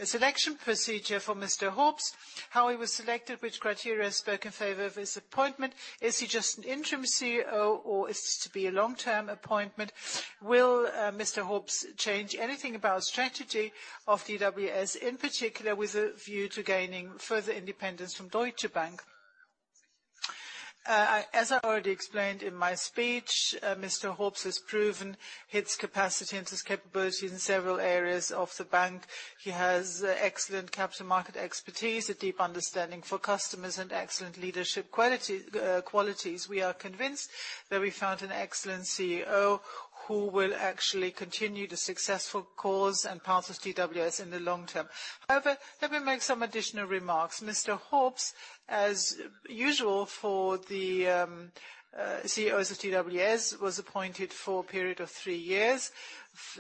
selection procedure for Mr. Hoops, how he was selected, which criteria spoke in favor of his appointment. Is he just an interim CEO or is this to be a long-term appointment? Will Mr. Hoops change anything about strategy of DWS, in particular with a view to gaining further independence from Deutsche Bank? As I already explained in my speech, Mr. Hoops has proven his capacity and his capabilities in several areas of the bank. He has excellent capital market expertise, a deep understanding for customers, and excellent leadership qualities. We are convinced that we found an excellent CEO who will actually continue the successful course and path of DWS in the long term. However, let me make some additional remarks. Mr. Hoops, as usual for the CEOs of DWS, was appointed for a period of three years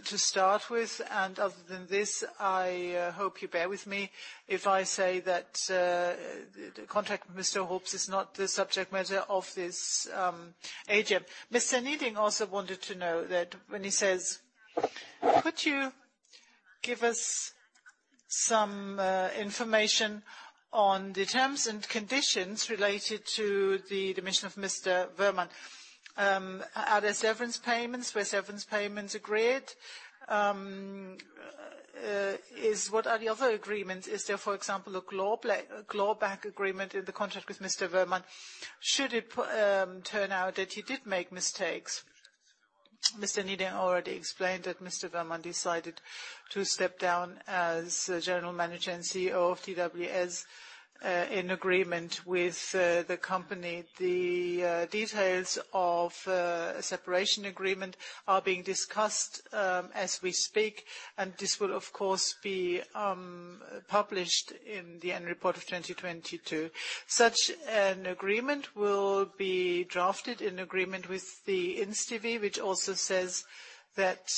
to start with, and other than this, I hope you bear with me if I say that the contract with Mr. Hoops is not the subject matter of this agenda. Mr. Nieding also wanted to know that when he says, "Could you give us some information on the terms and conditions related to the dimission of Mr. Asoka Woehrmann? Are there severance payments? Were severance payments agreed? What are the other agreements? Is there, for example, a clawback agreement in the contract with Mr. Asoka Woehrmann should it turn out that he did make mistakes?" Mr. Nieding already explained that Mr. Asoka Woehrmann decided to step down as General Manager and CEO of DWS in agreement with the company. The details of a separation agreement are being discussed as we speak, and this will of course be published in the Annual Report of 2022. Such an agreement will be drafted in agreement with the InstVV, which also says that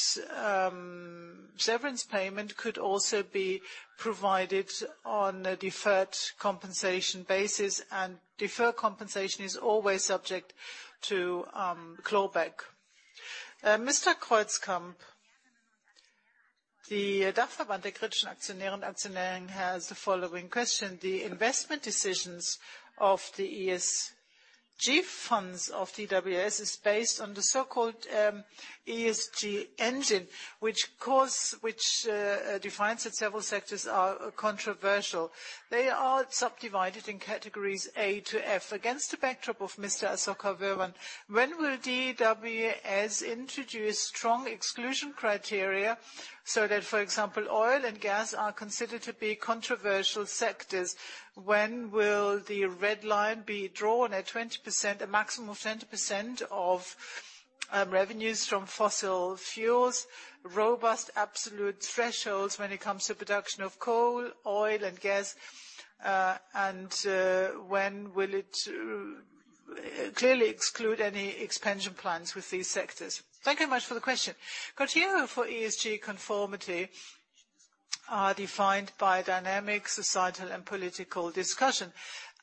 severance payment could also be provided on a deferred compensation basis, and deferred compensation is always subject to clawback. Mr. Kreuzkamp, the Dachverband der Kritischen Aktionärinnen und Aktionäre has the following question: "The investment decisions of the ESG funds of DWS is based on the so-called ESG engine, which defines that several sectors are controversial. They are subdivided in categories A to F. Against the backdrop of Mr. Asoka Woehrmann, when will DWS introduce strong exclusion criteria so that, for example, oil and gas are considered to be controversial sectors? When will the red line be drawn at 20%, a maximum of 20% of revenues from fossil fuels, robust absolute thresholds when it comes to production of coal, oil and gas? When will it clearly exclude any expansion plans with these sectors?" Thank you very much for the question. Criteria for ESG conformity are defined by dynamic societal and political discussion.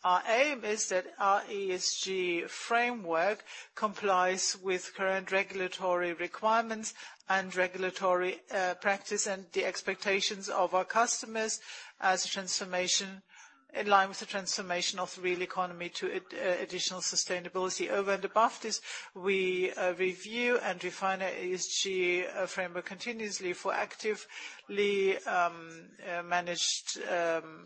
Our aim is that our ESG framework complies with current regulatory requirements and regulatory practice, and the expectations of our customers as a transformation in line with the transformation of real economy to additional sustainability. Over and above this, we review and refine our ESG framework continuously for actively managed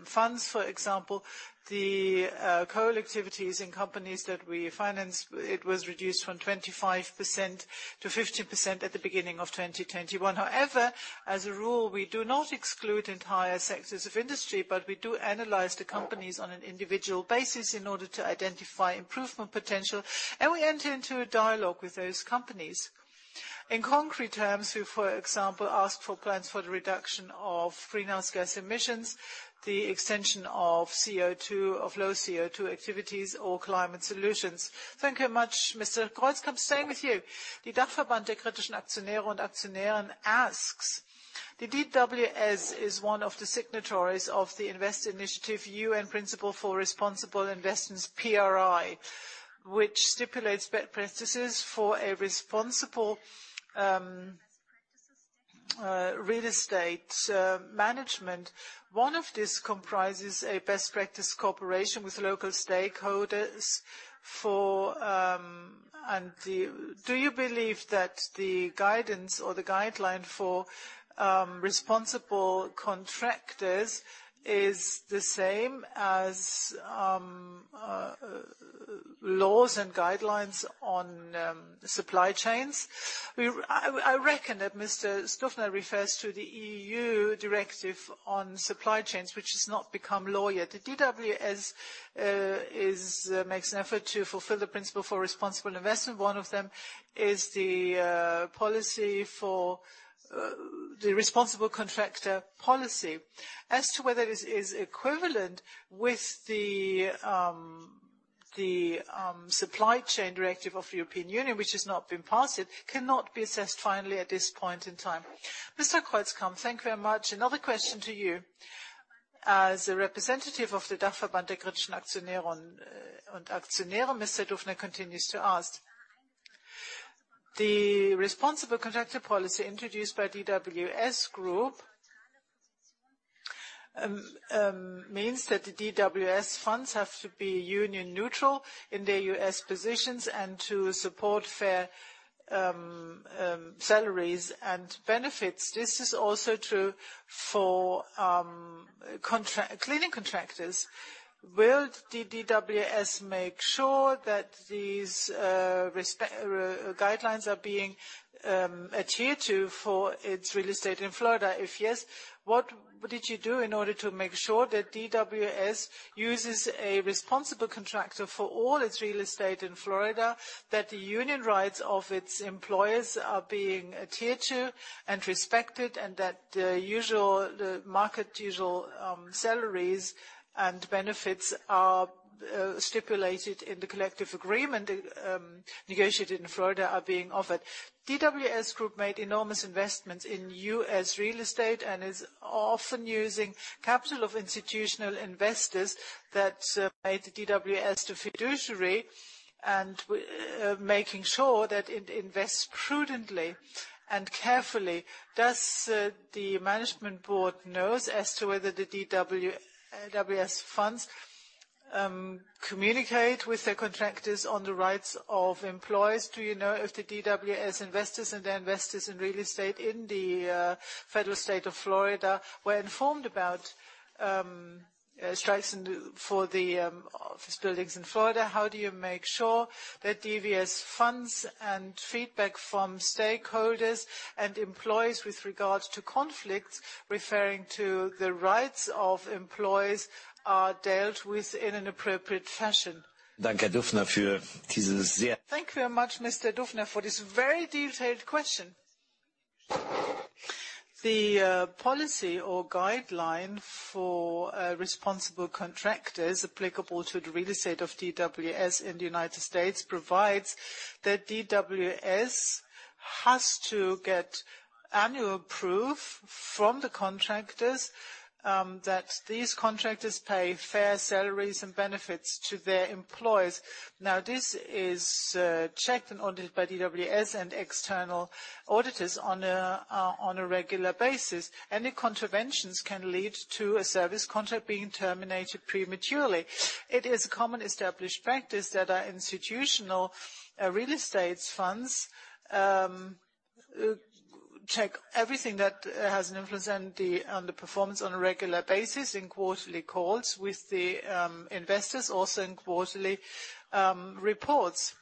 funds. For example, the coal activities in companies that we finance, it was reduced from 25%-50% at the beginning of 2021. However, as a rule, we do not exclude entire sectors of industry, but we do analyze the companies on an individual basis in order to identify improvement potential, and we enter into a dialogue with those companies. In concrete terms, we, for example, ask for plans for the reduction of greenhouse gas emissions, the extension of low-CO₂ activities or climate solutions. Thank you very much, Mr. Kreuzkamp. Staying with you. The Dachverband der Kritischen Aktionärinnen und Aktionäre asks: "The DWS is one of the signatories of the UN Principles for Responsible Investment, PRI, which stipulates best practices for a responsible real estate management. One of this comprises a best practice cooperation with local stakeholders for. Do you believe that the guidance or the guideline for responsible contractors is the same as laws and guidelines on supply chains?" I reckon that Mr. Dufner refers to the EU directive on supply chains which has not become law yet. The DWS makes an effort to fulfill the principle for responsible investment. One of them is the policy for the responsible contractor policy. As to whether this is equivalent with the supply chain directive of the European Union, which has not been passed yet, cannot be assessed finally at this point in time. Mr. Kreuzkamp, thank you very much. Another question to you. As a representative of the Dachverband der Kritischen Aktionärinnen und Aktionäre, Mr. Dufner continues to ask: "The Responsible Contractor Policy introduced by DWS Group means that the DWS funds have to be union neutral in their U.S. positions and to support fair salaries and benefits. This is also true for cleaning contractors. Will DWS make sure that these guidelines are being adhered to for its real estate in Florida? If yes, what did you do in order to make sure that DWS uses a responsible contractor for all its real estate in Florida, that the union rights of its employees are being adhered to and respected, and that the market usual salaries and benefits are stipulated in the collective agreement negotiated in Florida are being offered?" DWS Group made enormous investments in U.S. real estate and is often using capital of institutional investors that made DWS the fiduciary and making sure that it invests prudently and carefully. Does the Management Board knows as to whether the DWS funds communicate with the contractors on the rights of employees? Do you know if the DWS investors and their investors in real estate in the federal state of Florida were informed about strikes in the office buildings in Florida? How do you make sure that DWS funds and feedback from stakeholders and employees with regards to conflicts referring to the rights of employees are dealt with in an appropriate fashion? Thank you very much, Mr. Dufner, for this very detailed question. The policy or guideline for responsible contractors applicable to the real estate of DWS in the United States provides that DWS has to get annual proof from the contractors that these contractors pay fair salaries and benefits to their employees. Now, this is checked and audited by DWS and external auditors on a regular basis. Any contraventions can lead to a service contract being terminated prematurely. It is a common established practice that our institutional real estate funds check everything that has an influence on the performance on a regular basis in quarterly calls with the investors, also in quarterly reports.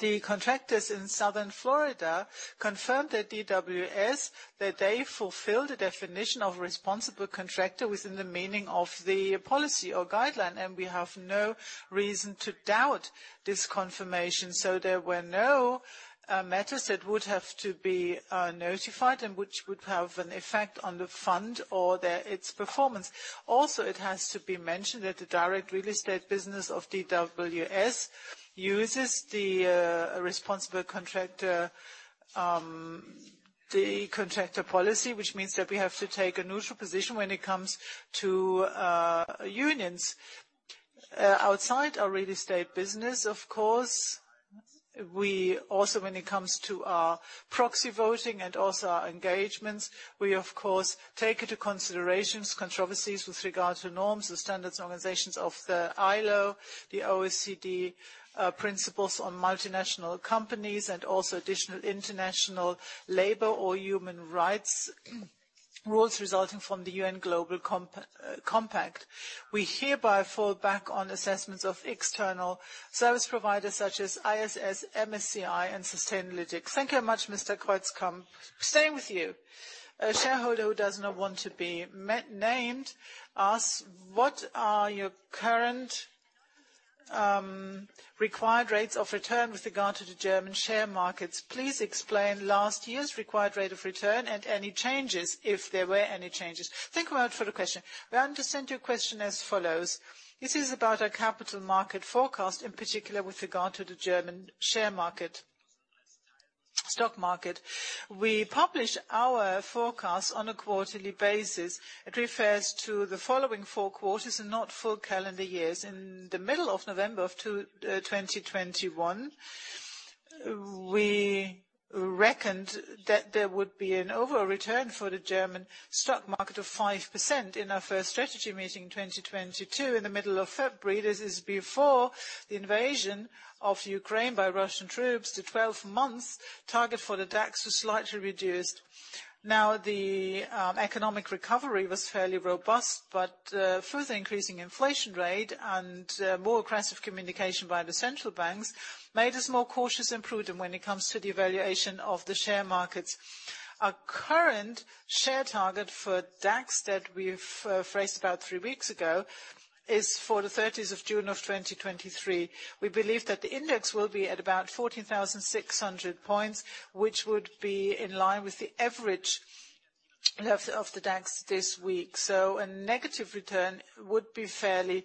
The contractors in southern Florida confirmed to DWS that they fulfill the definition of responsible contractor within the meaning of the policy or guideline, and we have no reason to doubt this confirmation. There were no matters that would have to be notified and which would have an effect on the fund or its performance. Also, it has to be mentioned that the direct real estate business of DWS uses the responsible contractor policy, which means that we have to take a neutral position when it comes to unions. Outside our real estate business, of course, we also, when it comes to our proxy voting and also our engagements, we of course take into considerations controversies with regard to norms, the standards organizations of the ILO, the OECD, principles on multinational companies, and also additional international labor or human rights rules resulting from the UN Global Compact. We hereby fall back on assessments of external service providers such as ISS, MSCI, and Sustainalytics. Thank you very much, Mr. Kreuzkamp. Staying with you, a shareholder who does not want to be named asks: what are your current, required rates of return with regard to the German share markets? Please explain last year's required rate of return and any changes, if there were any changes? Thank you very much for the question. We understand your question as follows. This is about our capital market forecast, in particular with regard to the German share market, stock market. We publish our forecasts on a quarterly basis. It refers to the following four quarters and not full calendar years. In the middle of November of 2021, we reckoned that there would be an overall return for the German stock market of 5%. In our first strategy meeting in 2022 in the middle of February, this is before the invasion of Ukraine by Russian troops, the 12-month target for the DAX was slightly reduced. Now, the economic recovery was fairly robust, but further increasing inflation rate and more aggressive communication by the central banks made us more cautious and prudent when it comes to the valuation of the share markets. Our current share target for DAX that we've raised about three weeks ago is for the 30th of June of 2023. We believe that the index will be at about 14,600 points, which would be in line with the average of the DAX this week. A negative return would be fairly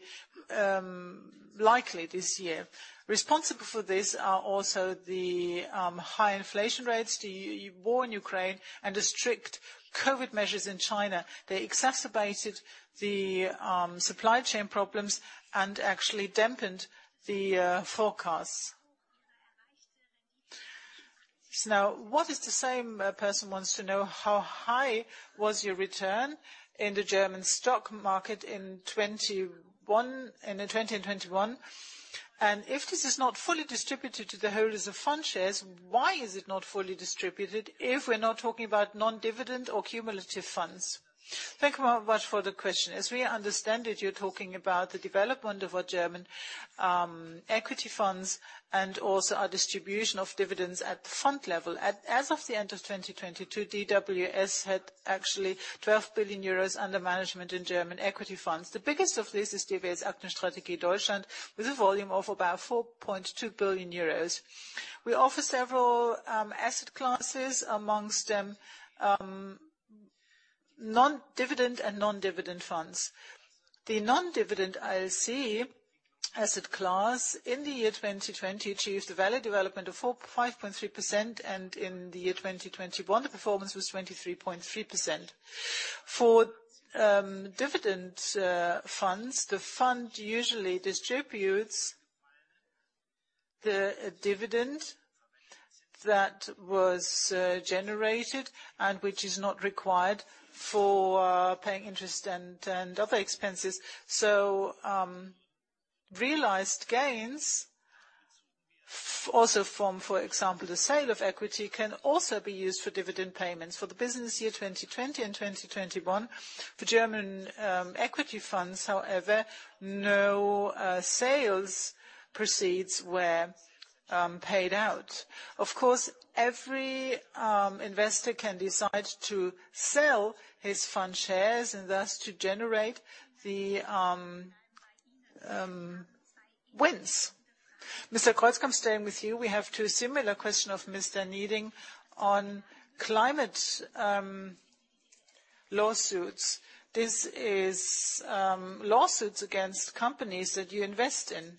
likely this year. Responsible for this are also the high inflation rates, the war in Ukraine, and the strict COVID measures in China. They exacerbated the supply chain problems and actually dampened the forecasts. Now, what the same person wants to know how high was your return in the German stock market in 2020 and 2021, and if this is not fully distributed to the holders of fund shares, why is it not fully distributed if we're not talking about non-dividend or cumulative funds? Thank you very much for the question. As we understand it, you're talking about the development of our German equity funds and also our distribution of dividends at the fund level. As of the end of 2022, DWS had actually 12 billion euros under management in German equity funds. The biggest of this is DWS Aktien Strategie Deutschland, with a volume of about 4.2 billion euros. We offer several asset classes, among them non-dividend and dividend funds. The non-dividend LC asset class in the year 2020 achieved a value development of 5.3%, and in the year 2021, the performance was 23.3%. For dividend funds, the fund usually distributes the dividend that was generated and which is not required for paying interest and other expenses. Realized gains also from, for example, the sale of equity can also be used for dividend payments. For the business year 2020 and 2021, the German equity funds, however, no sales proceeds were paid out. Of course, every investor can decide to sell his fund shares and thus to generate the gains. Mr. Kreuzkamp, staying with you, we have two similar questions of Mr. Nieding on climate lawsuits. This is lawsuits against companies that you invest in.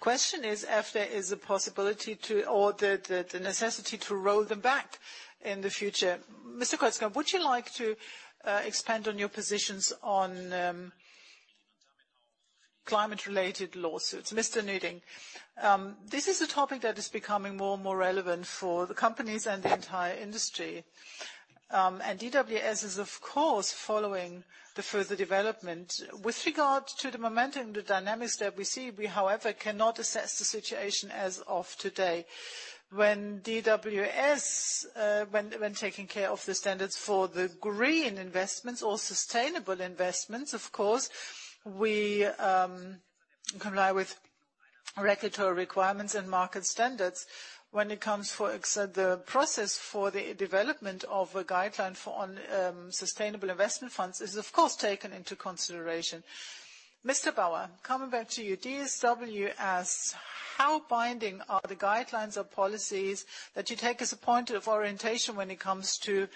Question is if there is a possibility to or the necessity to roll them back in the future. Mr. Kreuzkamp, would you like to expand on your positions on climate-related lawsuits? Mr. Nieding, this is a topic that is becoming more and more relevant for the companies and the entire industry. DWS is, of course, following the further development. With regard to the momentum, the dynamics that we see, we, however, cannot assess the situation as of today. When DWS taking care of the standards for the green investments or sustainable investments, of course, we comply with regulatory requirements and market standards when it comes to the process for the development of a guideline for sustainable investment funds is of course taken into consideration. Mr. Bauer, coming back to you. DSW asks, "How binding are the guidelines or policies that you take as a point of orientation when it comes to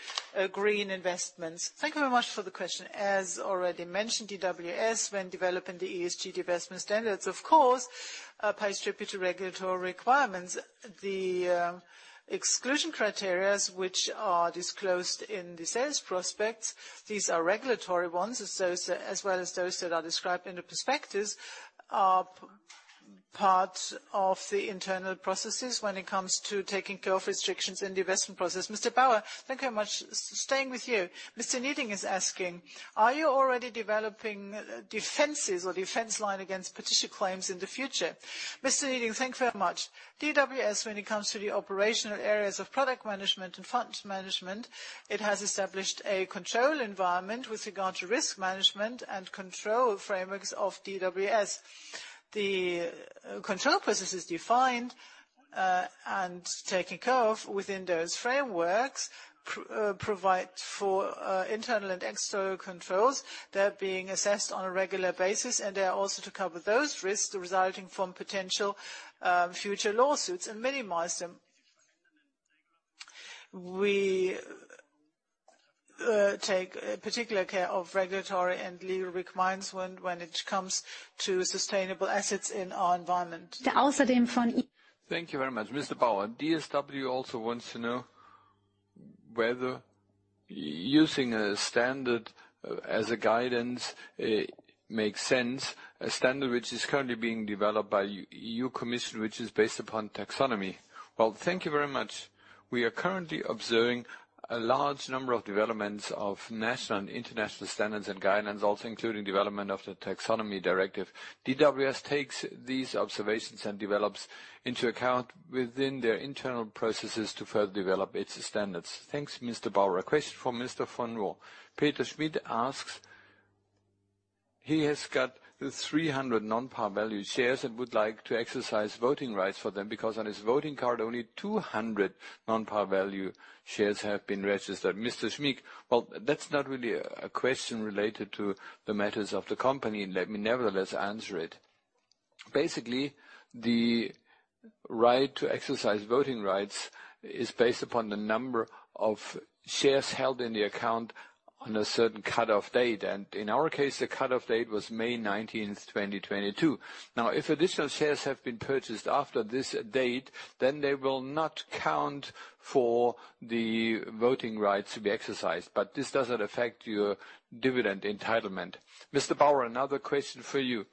green investments?" Thank you very much for the question. As already mentioned, DWS when developing the ESG divestment standards, of course, pays tribute to regulatory requirements. The exclusion criteria which are disclosed in the sales prospectus, these are regulatory ones. As well as those that are described in the prospectus are part of the internal processes when it comes to taking care of restrictions in the investment process. Mr. Bauer, thank you very much. Staying with you, Mr. Nieding is asking, "Are you already developing defenses or defense line against potential claims in the future?" Mr. Nieding, thank you very much. DWS, when it comes to the operational areas of product management and fund management, it has established a control environment with regard to risk management and control frameworks of DWS. The control processes defined and taking care of within those frameworks provide for internal and external controls. They're being assessed on a regular basis, and they are also to cover those risks resulting from potential future lawsuits and minimize them. We take particular care of regulatory and legal requirements when it comes to sustainable assets in our environment. Thank you very much. Mr. Bauer, DSW also wants to know whether using a standard as guidance makes sense, a standard which is currently being developed by European Commission, which is based upon taxonomy. Well, thank you very much. We are currently observing a large number of developments of national and international standards and guidelines, also including development of the EU Taxonomy Regulation. DWS takes these observations and developments into account within their internal processes to further develop its standards. Thanks, Mr. Bauer. A question from Mr. von Rohr. Peter Schmid asks, he has got 300 non-par value shares and would like to exercise voting rights for them because on his voting card only 200 non-par value shares have been registered. Mr. Schmidt, well, that's not really a question related to the matters of the company. Let me nevertheless answer it. Basically, the right to exercise voting rights is based upon the number of shares held in the account on a certain cutoff date. In our case, the cutoff date was May 19, 2022. Now, if additional shares have been purchased after this date, then they will not count for the voting rights to be exercised, but this doesn't affect your dividend entitlement. Mr. Bauer, another question for you.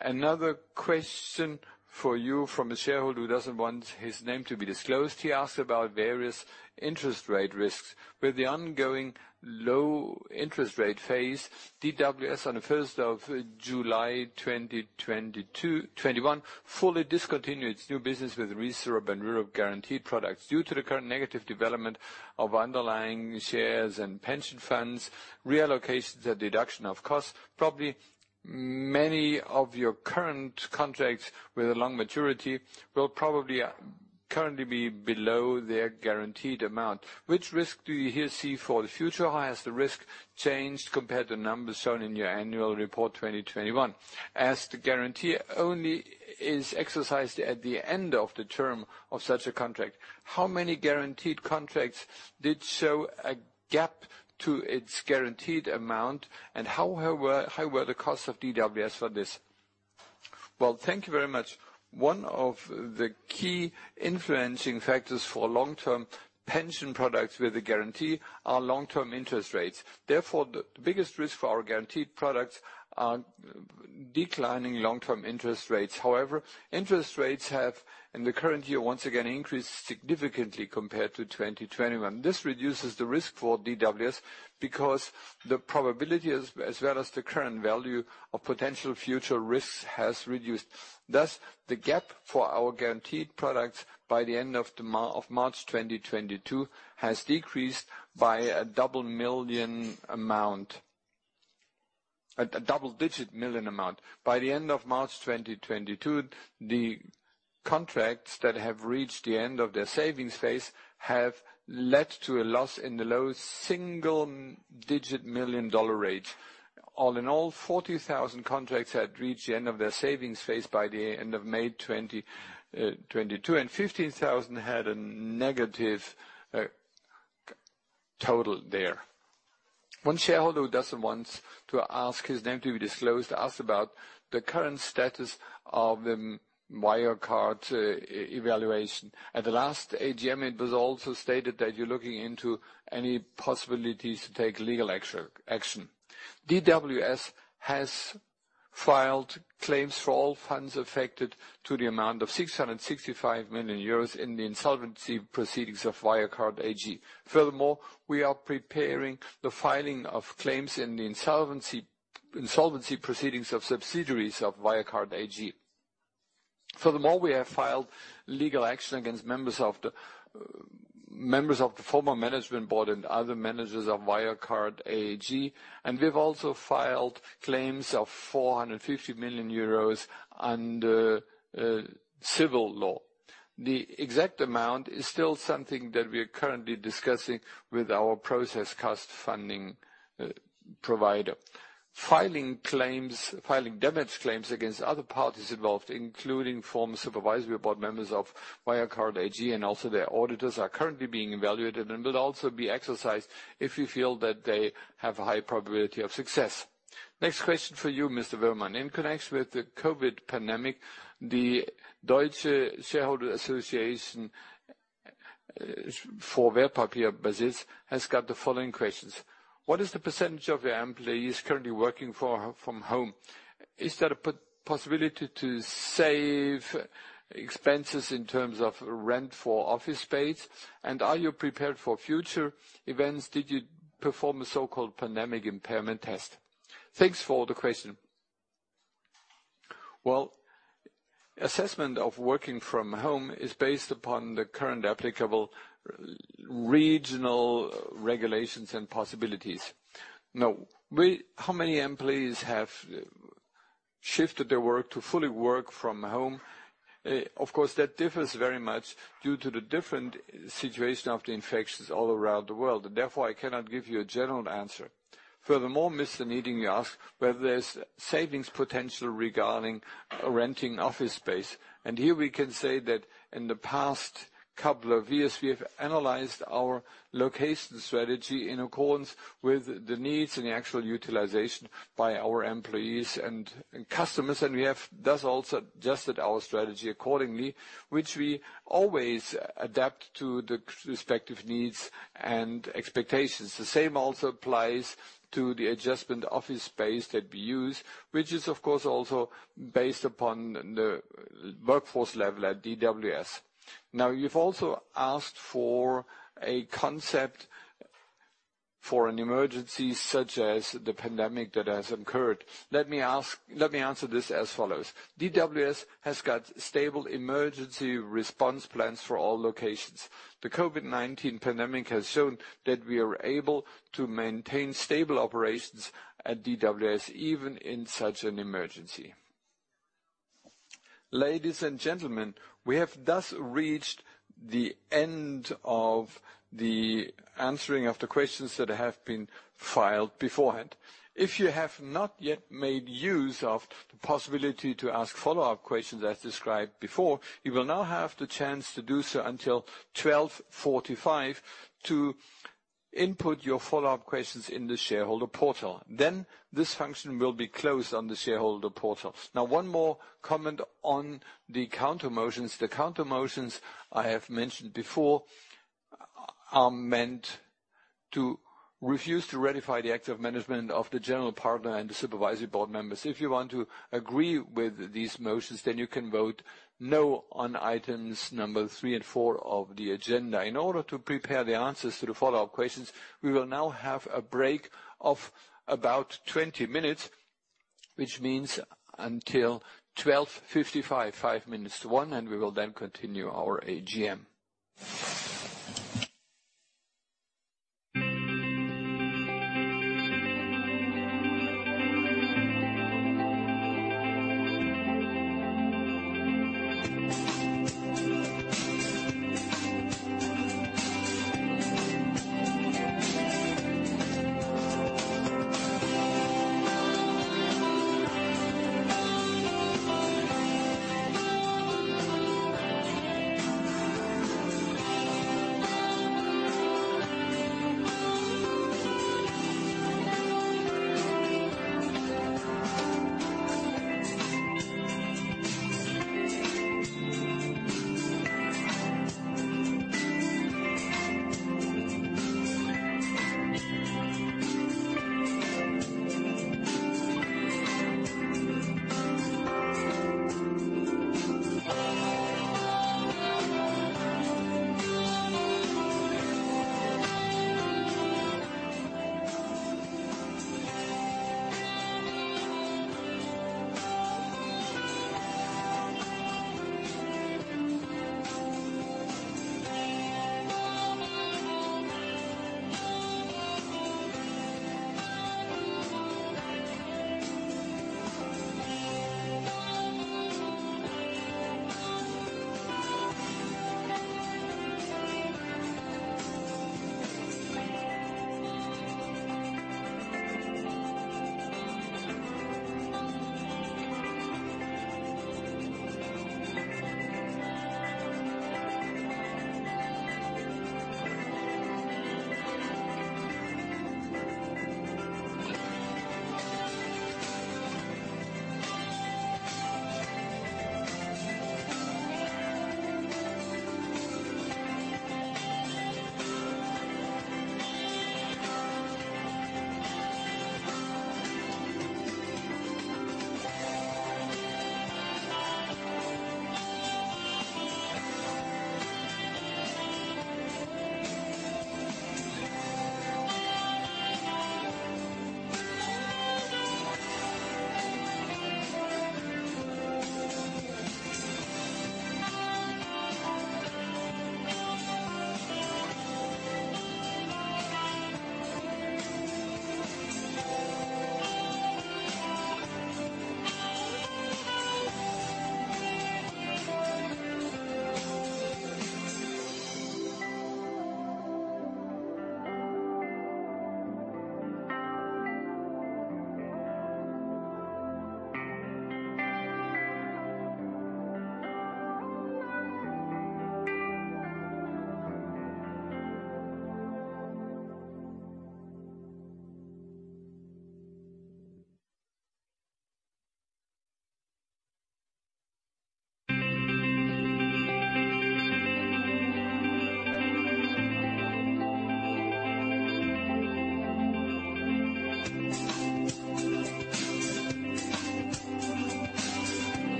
Another question for you from a shareholder who doesn't want his name to be disclosed. He asks about various interest rate risks. With the ongoing low interest rate phase, DWS on July 1, 2021, fully discontinued its new business with reserve and euro guarantee products. Due to the current negative development of underlying shares and pension funds, reallocations, the deduction of costs, probably many of your current contracts with a long maturity will probably currently be below their guaranteed amount. Which risk do you here see for the future? How has the risk changed compared to numbers shown in your Annual Report 2021? As the guarantee only is exercised at the end of the term of such a contract, how many guaranteed contracts did show a gap to its guaranteed amount, and how were the costs of DWS for this? Well, thank you very much. One of the key influencing factors for long-term pension products with a guarantee are long-term interest rates. Therefore, the biggest risk for our guaranteed products are declining long-term interest rates. However, interest rates have, in the current year, once again increased significantly compared to 2021. This reduces the risk for DWS because the probability as well as the current value of potential future risks has reduced. Thus, the gap for our guaranteed products by the end of March 2022 has decreased by a double digit million amount. By the end of March 2022, the contracts that have reached the end of their savings phase have led to a loss in the low-single digit million-dollar rate. All in all, 40,000 contracts had reached the end of their savings phase by the end of May 2022, and 15,000 had a negative total there. One shareholder who doesn't want his name to be disclosed asked about the current status of Wirecard evaluation. At the last AGM, it was also stated that you're looking into any possibilities to take legal action. DWS has filed claims for all funds affected to the amount of 665 million euros in the insolvency proceedings of Wirecard AG. Furthermore, we are preparing the filing of claims in the insolvency proceedings of subsidiaries of Wirecard AG. Furthermore, we have filed legal action against members of the former management board and other managers of Wirecard AG, and we've also filed claims of 450 million euros under civil law. The exact amount is still something that we are currently discussing with our process cost funding provider. Filing damage claims against other parties involved, including former Supervisory Board members of Wirecard AG and also their auditors, are currently being evaluated and will also be exercised if we feel that they have a high probability of success. Next question for you, Mr. Asoka Woehrmann. In connection with the COVID pandemic, the the Deutsche Shareholder Association for Wertpapierbesitz has got the following questions: "What is the percentage of the employees currently working from home? Is there a possibility to save expenses in terms of rent for office space and are you prepared for future events? Did you perform a so-called pandemic impairment test?" Let me answer this as follows. DWS has got stable emergency response plans for all locations. The COVID-19 pandemic has shown that we are able to maintain stable operations at DWS, even in such an emergency. Ladies and gentlemen, we have thus reached the end of the answering of the questions that have been filed beforehand. If you have not yet made use of the possibility to ask follow-up questions as described before, you will now have the chance to do so until 12:45 P.M. to input your follow-up questions in the shareholder portal. Then this function will be closed on the shareholder portal. Now one more comment on the counter motions. The counter motions I have mentioned before are meant to refuse to ratify the acts of management of the General Partner and the Supervisory Board members. If you want to agree with these motions, then you can vote no on Items number 3 and 4 of the agenda. In order to prepare the answers to the follow-up questions, we will now have a break of about 20 minutes, which means until 12:55 P.M., 5 minutes to 1, and we will then continue our AGM.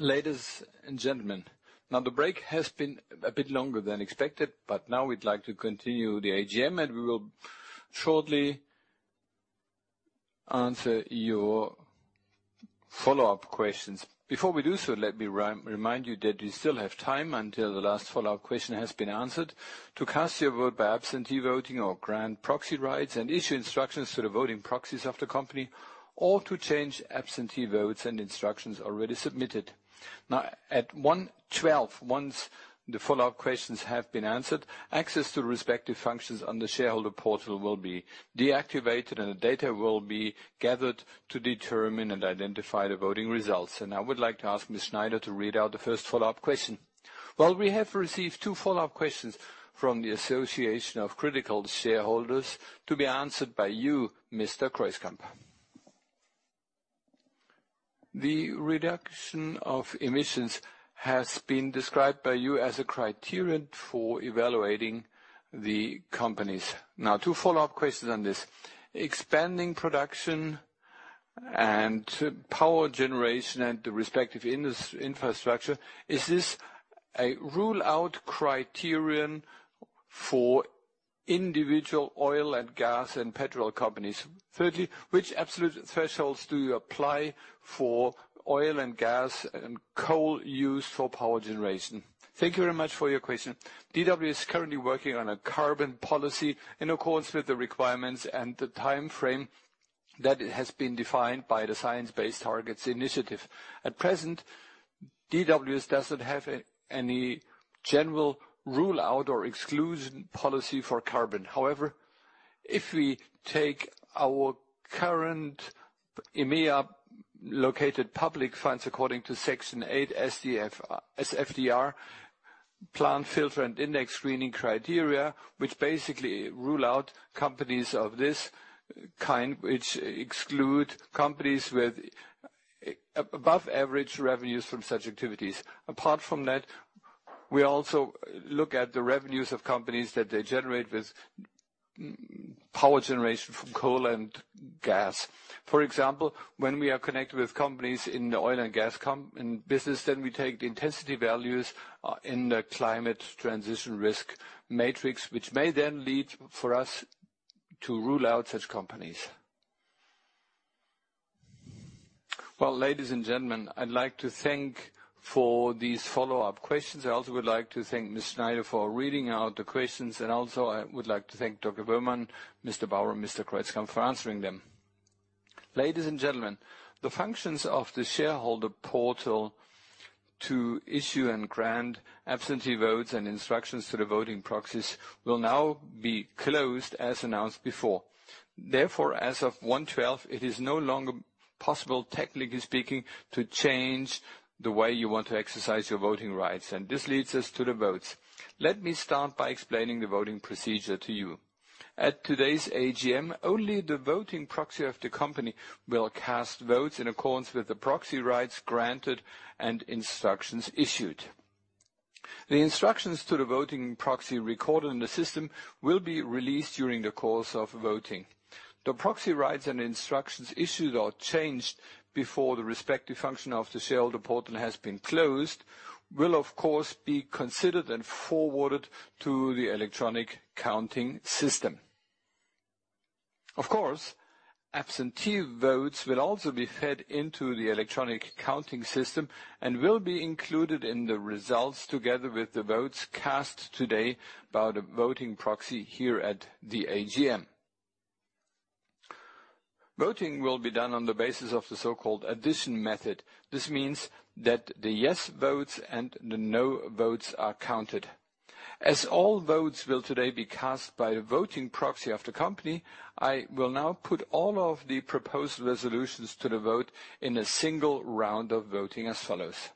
Ladies and gentlemen. Now the break has been a bit longer than expected, but now we'd like to continue the AGM, and we will shortly answer your follow-up questions. Before we do so, let me remind you that you still have time until the last follow-up question has been answered to cast your vote by absentee voting or grant proxy rights and issue instructions to the voting proxies of the company, or to change absentee votes and instructions already submitted. Now, at 1:12 P.M., once the follow-up questions have been answered, access to the respective functions on the shareholder portal will be deactivated and the data will be gathered to determine and identify the voting results. I would like to ask Ms. Schneider to read out the first follow-up question. Well, we have received two follow-up questions from the Association of Critical Shareholders to be answered by you, Mr. Kreuzkamp. The reduction of emissions has been described by you as a criterion for evaluating the companies. Now, two follow-up questions on this. Expanding production and power generation and the respective infrastructure, is this a rule-out criterion for individual oil and gas and petrol companies. Thirdly, which absolute thresholds do you apply for oil and gas and coal used for power generation? Thank you very much for your question. DWS is currently working on a carbon policy in accordance with the requirements and the timeframe that has been defined by the Science Based Targets initiative. At present, DWS doesn't have any general rule-out or exclusion policy for carbon. However, if we take our current EMEA-located public funds according to Article 8 SFDR plan, filter, and index screening criteria, which basically rule out companies of this kind, which exclude companies with above average revenues from such activities. Apart from that, we also look at the revenues of companies that they generate with power generation from coal and gas. For example, when we are connected with companies in the oil and gas in business, then we take the intensity values in the climate transition risk matrix, which may then lead for us to rule out such companies. Well, ladies and gentlemen, I'd like to thank for these follow-up questions. I also would like to thank Ms. Anita Schneider for reading out the questions, and also I would like to thank Dr. Asoka Woehrmann, Mr. Manfred Bauer, and Mr. Stefan Kreuzkamp for answering them. Ladies and gentlemen, the functions of the shareholder portal to issue and grant absentee votes and instructions to the voting proxies will now be closed as announced before. Therefore, as of 1:12 P.M., it is no longer possible, technically speaking, to change the way you want to exercise your voting rights, and this leads us to the votes. Let me start by explaining the voting procedure to you. At today's AGM, only the voting proxy of the company will cast votes in accordance with the proxy rights granted and instructions issued. The instructions to the voting proxy recorded in the system will be released during the course of voting. The proxy rights and instructions issued or changed before the respective function of the shareholder portal has been closed will, of course, be considered and forwarded to the electronic counting system. Of course, absentee votes will also be fed into the electronic counting system and will be included in the results together with the votes cast today by the voting proxy here at the AGM. Voting will be done on the basis of the so-called addition method. This means that the yes votes and the no votes are counted. As all votes will today be cast by the voting proxy of the company, I will now put all of the proposed resolutions to the vote in a single round of voting as follows.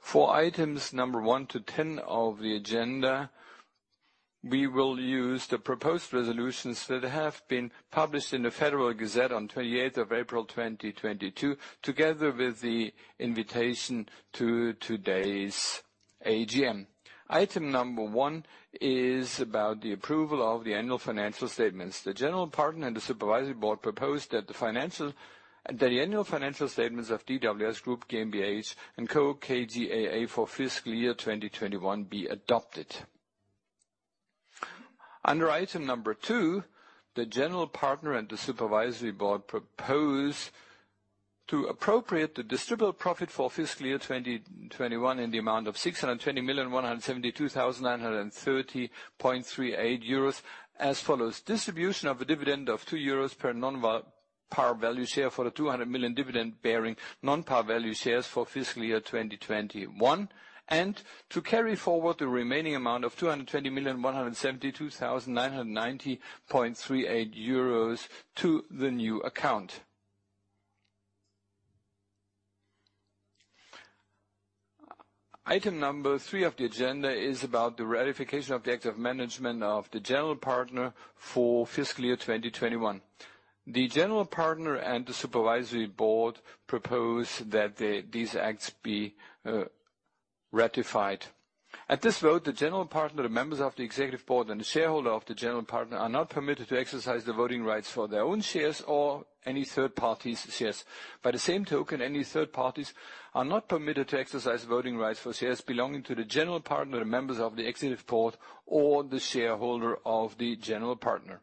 For Items 1-10 of the agenda, we will use the proposed resolutions that have been published in the Federal Gazette on 28th of April, 2022, together with the invitation to today's AGM. Item 1 is about the approval of the annual financial statements. The General Partner and the Supervisory Board propose that the annual financial statements of DWS Group GmbH & Co. KGaA for fiscal year 2021 be adopted. Under Item number 2, the General Partner and the Supervisory Board propose to appropriate the distributable profit for fiscal year 2021 in the amount of 620,172,930.38 euros as follows. Distribution of a dividend of 2 euros per non-par value share for the 200 million dividend bearing non-par value shares for fiscal year 2021, and to carry forward the remaining amount of 220,172,990.38 euros to the new account. Item number 3 of the agenda is about the ratification of the acts of management of the General Partner for fiscal year 2021. The General Partner and the Supervisory Board propose that these acts be ratified. At this vote, the General Partner, the members of the Executive Board, and the shareholder of the General Partner are not permitted to exercise the voting rights for their own shares or any third party's shares. By the same token, any third parties are not permitted to exercise voting rights for shares belonging to the General Partner, the members of the Executive Board, or the shareholder of the General Partner.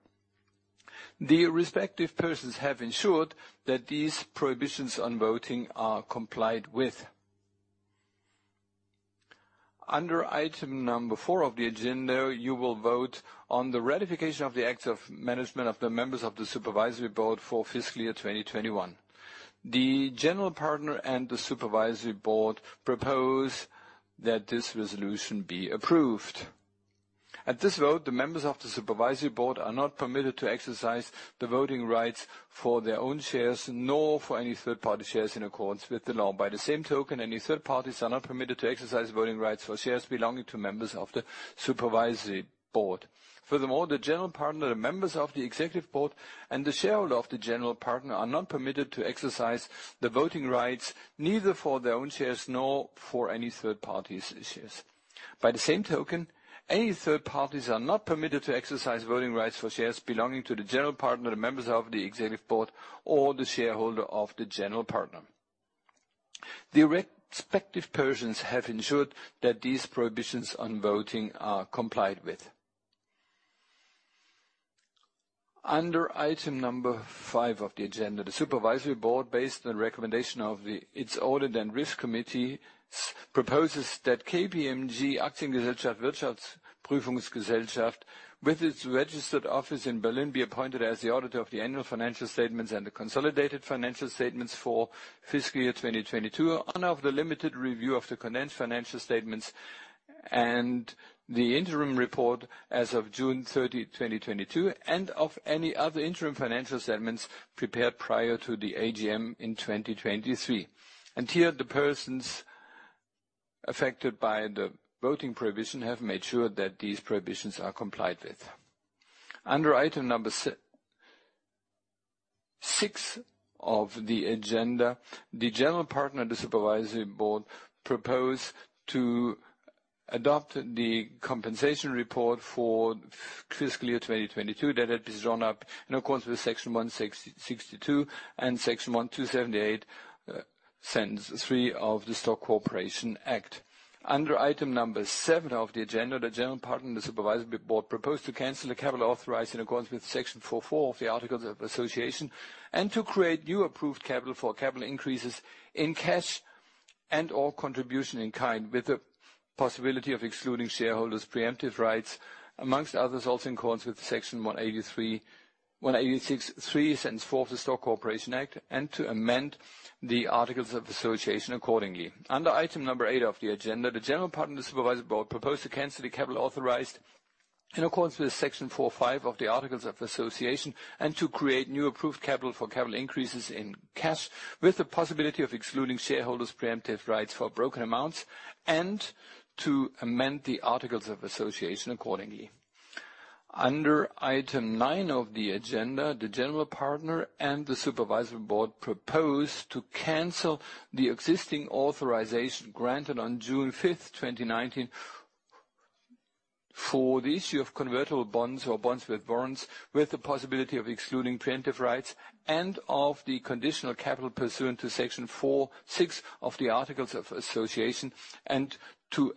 The respective persons have ensured that these prohibitions on voting are complied with. Under Item number 4 of the agenda, you will vote on the ratification of the acts of management of the members of the Supervisory Board for fiscal year 2021. The General Partner and the Supervisory Board propose that this resolution be approved. At this vote, the members of the Supervisory Board are not permitted to exercise the voting rights for their own shares, nor for any third party shares in accordance with the law. By the same token, any third parties are not permitted to exercise voting rights for shares belonging to members of the Supervisory Board. Furthermore, the General Partner, the members of the Executive Board, and the shareholder of the General Partner are not permitted to exercise the voting rights, neither for their own shares nor for any third party's shares. By the same token, any third parties are not permitted to exercise voting rights for shares belonging to the General Partner, the members of the Executive Board, or the shareholder of the General Partner. The respective persons have ensured that these prohibitions on voting are complied with. Under Item number 5 of the agenda, the Supervisory Board, based on the recommendation of its Audit and Risk Committees, proposes that KPMG AG Wirtschaftsprüfungsgesellschaft, with its registered office in Berlin, be appointed as the auditor of the annual financial statements and the consolidated financial statements for fiscal year 2022, and of the limited review of the condensed financial statements and the interim report as of June 30, 2022, and of any other interim financial statements prepared prior to the AGM in 2023. Here the persons affected by the voting prohibition have made sure that these prohibitions are complied with. Under Item 6 of the agenda, the General Partner of the Supervisory Board proposed to adopt the compensation report for fiscal year 2022 that had been drawn up in accordance with Section 162 and Section 128, Sentence 3 of the Stock Corporation Act. Under Item 7 of the agenda, the General Partner of the Supervisory Board proposed to cancel the capital authorized in accordance with Section 44 of the articles of association, and to create new approved capital for capital increases in cash and/or contribution in kind, with the possibility of excluding shareholders' preemptive rights, among others, also in accordance with Section 183-186(3), sentence 4 of the Stock Corporation Act, and to amend the articles of association accordingly. Under Item 8 of the agenda, the General Partner of the Supervisory Board proposed to cancel the capital authorized in accordance with Section 45 of the articles of association, and to create new approved capital for capital increases in cash, with the possibility of excluding shareholders' preemptive rights for broken amounts, and to amend the articles of association accordingly. Under Item 9 of the agenda, the General Partner and the Supervisory Board proposed to cancel the existing authorization granted on June 5, 2019, for the issue of convertible bonds or bonds with warrants, with the possibility of excluding preemptive rights and of the conditional capital pursuant to Section 46 of the articles of association, and to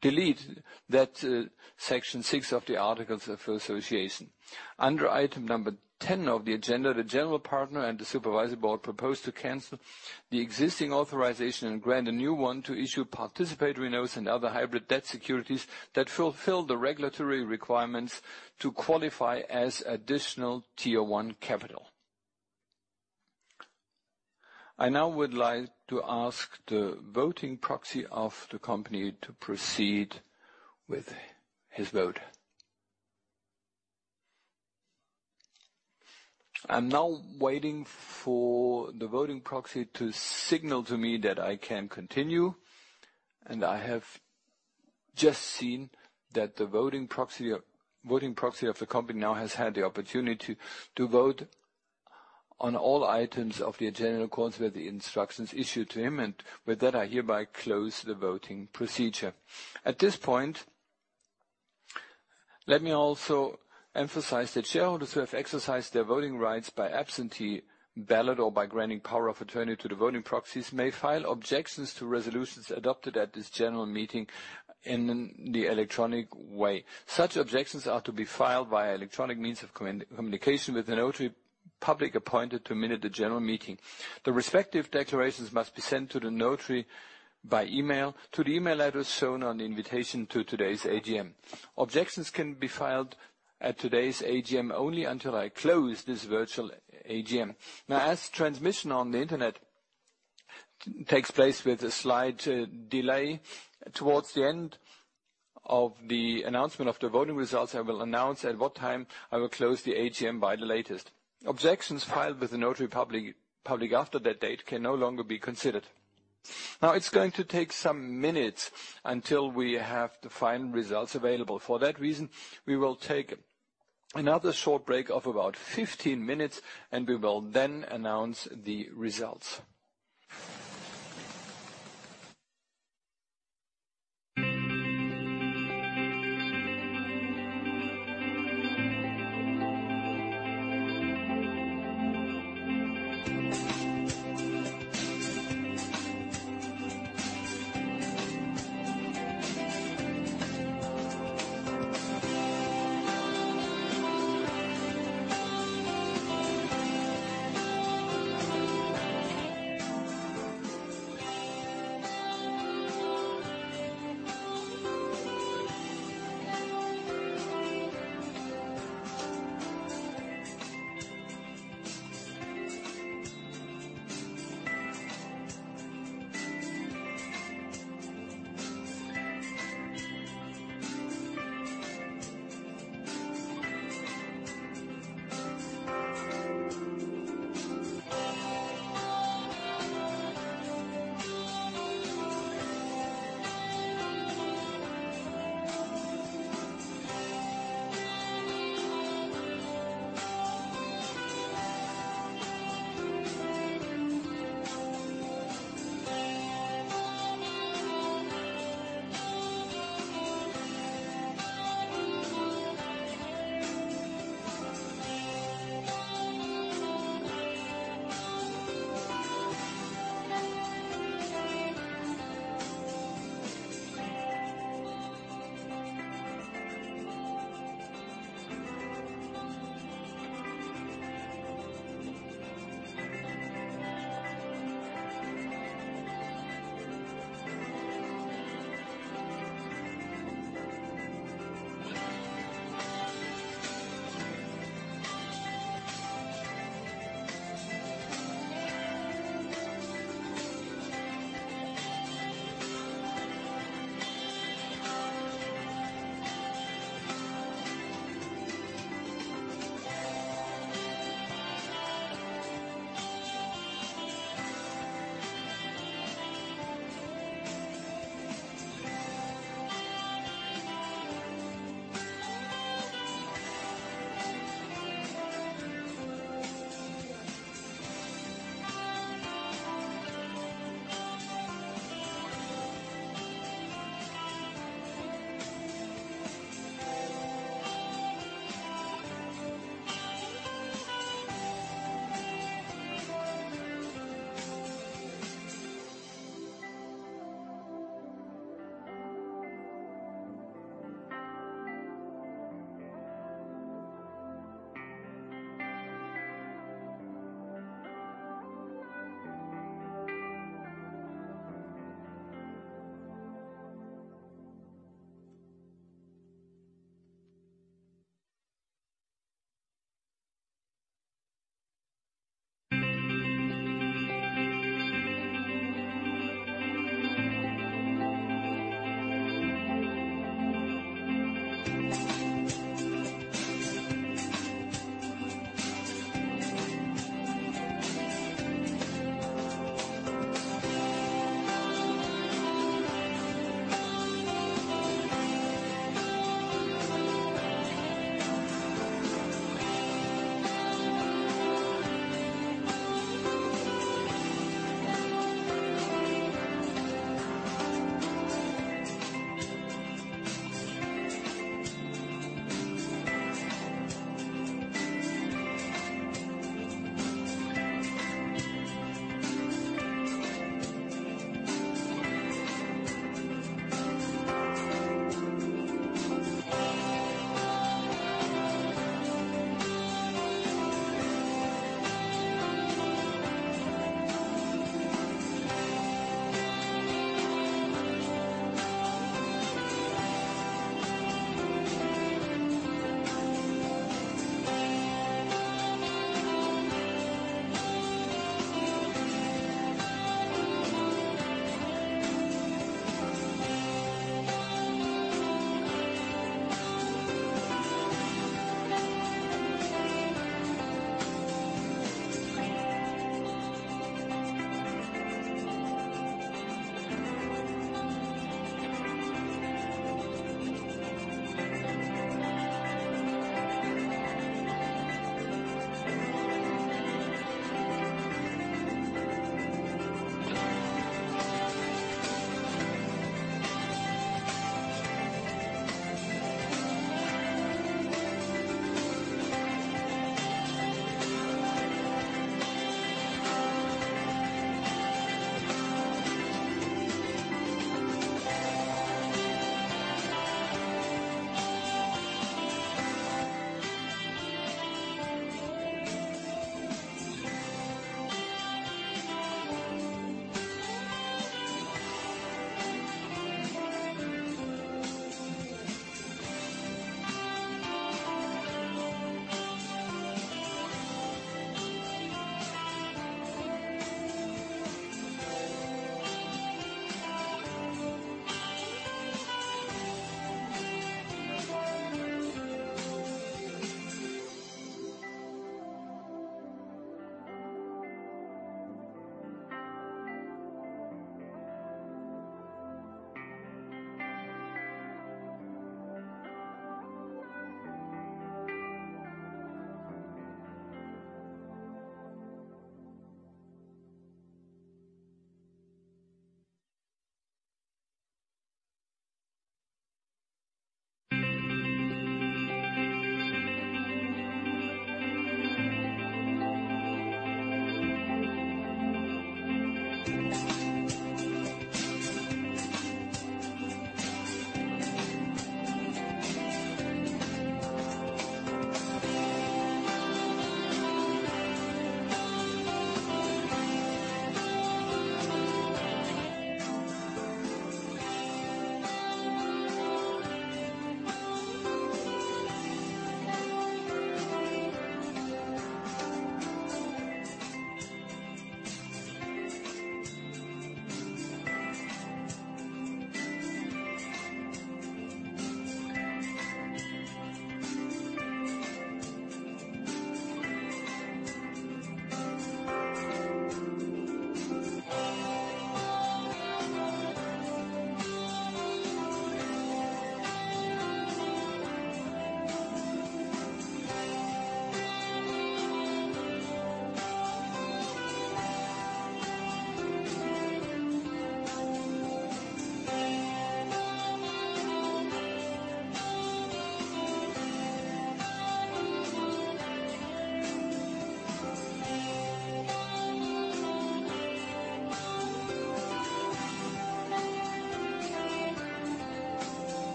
delete that Section 6 of the articles of association. Under Item number 10 of the agenda, the General Partner and the Supervisory Board proposed to cancel the existing authorization and grant a new one to issue participatory notes and other hybrid debt securities that fulfill the regulatory requirements to qualify as additional Tier 1 Capital. I now would like to ask the voting proxy of the company to proceed with his vote. I'm now waiting for the voting proxy to signal to me that I can continue, and I have just seen that the voting proxy of the company now has had the opportunity to vote on all items of the agenda in accordance with the instructions issued to him. With that, I hereby close the voting procedure. At this point, let me also emphasize that shareholders who have exercised their voting rights by absentee ballot or by granting power of attorney to the voting proxies may file objections to resolutions adopted at this General Meeting in the electronic way. Such objections are to be filed via electronic means of communication with the notary public appointed to minute the General Meeting. The respective declarations must be sent to the notary by email to the email address shown on the invitation to today's AGM. Objections can be filed at today's AGM only until I close this virtual AGM. Now, as transmission on the Internet takes place with a slight delay, towards the end of the announcement of the voting results, I will announce at what time I will close the AGM by the latest. Objections filed with the notary public after that date can no longer be considered. Now, it's going to take some minutes until we have the final results available. For that reason, we will take another short break of about 15 minutes, and we will then announce the results.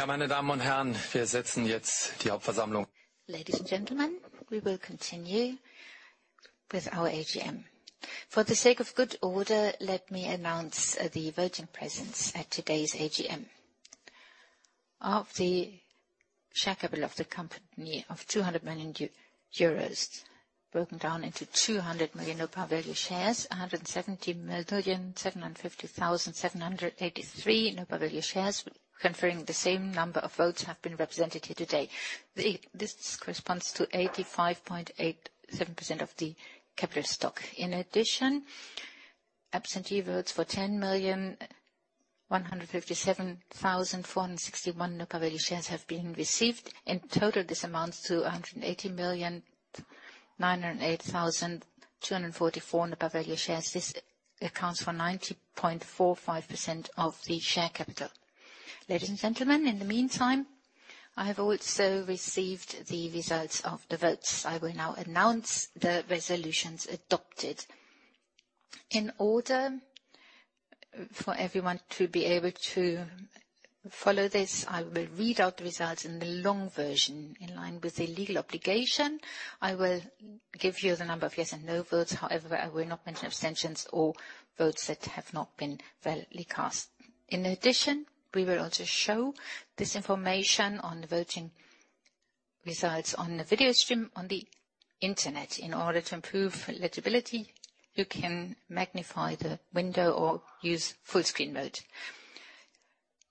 Ladies and gentlemen, we will continue with our AGM. For the sake of good order, let me announce the voting presence at today's AGM. Of the share capital of the company of 200 million euros, broken down into 200 million nominal value shares, 170,750,783 nominal value shares conferring the same number of votes have been represented here today. This corresponds to 85.87% of the capital stock. In addition, absentee votes for 10,157,461 nominal value shares have been received. In total, this amounts to 180,908,244 nominal value shares. This accounts for 90.45% of the share capital. Ladies and gentlemen, in the meantime, I have also received the results of the votes. I will now announce the resolutions adopted. In order for everyone to be able to follow this, I will read out the results in the long version. In line with the legal obligation, I will give you the number of yes and no votes. However, I will not mention abstentions or votes that have not been validly cast. In addition, we will also show this information on the voting results on the video stream on the Internet. In order to improve legibility, you can magnify the window or use full screen mode.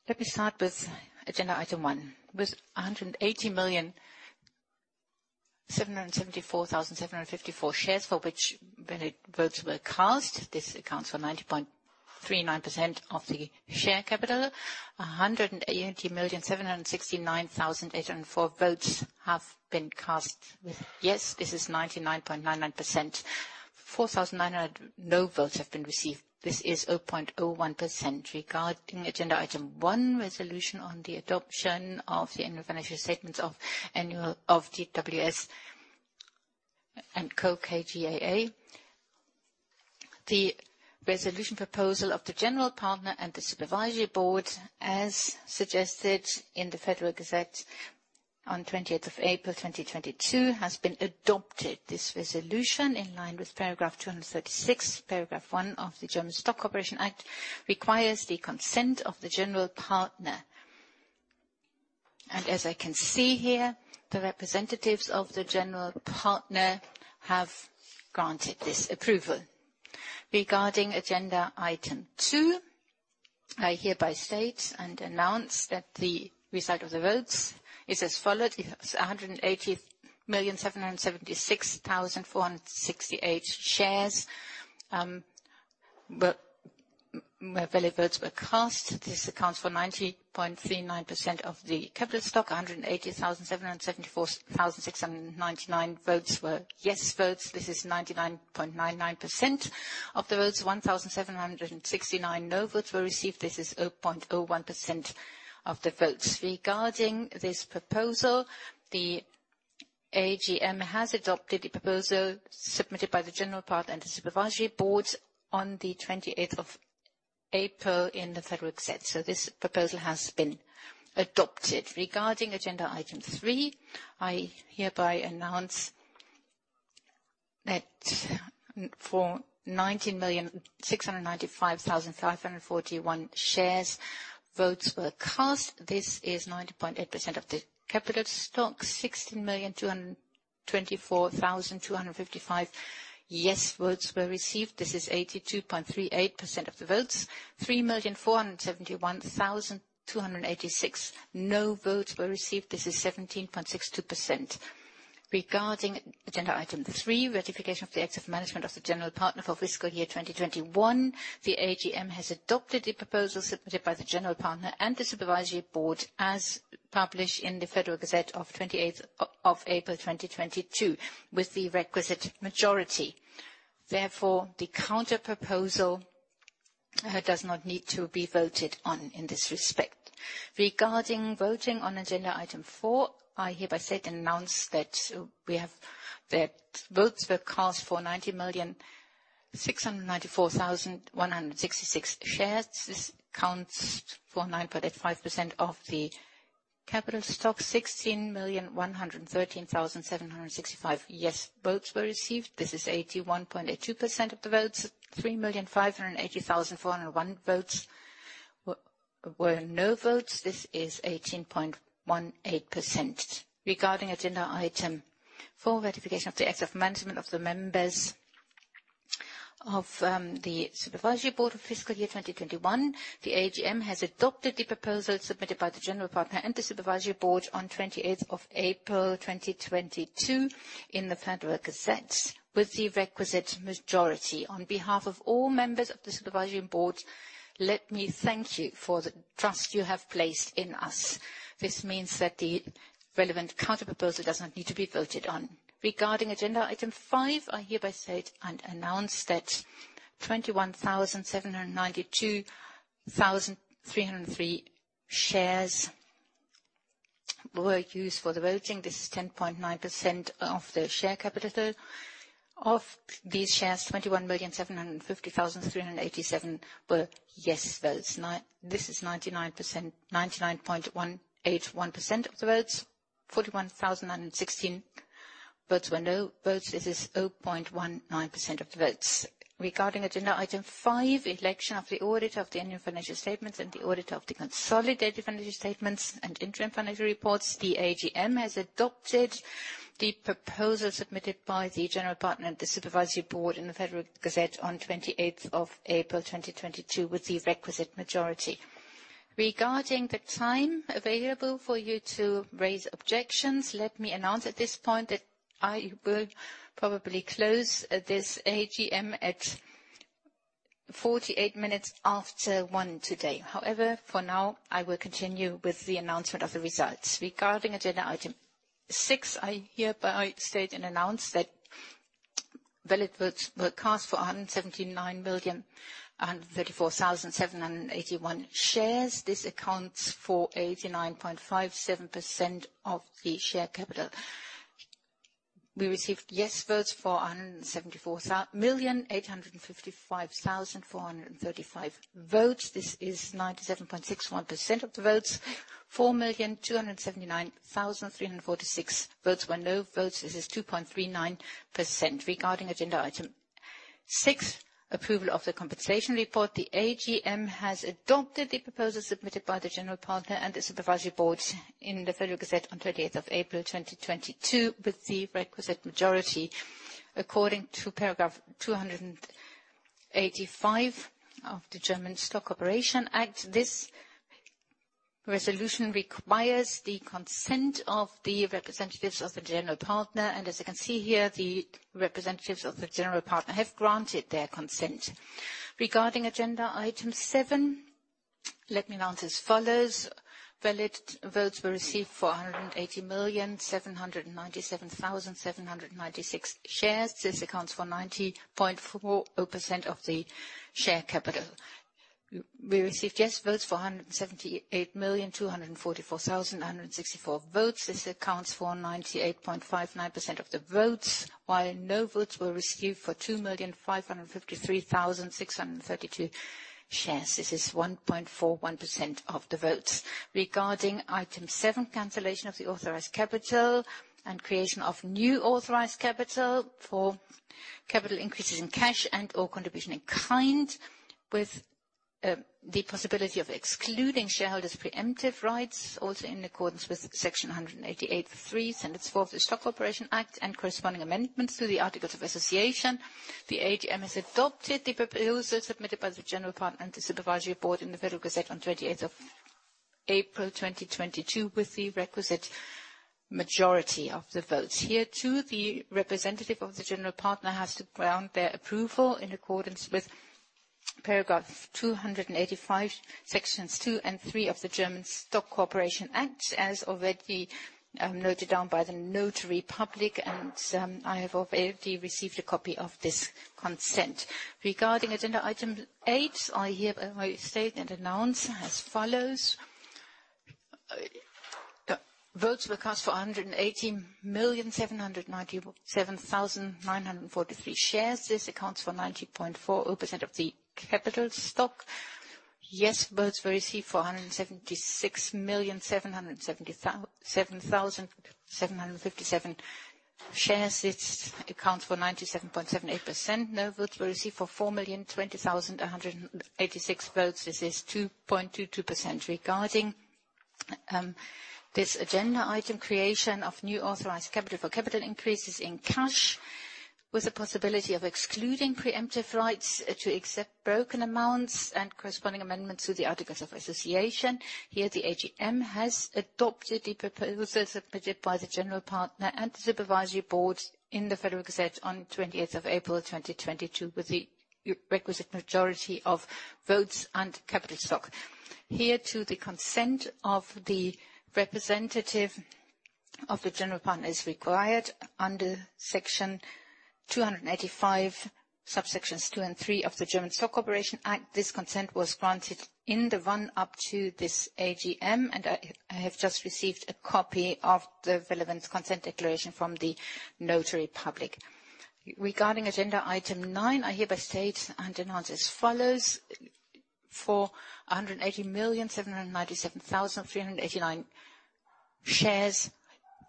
Let me start with agenda Item 1. With 180,774,754 shares for which valid votes were cast. This accounts for 90.39% of the share capital. 180,769,804 votes have been cast with yes. This is 99.99%. 4,900 no votes have been received. This is 0.01%. Regarding agenda Item 1, resolution on the adoption of the annual financial statements of DWS & Co. KGaA. The resolution proposal of the General Partner and the Supervisory Board, as suggested in the Federal Gazette on 20th of April 2022, has been adopted. This resolution, in line with paragraph 236, paragraph 1 of the German Stock Corporation Act, requires the consent of the General Partner. As I can see here, the representatives of the General Partner have granted this approval. Regarding agenda Item 2, I hereby state and announce that the result of the votes is as follows. 180,776,468 shares where valid votes were cast. This accounts for 90.39% of the capital stock. 180,774,699 votes were yes votes. This is 99.99% of the votes. 1,769 no votes were received. This is 0.01% of the votes. Regarding this proposal, the AGM has adopted the proposal submitted by the General Partner and the Supervisory Board on the 28th of April in the Federal Gazette. This proposal has been adopted. Regarding agenda Item 3, I hereby announce that for 19,695,541 shares, votes were cast. This is 90.8% of the capital stock. 16,224,255 yes votes were received. This is 82.38% of the votes. 3,471,286 no votes were received. This is 17.62%. Regarding agenda Item 3, ratification of the acts of management of the General Partner for fiscal year 2021, the AGM has adopted the proposal submitted by the General Partner and the Supervisory Board as published in the Federal Gazette of 28th of April 2022, with the requisite majority. Therefore, the counter proposal does not need to be voted on in this respect. Regarding voting on agenda Item 4, I hereby announce that votes were cast for 90,694,166 shares. This accounts for 9.85% of the capital stock. 16,113,765 yes votes were received. This is 81.82% of the votes. 3,580,401 votes were no votes. This is 18.18%. Regarding agenda Item 4, ratification of the acts of management of the members of the Supervisory Board for fiscal year 2021. The AGM has adopted the proposal submitted by the General Partner and the Supervisory Board on 28th of April 2022 in the Federal Gazette with the requisite majority. On behalf of all members of the Supervisory Board, let me thank you for the trust you have placed in us. This means that the relevant counter proposal does not need to be voted on. Regarding agenda Item 5, I hereby state and announce that 21,792,303 shares were used for the voting. This is 10.9% of the share capital. Of these shares, 21,750,387 were yes votes. This is 99%, 99.181% of the votes. 41,016 votes were no votes. This is 0.19% of the votes. Regarding agenda Item 5, election of the audit of the annual financial statements and the audit of the consolidated financial statements and interim financial reports, the AGM has adopted the proposal submitted by the General Partner and the Supervisory Board in the Federal Gazette on 28th of April 2022, with the requisite majority. Regarding the time available for you to raise objections, let me announce at this point that I will probably close this AGM at 1:48 P.M. today. However, for now, I will continue with the announcement of the results. Regarding agenda Item 6, I hereby state and announce that valid votes were cast for 179,134,781 shares. This accounts for 89.57% of the share capital. We received yes votes for 174,855,435 votes. This is 97.61% of the votes. 4,279,346 votes were no votes. This is 2.39%. Regarding agenda Item 6, approval of the compensation report, the AGM has adopted the proposal submitted by the General Partner and the Supervisory Board in the Federal Gazette on 20th of April 2022, with the requisite majority. According to paragraph 285 of the German Stock Corporation Act, this resolution requires the consent of the representatives of the General Partner. As you can see here, the representatives of the General Partner have granted their consent. Regarding agenda Item 7, let me announce as follows: valid votes were received for 180,797,796 shares. This accounts for 90.40% of the share capital. We received yes votes for 178,244,164 votes. This accounts for 98.59% of the votes. No votes were received for 2,553,632 shares. This is 1.41% of the votes. Regarding Item 7, cancellation of the authorized capital and creation of new authorized capital for capital increases in cash and/or contribution in kind, with the possibility of excluding shareholders' preemptive rights, also in accordance with Section 188(3), Sentence 4 of the Stock Corporation Act and corresponding amendments to the Articles of Association. 285, subsections 2 and 3 of the German Stock Corporation Act. This consent was granted in the run-up to this AGM, and I have just received a copy of the relevant consent declaration from the notary public. Regarding agenda Item 9, I hereby state and announce as follows. For 180,797,389 shares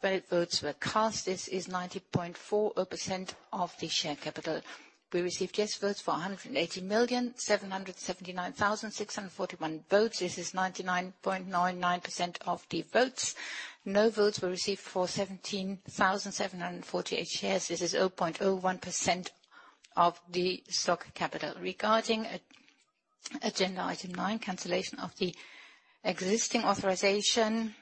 votes were cast. This is 90.40% of the share capital. We received yes votes for 180,779,641 votes. This is 99.99% of the votes. No votes were received for 17,748 shares. This is 0.01% of the share capital. Regarding agenda Item 9, cancellation of the existing authorization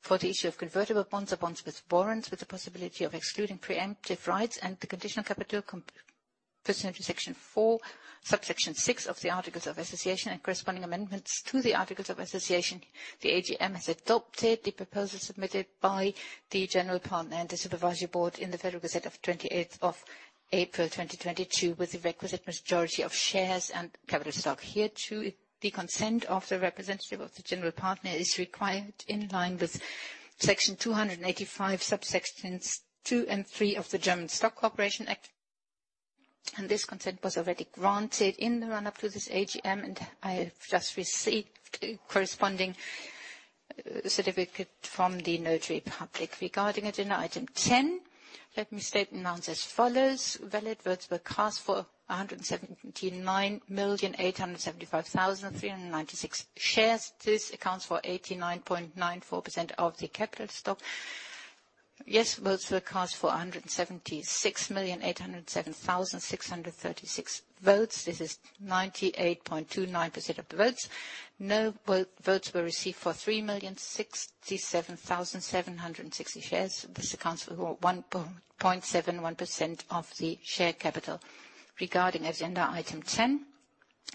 for the issue of convertible bonds or bonds with warrants with the possibility of excluding preemptive rights and the conditional capital pursuant to Section 4, subsection six of the articles of association and corresponding amendments to the articles of association. The AGM has adopted the proposal submitted by the General Partner and the Supervisory Board in the Federal Gazette of 28th of April, 2022, with the requisite majority of shares and capital stock. Hereto, the consent of the representative of the General Partner is required in line with Section 285, subsections 2 and 3 of the German Stock Corporation Act. This consent was already granted in the run-up to this AGM, and I have just received the corresponding certificate from the notary public. Regarding agenda Item 10, let me state and announce as follows. Valid votes were cast for 179,875,396 shares. This accounts for 89.94% of the capital stock. Yes votes were cast for 176,807,636 votes. This is 98.29% of the votes. No votes were received for 3,067,760 shares. This accounts for 1.71% of the share capital. Regarding agenda Item 10,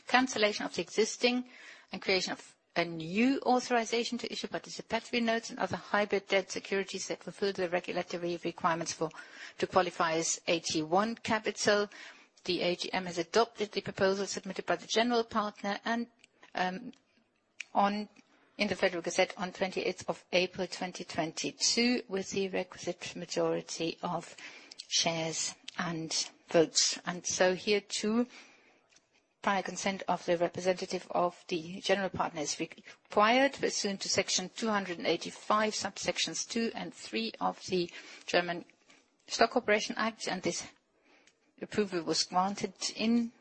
cancellation of the existing and creation of a new authorization to issue participatory notes and other hybrid debt securities that fulfill the regulatory requirements to qualify as Additional Tier 1 capital. The AGM has adopted the proposal submitted by the General Partner in the Federal Gazette on 20th of April, 2022, with the requisite majority of shares and votes. Hereto, prior consent of the representative of the general partner is required pursuant to Section 285, subsections 2 and 3 of the German Stock Corporation Act, and this approval was granted in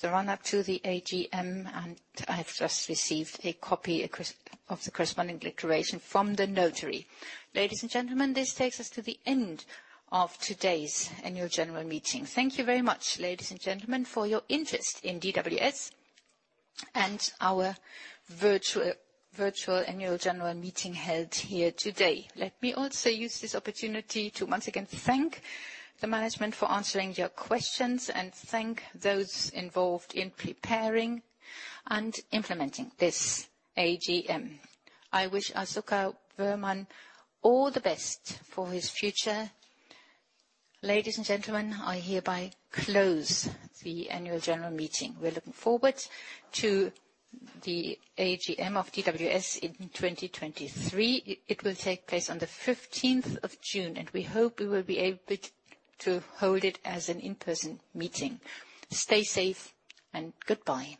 the run-up to the AGM, and I have just received a copy, of course, of the corresponding declaration from the notary. Ladies and gentlemen, this takes us to the end of today's Annual General Meeting. Thank you very much, ladies and gentlemen, for your interest in DWS and our virtual Annual General Meeting held here today. Let me also use this opportunity to once again thank the management for answering your questions, and thank those involved in preparing and implementing this AGM. I wish Asoka Woehrmann all the best for his future. Ladies and gentlemen, I hereby close the Annual General Meeting. We're looking forward to the AGM of DWS in 2023. It will take place on the 15th of June, and we hope we will be able to hold it as an in-person meeting. Stay safe and goodbye.